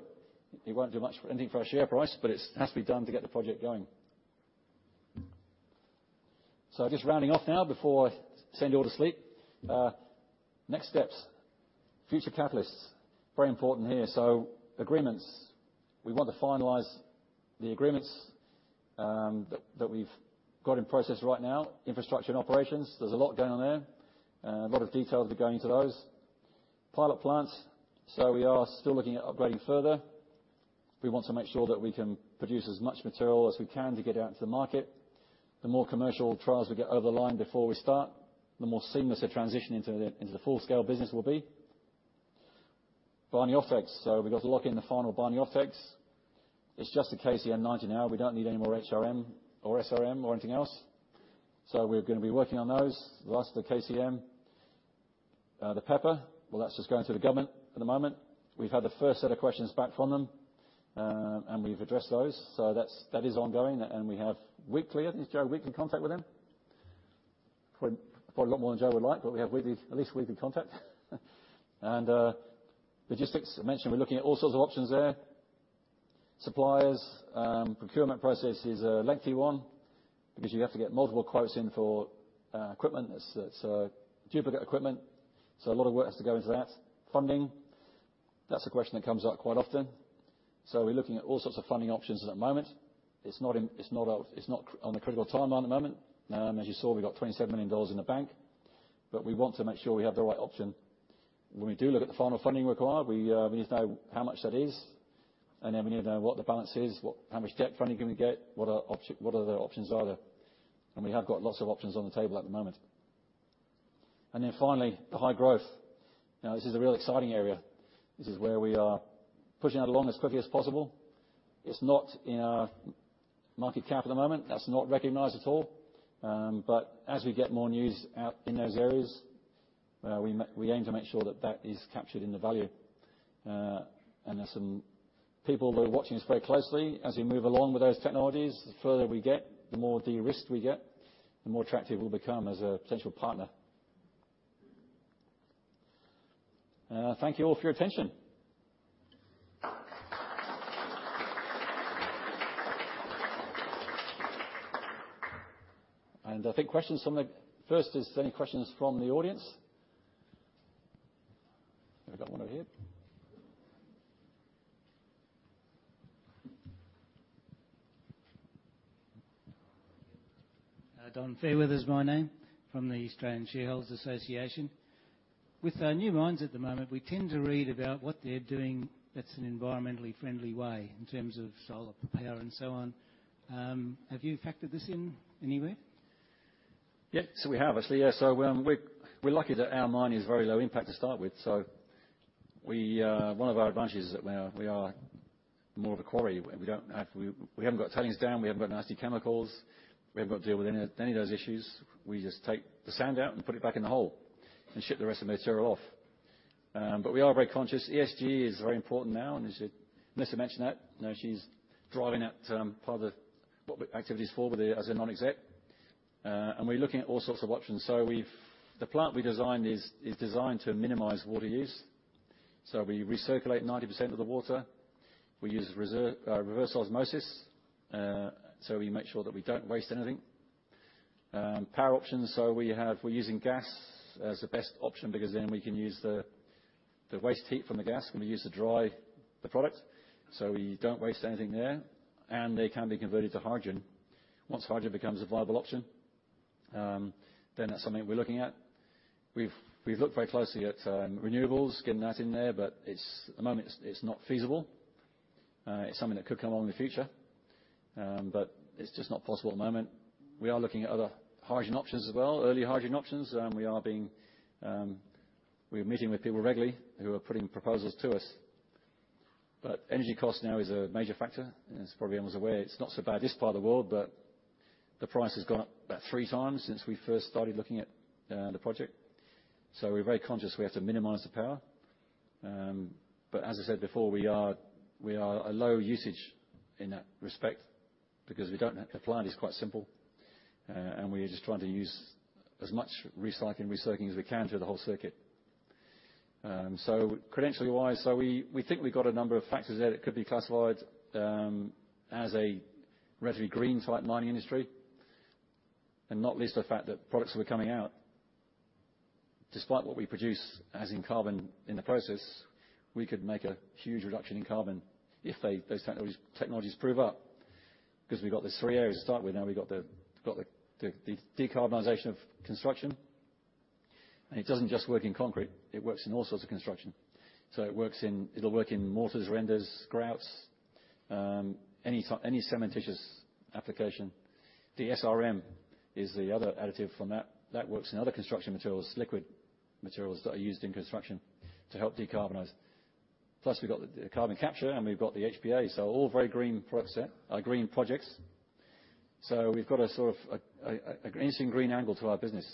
It won't do much for anything for our share price, but it's has to be done to get the project going. Just rounding off now before I send you all to sleep. Next steps. Future catalysts, very important here. Agreements. We want to finalize the agreements that we've got in process right now. Infrastructure and operations, there's a lot going on there, and a lot of detail to be going into those. Pilot plants. We are still looking at upgrading further. We want to make sure that we can produce as much material as we can to get out into the market. The more commercial trials we get over the line before we start, the more seamless the transition into the full-scale business will be. Binding offtakes. We've got to lock in the final binding offtakes. It's just a KCM 90 now. We don't need any more HRM or SRM or anything else. We're gonna be working on those. The last of the KCM. The PEPR, well, that's just going through the government at the moment. We've had the first set of questions back from them, and we've addressed those. That is ongoing. We have weekly, I think it's Joe, weekly contact with them. Probably a lot more than Joe would like, but we have weekly, at least weekly contact. Logistics, I mentioned we're looking at all sorts of options there. Suppliers, procurement process is a lengthy one because you have to get multiple quotes in for equipment. It's duplicate equipment, so a lot of work has to go into that. Funding, that's a question that comes up quite often. We're looking at all sorts of funding options at the moment. It's not on the critical timeline at the moment. As you saw, we've got 27 million dollars in the bank, but we want to make sure we have the right option. When we do look at the final funding required, we need to know how much that is, and then we need to know what the balance is, what, how much debt funding can we get, what other options are there. We have got lots of options on the table at the moment. Finally, the high growth. Now, this is a real exciting area. This is where we are pushing that along as quickly as possible. It's not in our market cap at the moment. That's not recognized at all. As we get more news out in those areas, we aim to make sure that that is captured in the value. There's some people that are watching us very closely as we move along with those technologies. The further we get, the more de-risked we get, the more attractive we'll become as a potential partner. Thank you all for your attention. First, is there any questions from the audience? Have we got one over here? Don Fairweather is my name, from the Australian Shareholders' Association. With new mines at the moment, we tend to read about what they're doing that's an environmentally friendly way in terms of solar power and so on. Have you factored this in anywhere? Yeah, we have actually. Yeah. We're lucky that our mine is very low impact to start with. One of our advantages is that we are more of a quarry. We haven't got tailings dam, we haven't got nasty chemicals, we haven't got to deal with any of those issues. We just take the sand out and put it back in the hole and ship the rest of the material off. We are very conscious. ESG is very important now, and Melissa mentioned that. You know, she's driving that part of what the activity's for as a Non-Exec. We're looking at all sorts of options. The plant we designed is designed to minimize water use. We circulate 90% of the water. We use reverse osmosis so we make sure that we don't waste anything. Power options, we're using gas as the best option because then we can use the waste heat from the gas when we use to dry the product. We don't waste anything there. They can be converted to hydrogen. Once hydrogen becomes a viable option, that's something we're looking at. We've looked very closely at renewables, getting that in there, but it's, at the moment, it's not feasible. It's something that could come along in the future, but it's just not possible at the moment. We are looking at other hydrogen options as well, early hydrogen options. We're meeting with people regularly who are putting proposals to us. Energy cost now is a major factor. As probably everyone's aware, it's not so bad this part of the world, but the price has gone up about three times since we first started looking at the project. We're very conscious we have to minimize the power. As I said before, we are a low usage in that respect. The plant is quite simple and we are just trying to use as much recycling as we can through the whole circuit. Credential-wise, we think we've got a number of factors there that could be classified as a relatively green type mining industry, and not least the fact that products that are coming out, despite what we produce as in carbon in the process, we could make a huge reduction in carbon if those technologies prove up. 'Cause we've got these 3 areas to start with. Now we've got the decarbonization of construction. It doesn't just work in concrete, it works in all sorts of construction. It'll work in mortars, renders, grouts, any type, any cementitious application. The SRM is the other additive from that. That works in other construction materials, liquid materials that are used in construction to help decarbonize. Plus we've got the carbon capture, and we've got the HPA. All very green projects. We've got a sort of a interesting green angle to our business.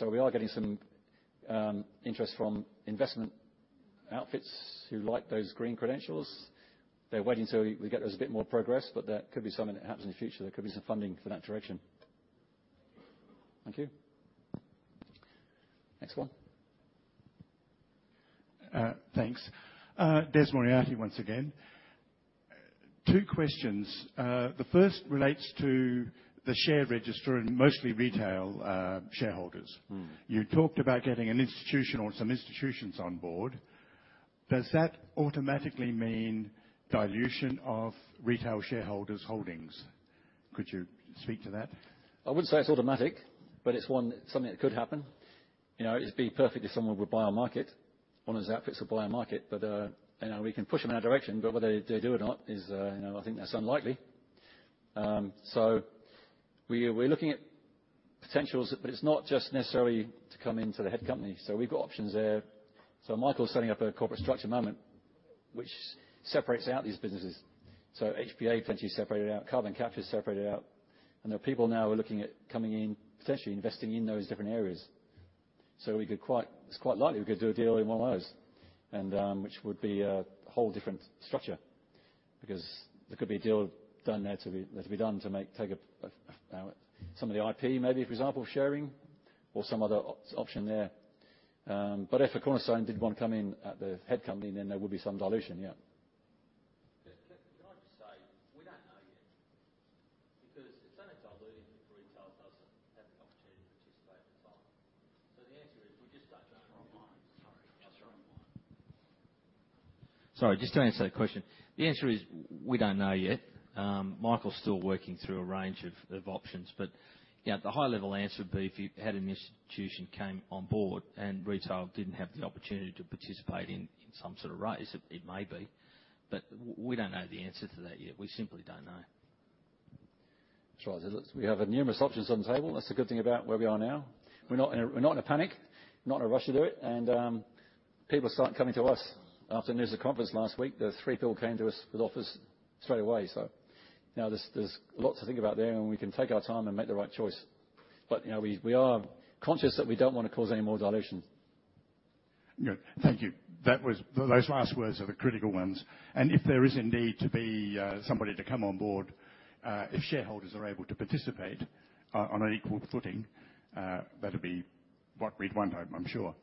We are getting some interest from investment outfits who like those green credentials. They're waiting till there's a bit more progress, but there could be something that happens in the future. There could be some funding for that direction. Thank you. Next one. Thanks. Des Moriarty once again. Two questions. The first relates to the share register and mostly retail shareholders. Mm. You talked about getting an institution or some institutions on board. Does that automatically mean dilution of retail shareholders' holdings? Could you speak to that? I wouldn't say it's automatic, but it's something that could happen. You know, it'd be perfect if someone would buy on market. One of the outfits will buy on market. You know, we can push them in that direction, but whether they do or not is, you know, I think that's unlikely. We're looking at potentials, but it's not just necessarily to come into the head company. We've got options there. Michael is setting up a corporate structure at the moment which separates out these businesses. HPA plant separated out, carbon capture separated out, and there are people now who are looking at coming in, potentially investing in those different areas. It's quite likely we could do a deal in one of those and which would be a whole different structure. Because there could be a deal done there to take, you know, some of the I.P., maybe, for example, sharing or some other option there. If a cornerstone did want to come in at the head company, then there would be some dilution. Yeah. Can I just say, we don't know yet. Because it's only dilutive if retail doesn't have the opportunity to participate in the sale. The answer is we just don't know. Sorry, wrong mic. Sorry. I was the wrong mic. Sorry, just to answer the question. The answer is we don't know yet. Michael's still working through a range of options. You know, the high-level answer would be if you had an institution came on board and retail didn't have the opportunity to participate in some sort of raise, it may be. We don't know the answer to that yet. We simply don't know. As far as it looks, we have numerous options on the table. That's the good thing about where we are now. We're not in a panic, not in a rush to do it. People are starting coming to us. After the news conference last week, there's three people came to us with offers straight away. You know, there's a lot to think about there, and we can take our time and make the right choice. You know, we are conscious that we don't wanna cause any more dilution. Good. Thank you. Those last words are the critical ones. If there is indeed to be somebody to come on board, if shareholders are able to participate on an equal footing, that'll be what we'd want, I'm sure.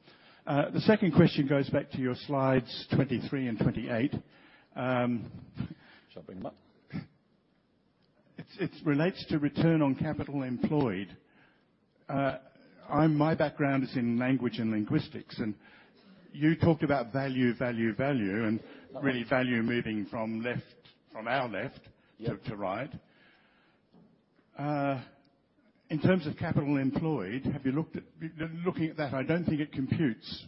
The second question goes back to your slides 23 and 28. Shall I bring them up? It relates to return on capital employed. My background is in language and linguistics. You talked about value and really value moving from our left. Yeah. Too right. In terms of capital employed, looking at that, I don't think it computes.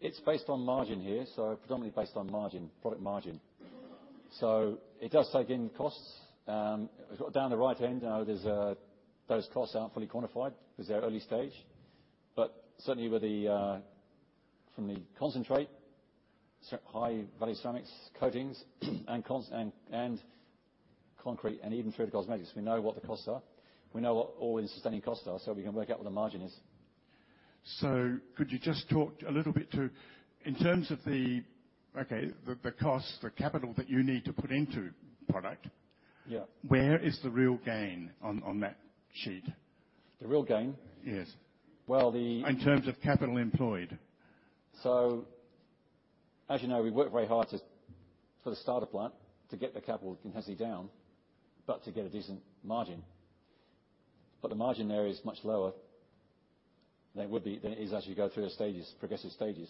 It's based on margin here, so predominantly based on margin, product margin. It does take in costs. We've got down the right end, you know. Those costs aren't fully quantified 'cause they're early stage. Certainly from the concentrate, high-value ceramics, coatings, and concrete and even through to cosmetics, we know what the costs are. We know what all the sustaining costs are, so we can work out what the margin is. Could you just talk a little bit to, in terms of the cost, the capital that you need to put into product? Yeah. Where is the real gain on that sheet? The real gain? Yes. Well, the- In terms of capital employed. As you know, we worked very hard for the starter plant to get the capital intensity down, but to get a decent margin. The margin there is much lower than it would be, than it is as you go through the stages, progressive stages.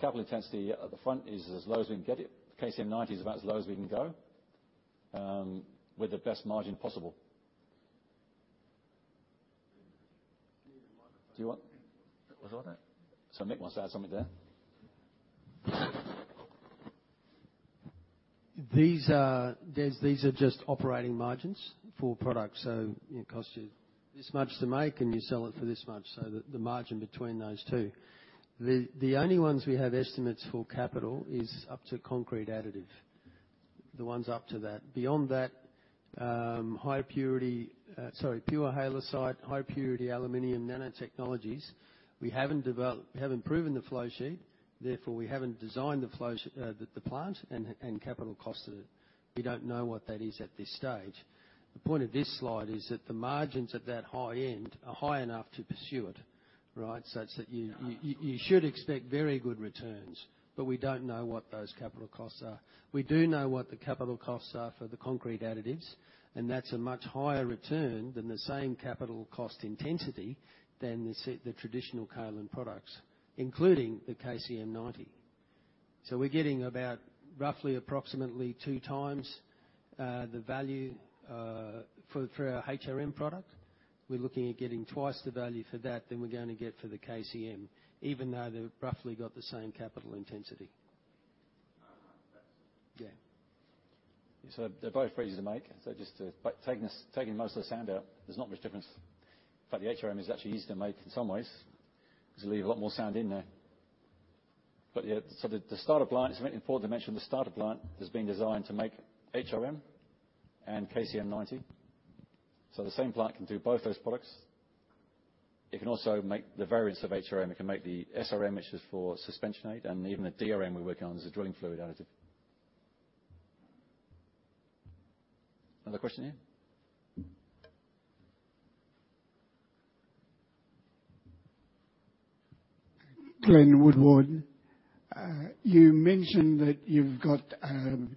Capital intensity at the front is as low as we can get it. KCM 90 is about as low as we can go with the best margin possible. Do you want? What's all that? Mick wants to add something there. Des, these are just operating margins for products. It costs you this much to make and you sell it for this much. The margin between those two. The only ones we have estimates for capital is up to concrete additive. The ones up to that. Beyond that, pure halloysite, high purity alumina, nanotechnologies, we haven't developed. We haven't proven the flow sheet, therefore we haven't designed the plant and capital cost of it. We don't know what that is at this stage. The point of this slide is that the margins at that high end are high enough to pursue it, right? Such that you should expect very good returns, but we don't know what those capital costs are. We do know what the capital costs are for the concrete additives, and that's a much higher return than the same capital cost intensity than the traditional kaolin products, including the KCM 90. We're getting about roughly approximately 2x the value for our HRM product. We're looking at getting twice the value for that than we're going to get for the KCM, even though they've roughly got the same capital intensity. Yeah. They're both pretty to make. By taking most of the sand out, there's not much difference. In fact, the HRM is actually easier to make in some ways 'cause you leave a lot more sand in there. It's very important to mention the starter plant has been designed to make HRM and KCM 90. The same plant can do both those products. It can also make the variants of HRM, it can make the SRM, which is for suspension aid, and even the DRM we're working on is a drilling fluid additive. Another question here? You mentioned that you've got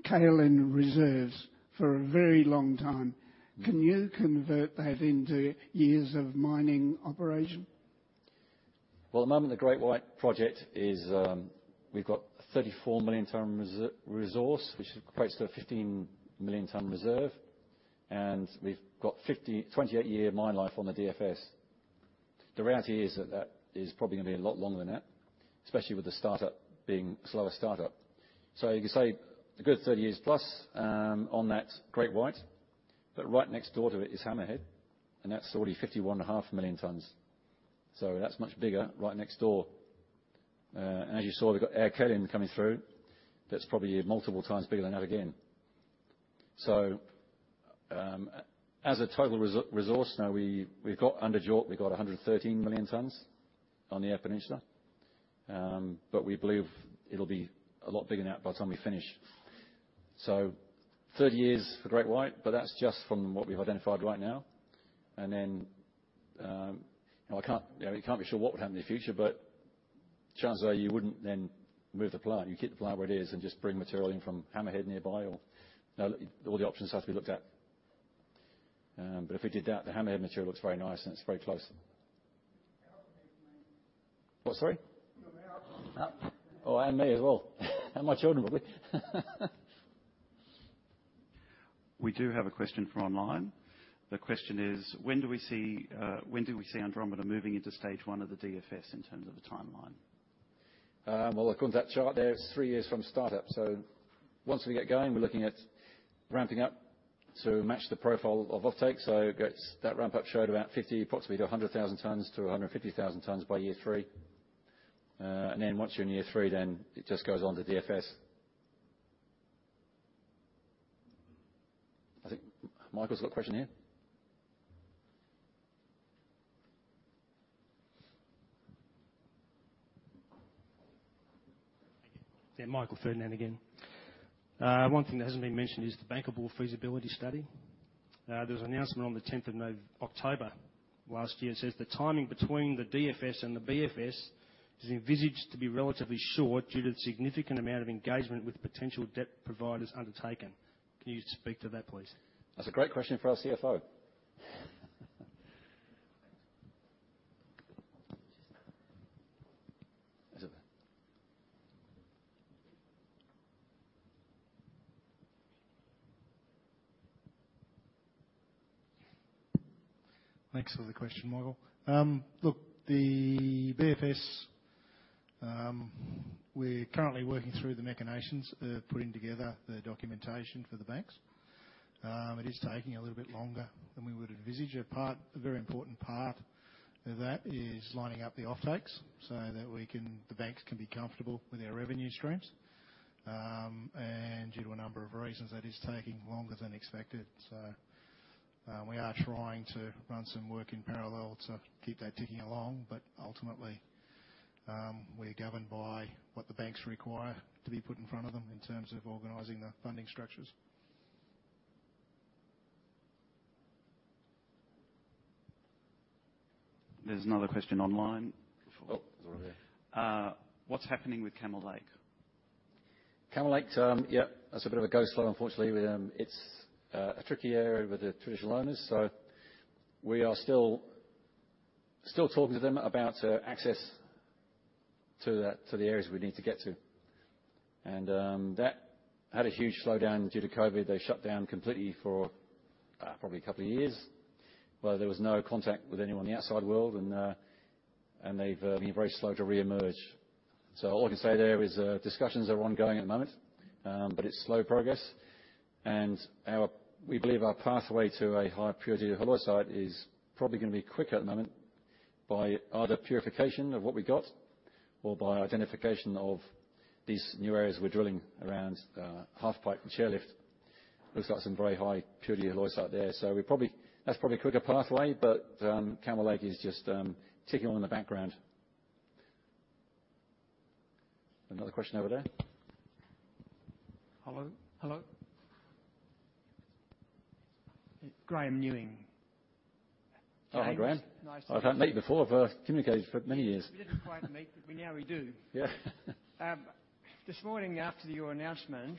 kaolin reserves for a very long time. Can you convert that into years of mining operation? Well, at the moment, the Great White Project is, we've got 34 million ton resource, which equates to a 15 million ton reserve, and we've got 28-year mine life on the DFS. The reality is that that is probably gonna be a lot longer than that, especially with the startup being a slower startup. You can say a good 30 years+ on that Great White. Right next door to it is Hammerhead, and that's already 51.5 million tons. That's much bigger right next door. As you saw, we've got Eyre Kaolin coming through. That's probably multiple times bigger than that again. As a total resource, now we've got under JORC, we've got 113 million tons on the Eyre Peninsula. We believe it'll be a lot bigger than that by the time we finish. 30 years for Great White, but that's just from what we've identified right now. You know, we can't be sure what would happen in the future, but chances are you wouldn't then move the plant. You keep the plant where it is and just bring material in from Hammerhead nearby. Now, all the options have to be looked at. If we did that, the Hammerhead material looks very nice, and it's very close. Oh, sorry. Oh, me as well. My children probably. We do have a question from online. The question is, when do we see Andromeda moving into stage one of the DFS in terms of the timeline? Well, according to that chart there, it's three years from startup. Once we get going, we're looking at ramping up to match the profile of offtake. That ramp up showed about 50, possibly to 100,000 tons-150,000 tons by year three. Once you're in year three, then it just goes on to DFS. I think Michael's got a question here. Thank you. Yeah, Michael Ferdinand again. One thing that hasn't been mentioned is the bankable feasibility study. There was an announcement on the 10th of October last year, says the timing between the DFS and the BFS is envisaged to be relatively short due to the significant amount of engagement with potential debt providers undertaken. Can you speak to that, please? That's a great question for our CFO. Thanks for the question, Michael. Look, the BFS, we're currently working through the machinations of putting together the documentation for the banks. It is taking a little bit longer than we would envisage. A very important part of that is lining up the offtakes so that the banks can be comfortable with their revenue streams. Due to a number of reasons, that is taking longer than expected. We are trying to run some work in parallel to keep that ticking along. Ultimately, we're governed by what the banks require to be put in front of them in terms of organizing the funding structures. There's another question online. Oh, it's right there. What's happening with Camel Lake? Camel Lake, yeah, that's a bit of a go slow, unfortunately. It's a tricky area with the traditional owners. We are still talking to them about access to the areas we need to get to. That had a huge slowdown due to COVID. They shut down completely for probably a couple of years, where there was no contact with anyone in the outside world, and they've been very slow to reemerge. All I can say there is discussions are ongoing at the moment, but it's slow progress. We believe our pathway to a higher purity of halloysite is probably gonna be quicker at the moment by either purification of what we've got or by identification of these new areas we're drilling around Half Pipe and Chairlift. Looks like some very high purity halloysite there. That's probably a quicker pathway, but Camel Lake is just ticking on in the background. Another question over there. Hello. Graeme Newing. Hello, Graeme. James. Mick, we've met before. We've communicated for many years. We didn't quite meet, but we know we do. Yeah. This morning after your announcement,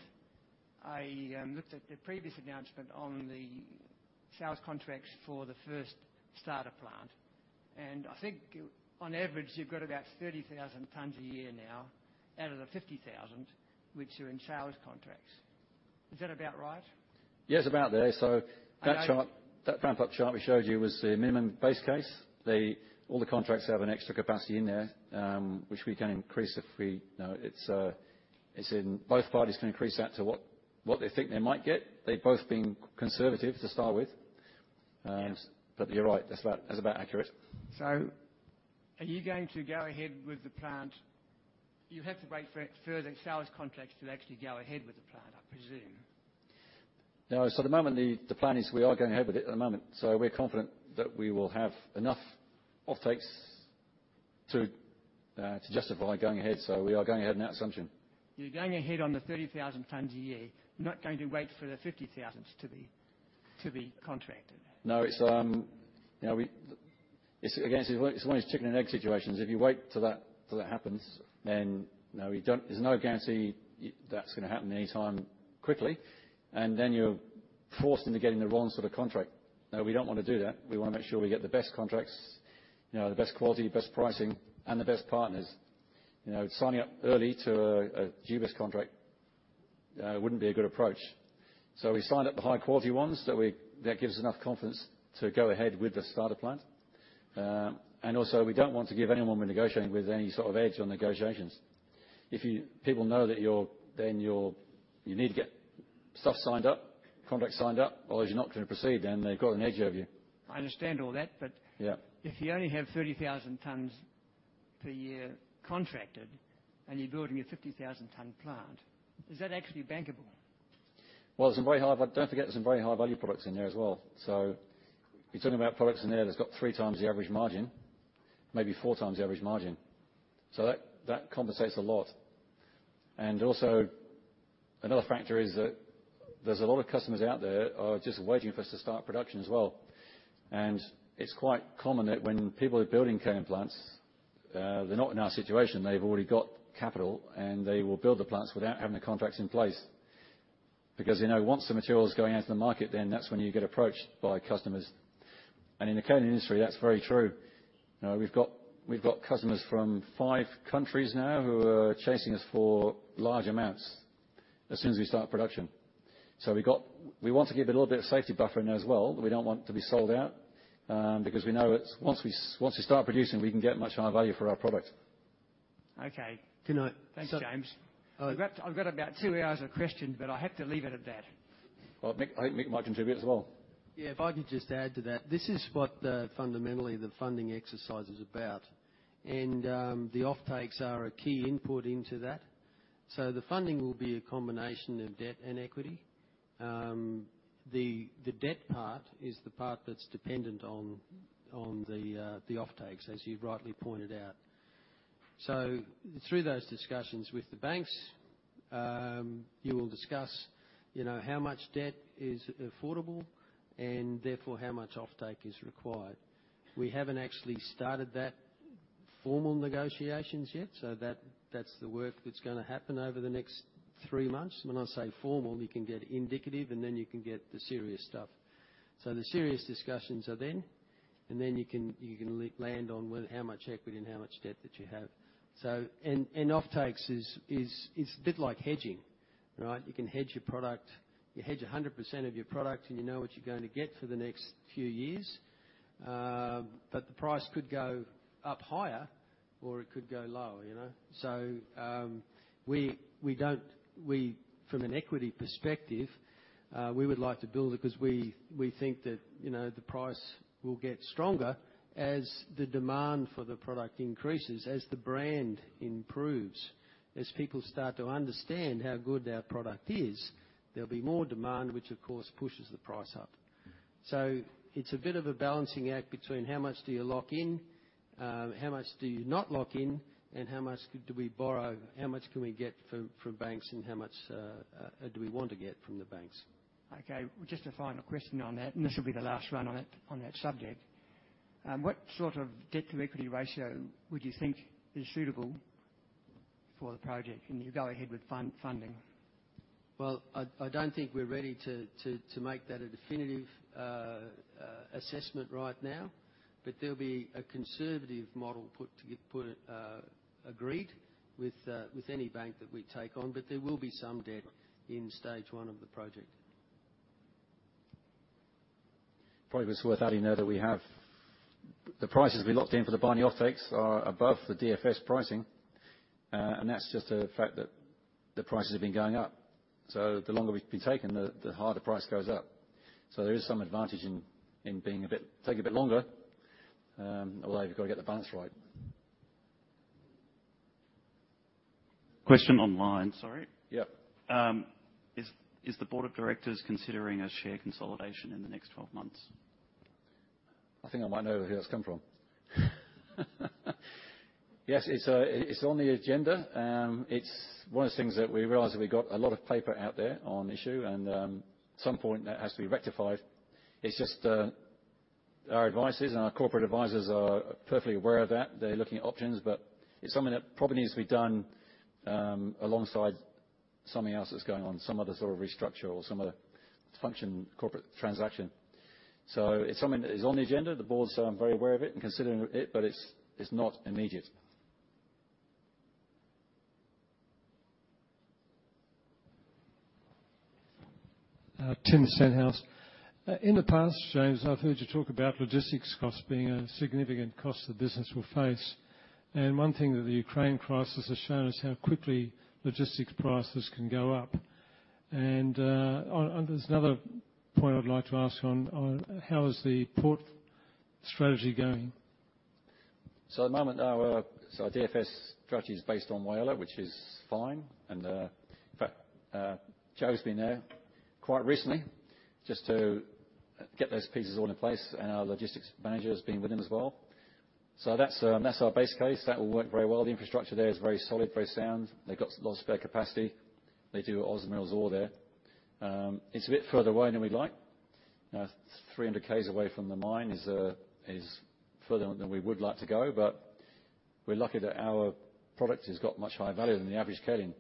I looked at the previous announcement on the sales contracts for the first starter plant. I think on average, you've got about 30,000 tons a year now out of the 50,000 which are in sales contracts. Is that about right? Yeah, it's about there. And I- That ramp-up chart we showed you was the minimum base case. All the contracts have an extra capacity in there, which we can increase. You know, it's in both parties to increase that to what they think they might get. They've both been conservative to start with. You're right, that's about accurate. Are you going to go ahead with the plant? You have to wait for further sales contracts to actually go ahead with the plant, I presume. No. At the moment the plan is we are going ahead with it at the moment. We're confident that we will have enough offtakes to justify going ahead. We are going ahead on that assumption. You're going ahead on the 30,000 tons a year, not going to wait for the 50,000 to be contracted? No. It's, again, one of these chicken and egg situations. If you wait till that happens, then, you know, there's no guarantee that's gonna happen anytime quickly. You're forced into getting the wrong sort of contract. Now, we don't wanna do that. We wanna make sure we get the best contracts, you know, the best quality, the best pricing, and the best partners. You know, signing up early to a dubious contract wouldn't be a good approach. We signed up the high-quality ones. That gives us enough confidence to go ahead with the starter plant. Also, we don't want to give anyone we're negotiating with any sort of edge on negotiations. You need to get stuff signed up, contracts signed up, or else you're not gonna proceed. They've got an edge over you. I understand all that. Yeah. If you only have 30,000 tons per year contracted, and you're building a 50,000 ton plant, is that actually bankable? Well, don't forget, there's some very high-value products in there as well. You're talking about products in there that's got 3x the average margin, maybe 4x the average margin. That compensates a lot. Also, another factor is that there's a lot of customers out there are just waiting for us to start production as well. It's quite common that when people are building kaolin plants, they're not in our situation..They've already got capital, and they will build the plants without having the contracts in place. Because, you know, once the material is going out into the market, then that's when you get approached by customers. In the kaolin industry, that's very true. You know, we've got customers from five countries now who are chasing us for large amounts as soon as we start production. We want to give it a little bit of safety buffer in there as well. We don't want to be sold out. Once we start producing, we can get much higher value for our product. Okay. Good night. Thanks, James. All right. I've got about 2 hours of questions, but I have to leave it at that. Well, Mick, I think Mick might contribute as well. Yeah, if I could just add to that. This is what fundamentally the funding exercise is about. The offtakes are a key input into that. The funding will be a combination of debt and equity. The debt part is the part that's dependent on the offtakes, as you've rightly pointed out. Through those discussions with the banks, you will discuss, you know, how much debt is affordable and therefore how much offtake is required. We haven't actually started that formal negotiations yet, so that's the work that's gonna happen over the next three months. When I say formal, you can get indicative, and then you can get the serious stuff. The serious discussions are then. You can land on where, how much equity and how much debt that you have. Offtakes is a bit like hedging, right? You can hedge your product. You hedge 100% of your product, and you know what you're gonna get for the next few years. The price could go up higher or it could go lower, you know? From an equity perspective, we would like to build it 'cause we think that, you know, the price will get stronger as the demand for the product increases, as the brand improves. As people start to understand how good our product is, there'll be more demand, which of course pushes the price up. It's a bit of a balancing act between how much do you lock in, how much do you not lock in, and how much do we borrow? How much can we get from banks, and how much do we want to get from the banks? Okay. Just a final question on that, and this will be the last run on it, on that subject. What sort of debt-to-equity ratio would you think is suitable for the project when you go ahead with funding? Well, I don't think we're ready to make that a definitive assessment right now. There'll be a conservative model put, agreed with any bank that we take on. There will be some debt in stage 1 of the project. Probably was worth adding there that the prices we locked in for the binding offtakes are above the DFS pricing, and that's just a fact that the prices have been going up. The longer we've been taking, the higher the price goes up. There is some advantage in taking a bit longer, although you've gotta get the balance right. Question online. Sorry. Yeah. Is the Board of Directors considering a share consolidation in the next 12 months? I think I might know where that's come from. Yes, it's on the agenda. It's one of those things that we realize that we got a lot of paper out there on issue and at some point that has to be rectified. It's just our advisors and our corporate advisors are perfectly aware of that. They're looking at options. It's something that probably needs to be done alongside something else that's going on, some other sort of restructure or some other function, corporate transaction. It's something that is on the agenda. I'm very aware of it and considering it, but it's not immediate. Tim Stenhouse. In the past, James, I've heard you talk about logistics costs being a significant cost the business will face. One thing that the Ukraine crisis has shown is how quickly logistics prices can go up. There's another point I'd like to ask you on how is the port strategy going? At the moment, our DFS strategy is based on Whyalla, which is fine, and, in fact, Joe's been there quite recently just to get those pieces all in place, and our logistics manager has been with him as well. That's our base case. That will work very well. The infrastructure there is very solid, very sound. They've got a lot of spare capacity. They do OZ Minerals ore there. It's a bit further away than we'd like. It's 300 km away from the mine is further than we would like to go, but we're lucky that our product has got much higher value than the average kaolin.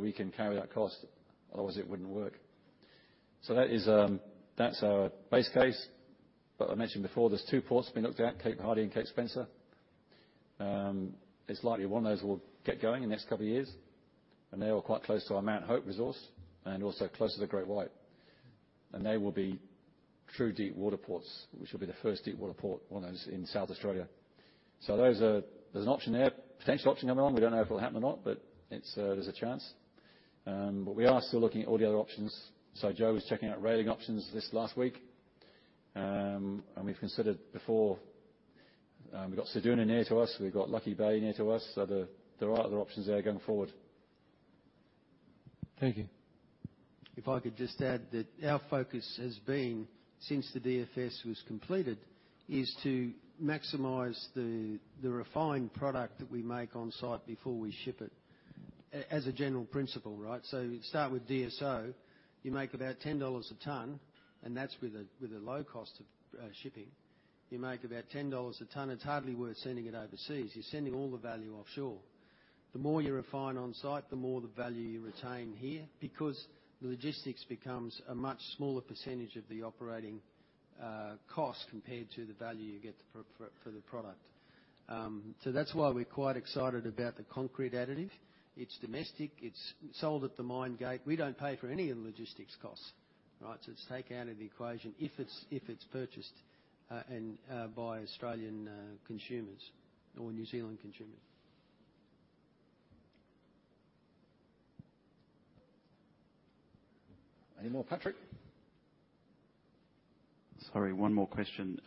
We can carry that cost, otherwise it wouldn't work. That's our base case. I mentioned before, there's two ports being looked at, Cape Hardy and Port Spencer. It's likely one of those will get going in the next couple of years. They are quite close to our Mount Hope resource, and also close to the Great White. They will be true deepwater ports, which will be the first deepwater port, one of those, in South Australia. There's an option there, potential option coming on. We don't know if it will happen or not, but there's a chance. We are still looking at all the other options. Joe was checking out rail options this last week. We've considered before, we got Ceduna near to us, we've got Lucky Bay near to us. There are other options there going forward. Thank you. If I could just add that our focus has been, since the DFS was completed, is to maximize the refined product that we make on-site before we ship it as a general principle, right? You start with DSO, you make about 10 dollars a ton, and that's with a low cost of shipping. You make about 10 dollars a ton. It's hardly worth sending it overseas. You're sending all the value offshore. The more you refine on-site, the more the value you retain here, because the logistics becomes a much smaller percentage of the operating cost compared to the value you get for the product. That's why we're quite excited about the concrete additive. It's domestic. It's sold at the mine gate. We don't pay for any of the logistics costs. Right? It's taken out of the equation if it's purchased and by Australian consumers or New Zealand consumers. Any more? Patrick? Sorry, one more question.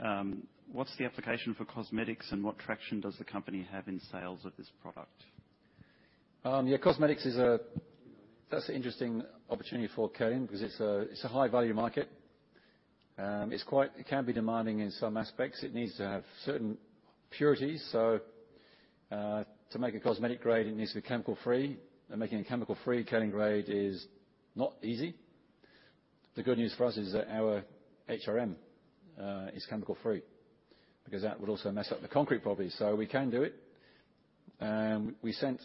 What's the application for cosmetics and what traction does the company have in sales of this product? Yeah, that's an interesting opportunity for kaolin because it's a high-value market. It can be demanding in some aspects. It needs to have certain purities. To make a cosmetic grade, it needs to be chemical-free. Making a chemical-free kaolin grade is not easy. The good news for us is that our HRM is chemical-free, because that would also mess up the concrete properties. We can do it. We sent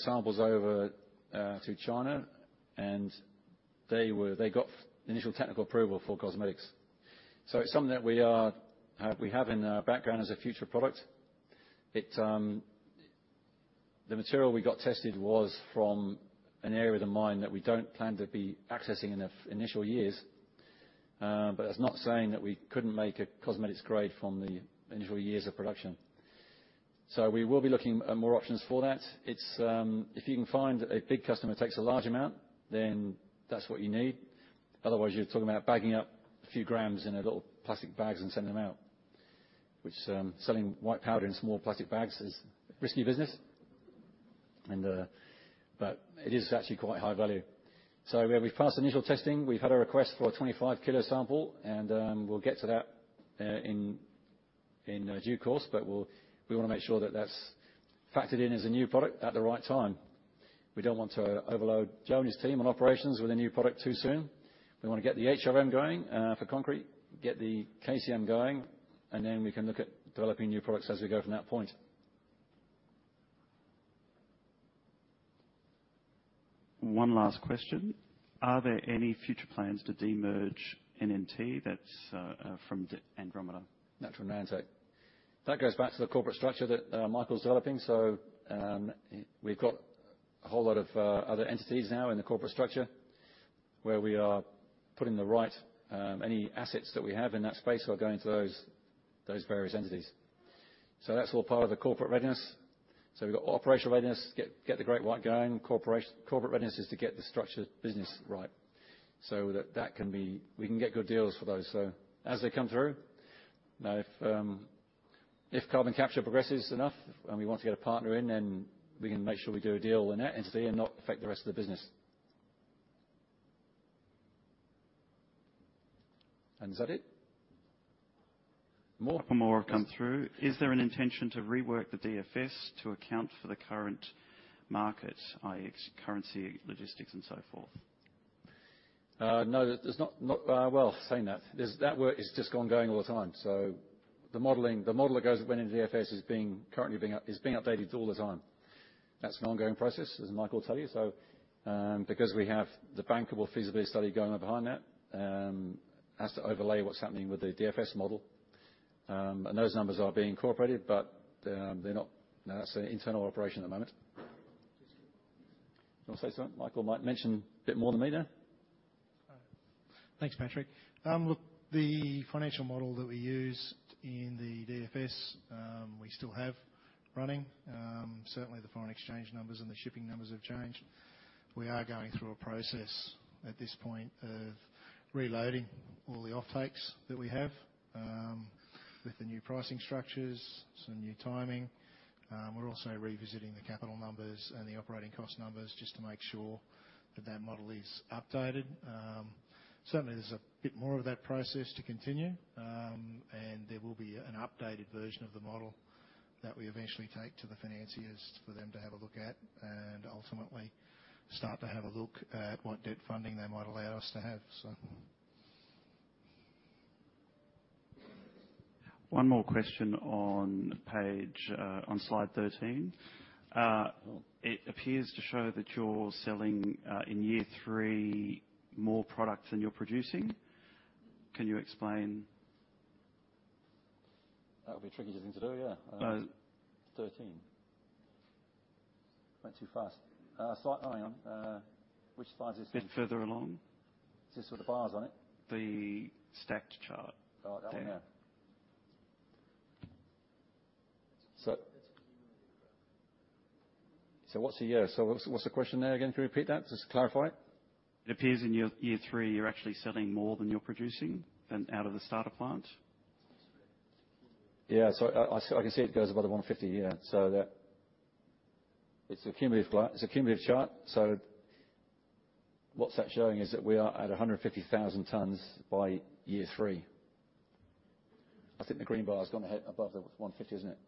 samples over to China, and they got initial technical approval for cosmetics. It's something that we have in our background as a future product. The material we got tested was from an area of the mine that we don't plan to be accessing in the initial years. That's not saying that we couldn't make a cosmetics grade from the initial years of production. We will be looking at more options for that. It's if you can find a big customer that takes a large amount, then that's what you need. Otherwise, you're talking about bagging up a few grams in little plastic bags and sending them out, which selling white powder in small plastic bags is risky business. It is actually quite high value. We've passed initial testing. We've had a request for a 25 kg sample, and we'll get to that in due course, but we wanna make sure that that's factored in as a new product at the right time. We don't want to overload Joe and his team on operations with a new product too soon. We wanna get the HRM going for concrete, get the KCM going, and then we can look at developing new products as we go from that point. One last question. Are there any future plans to demerge NNT? That's from Andromeda. Natural Nanotech. That goes back to the corporate structure that Michael's developing. We've got a whole lot of other entities now in the corporate structure where any assets that we have in that space are going to those various entities. That's all part of the corporate readiness. We've got operational readiness, get the Great White going. Corporate readiness is to get the structured business right so that we can get good deals for those. As they come through, now if carbon capture progresses enough and we want to get a partner in, then we can make sure we do a deal in that entity and not affect the rest of the business. Is that it? More? A couple more have come through. Yes. Is there an intention to rework the DFS to account for the current market, i.e., currency, logistics, and so forth? No. There's not. Well, saying that work is just ongoing all the time. The model that went into DFS is being currently updated all the time. That's an ongoing process, as Michael will tell you. Because we have the bankable feasibility study going on behind that, has to overlay what's happening with the DFS model. Those numbers are being incorporated, but they're not. That's an internal operation at the moment. You wanna say something? Michael might mention a bit more than me there. Thanks, Patrick. Look, the financial model that we used in the DFS, we still have running. Certainly the foreign exchange numbers and the shipping numbers have changed. We are going through a process at this point of reloading all the offtakes that we have with the new pricing structures, some new timing. We're also revisiting the capital numbers and the operating cost numbers just to make sure that that model is updated. Certainly there's a bit more of that process to continue. There will be an updated version of the model that we eventually take to the financiers for them to have a look at and ultimately start to have a look at what debt funding they might allow us to have. One more question on slide 13. It appears to show that you're selling in year three more products than you're producing. Can you explain? That would be a tricky thing to do, yeah. Oh. 13. Went too fast. Slide. Hang on. Which slide is this one? A bit further along. Is this the one with the bars on it? The stacked chart. Oh, that one. Yeah. There. Yeah, what's the question there again? Can you repeat that just to clarify it? It appears in year three, you're actually selling more than you're producing and out of the starter plant. I can see it goes above the 150, yeah. It's a cumulative chart, so what's that showing is that we are at 150,000 tons by year three. I think the green bar has gone above the 150, isn't it?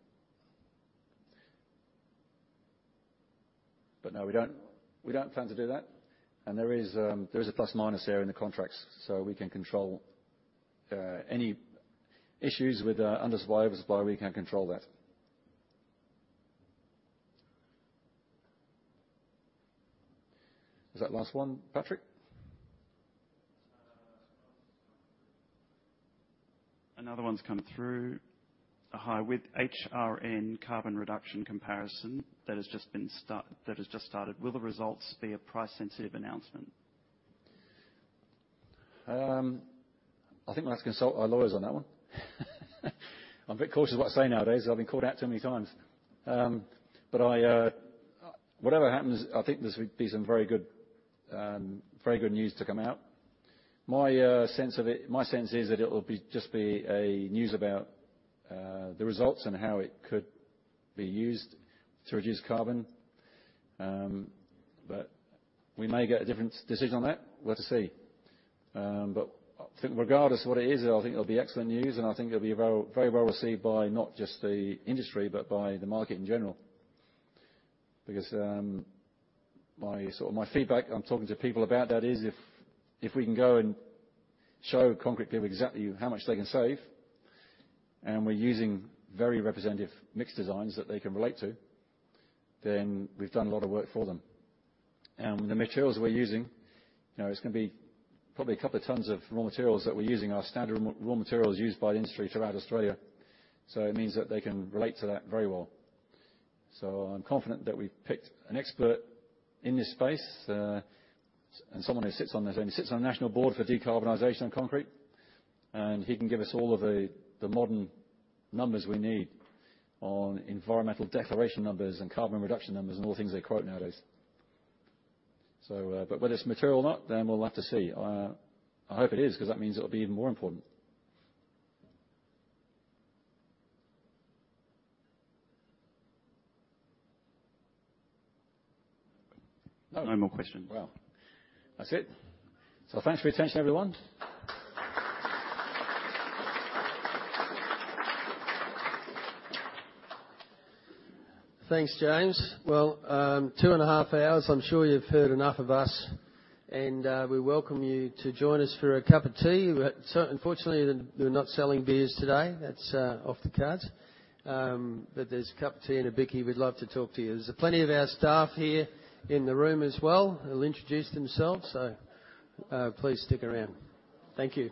No, we don't plan to do that. There is a ± error in the contracts, so we can control any issues with undersupply or oversupply, we can control that. Is that last one, Patrick? Another one's come through. Hi, with HRM carbon reduction comparison that has just started, will the results be a price-sensitive announcement? I think we'll have to consult our lawyers on that one. I'm a bit cautious of what I say nowadays. I've been called out too many times. Whatever happens, I think this would be some very good news to come out. My sense is that it will just be a news about the results and how it could be used to reduce carbon. We may get a different decision on that. We'll have to see. I think regardless of what it is, I think it'll be excellent news, and I think it'll be very well received by not just the industry, but by the market in general. Because my feedback, I'm talking to people about that is if we can go and show concrete people exactly how much they can save, and we're using very representative mix designs that they can relate to, then we've done a lot of work for them. The materials we're using, you know, it's gonna be probably a couple of tons of raw materials that we're using are standard raw materials used by the industry throughout Australia. It means that they can relate to that very well. I'm confident that we've picked an expert in this space, and he sits on the national board for decarbonization of concrete. He can give us all of the modern numbers we need on environmental declaration numbers and carbon reduction numbers and all the things they quote nowadays. Whether it's material or not, then we'll have to see. I hope it is, 'cause that means it'll be even more important. No more questions. Well, that's it. Thanks for your attention, everyone. Thank., James. Well, two and a half hours, I'm sure you've heard enough of us. We welcome you to join us for a cup of tea. Unfortunately, we're not selling beers today. That's off the cards. There's a cup of tea and a bicky. We'd love to talk to you. There's plenty of our staff here in the room as well who'll introduce themselves. Please stick around. Thank you.